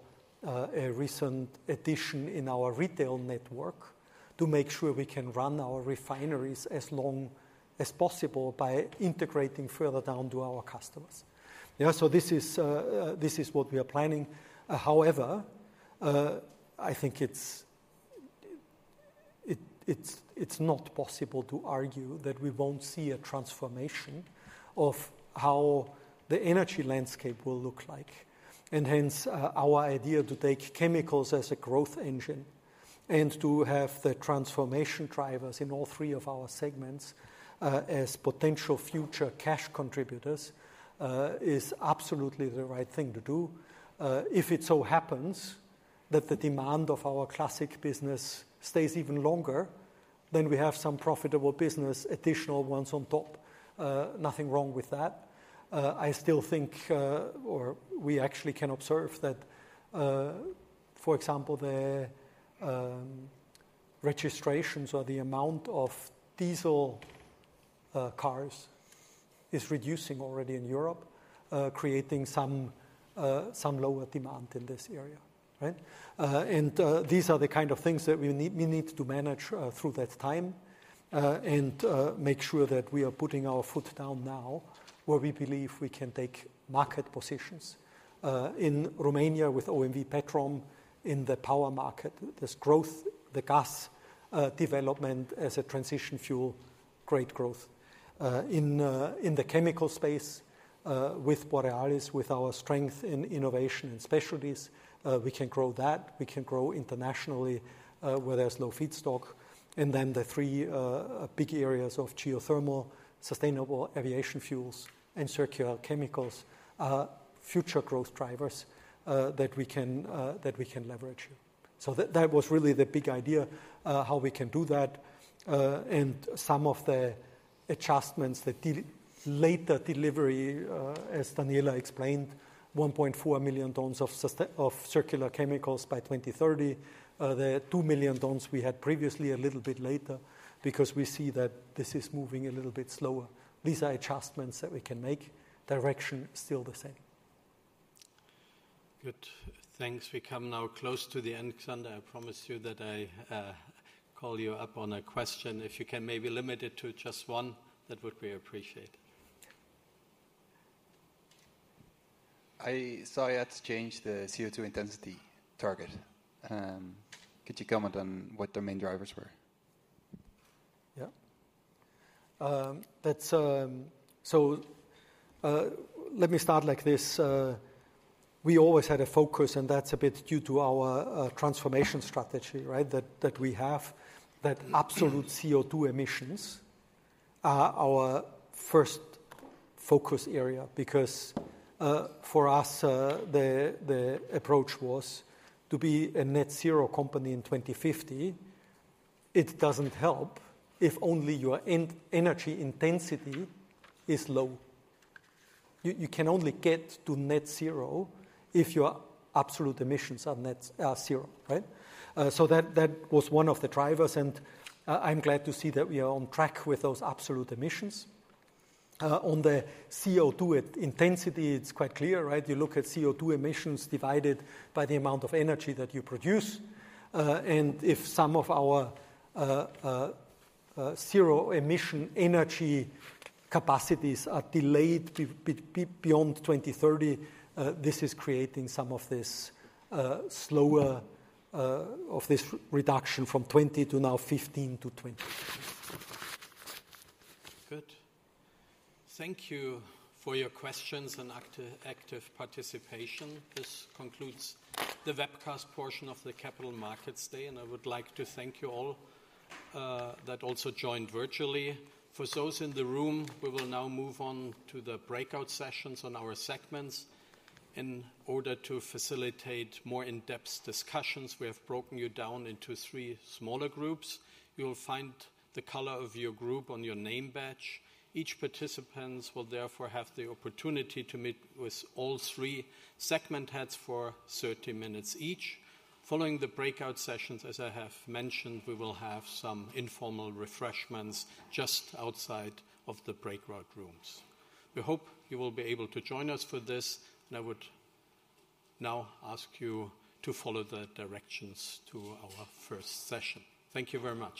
[SPEAKER 2] a recent addition in our retail network to make sure we can run our refineries as long as possible by integrating further down to our customers. Yeah, so this is what we are planning. However, I think it's not possible to argue that we won't see a transformation of how the energy landscape will look like. And hence, our idea to take chemicals as a growth engine and to have the transformation drivers in all three of our segments, as potential future cash contributors, is absolutely the right thing to do. If it so happens that the demand of our classic business stays even longer, then we have some profitable business, additional ones on top. Nothing wrong with that. I still think, or we actually can observe that, for example, the registrations or the amount of diesel cars is reducing already in Europe, creating some lower demand in this area, right? These are the kind of things that we need, we need to manage through that time, and make sure that we are putting our foot down now, where we believe we can take market positions. In Romania, with OMV Petrom, in the power market, there's growth, the gas development as a transition fuel, great growth. In the chemical space, with Borealis, with our strength in innovation and specialties, we can grow that. We can grow internationally, where there's low feedstock. And then the three big areas of geothermal, sustainable aviation fuels, and circular chemicals are future growth drivers that we can leverage. So that, that was really the big idea, how we can do that, and some of the adjustments, the delayed delivery, as Daniela explained, 1.4 million tons of sustainable circular chemicals by 2030. The 2 million tons we had previously, a little bit later, because we see that this is moving a little bit slower. These are adjustments that we can make. Direction, still the same. ...
[SPEAKER 1] Good. Thanks. We come now close to the end, Sander. I promised you that I call you up on a question. If you can maybe limit it to just one, that would be appreciated.
[SPEAKER 16] I saw you had to change the CO2 intensity target. Could you comment on what the main drivers were?
[SPEAKER 2] Yeah. That's, so let me start like this. We always had a focus, and that's a bit due to our transformation strategy, right? That, that we have, that absolute CO2 emissions are our first focus area, because, for us, the, the approach was to be a net zero company in 2050. It doesn't help if only your in-energy intensity is low. You, you can only get to net zero if your absolute emissions are net, zero, right? So that, that was one of the drivers, and, I'm glad to see that we are on track with those absolute emissions. On the CO2 intensity, it's quite clear, right? You look at CO2 emissions divided by the amount of energy that you produce. And if some of our zero emission energy capacities are delayed beyond 2030, this is creating some of this slower of this reduction from 20 to now 15-20.
[SPEAKER 1] Good. Thank you for your questions and active, active participation. This concludes the webcast portion of the Capital Markets Day, and I would like to thank you all that also joined virtually. For those in the room, we will now move on to the breakout sessions on our segments. In order to facilitate more in-depth discussions, we have broken you down into three smaller groups. You will find the color of your group on your name badge. Each participant will therefore have the opportunity to meet with all three segment heads for 30 minutes each. Following the breakout sessions, as I have mentioned, we will have some informal refreshments just outside of the breakout rooms. We hope you will be able to join us for this, and I would now ask you to follow the directions to our first session. Thank you very much.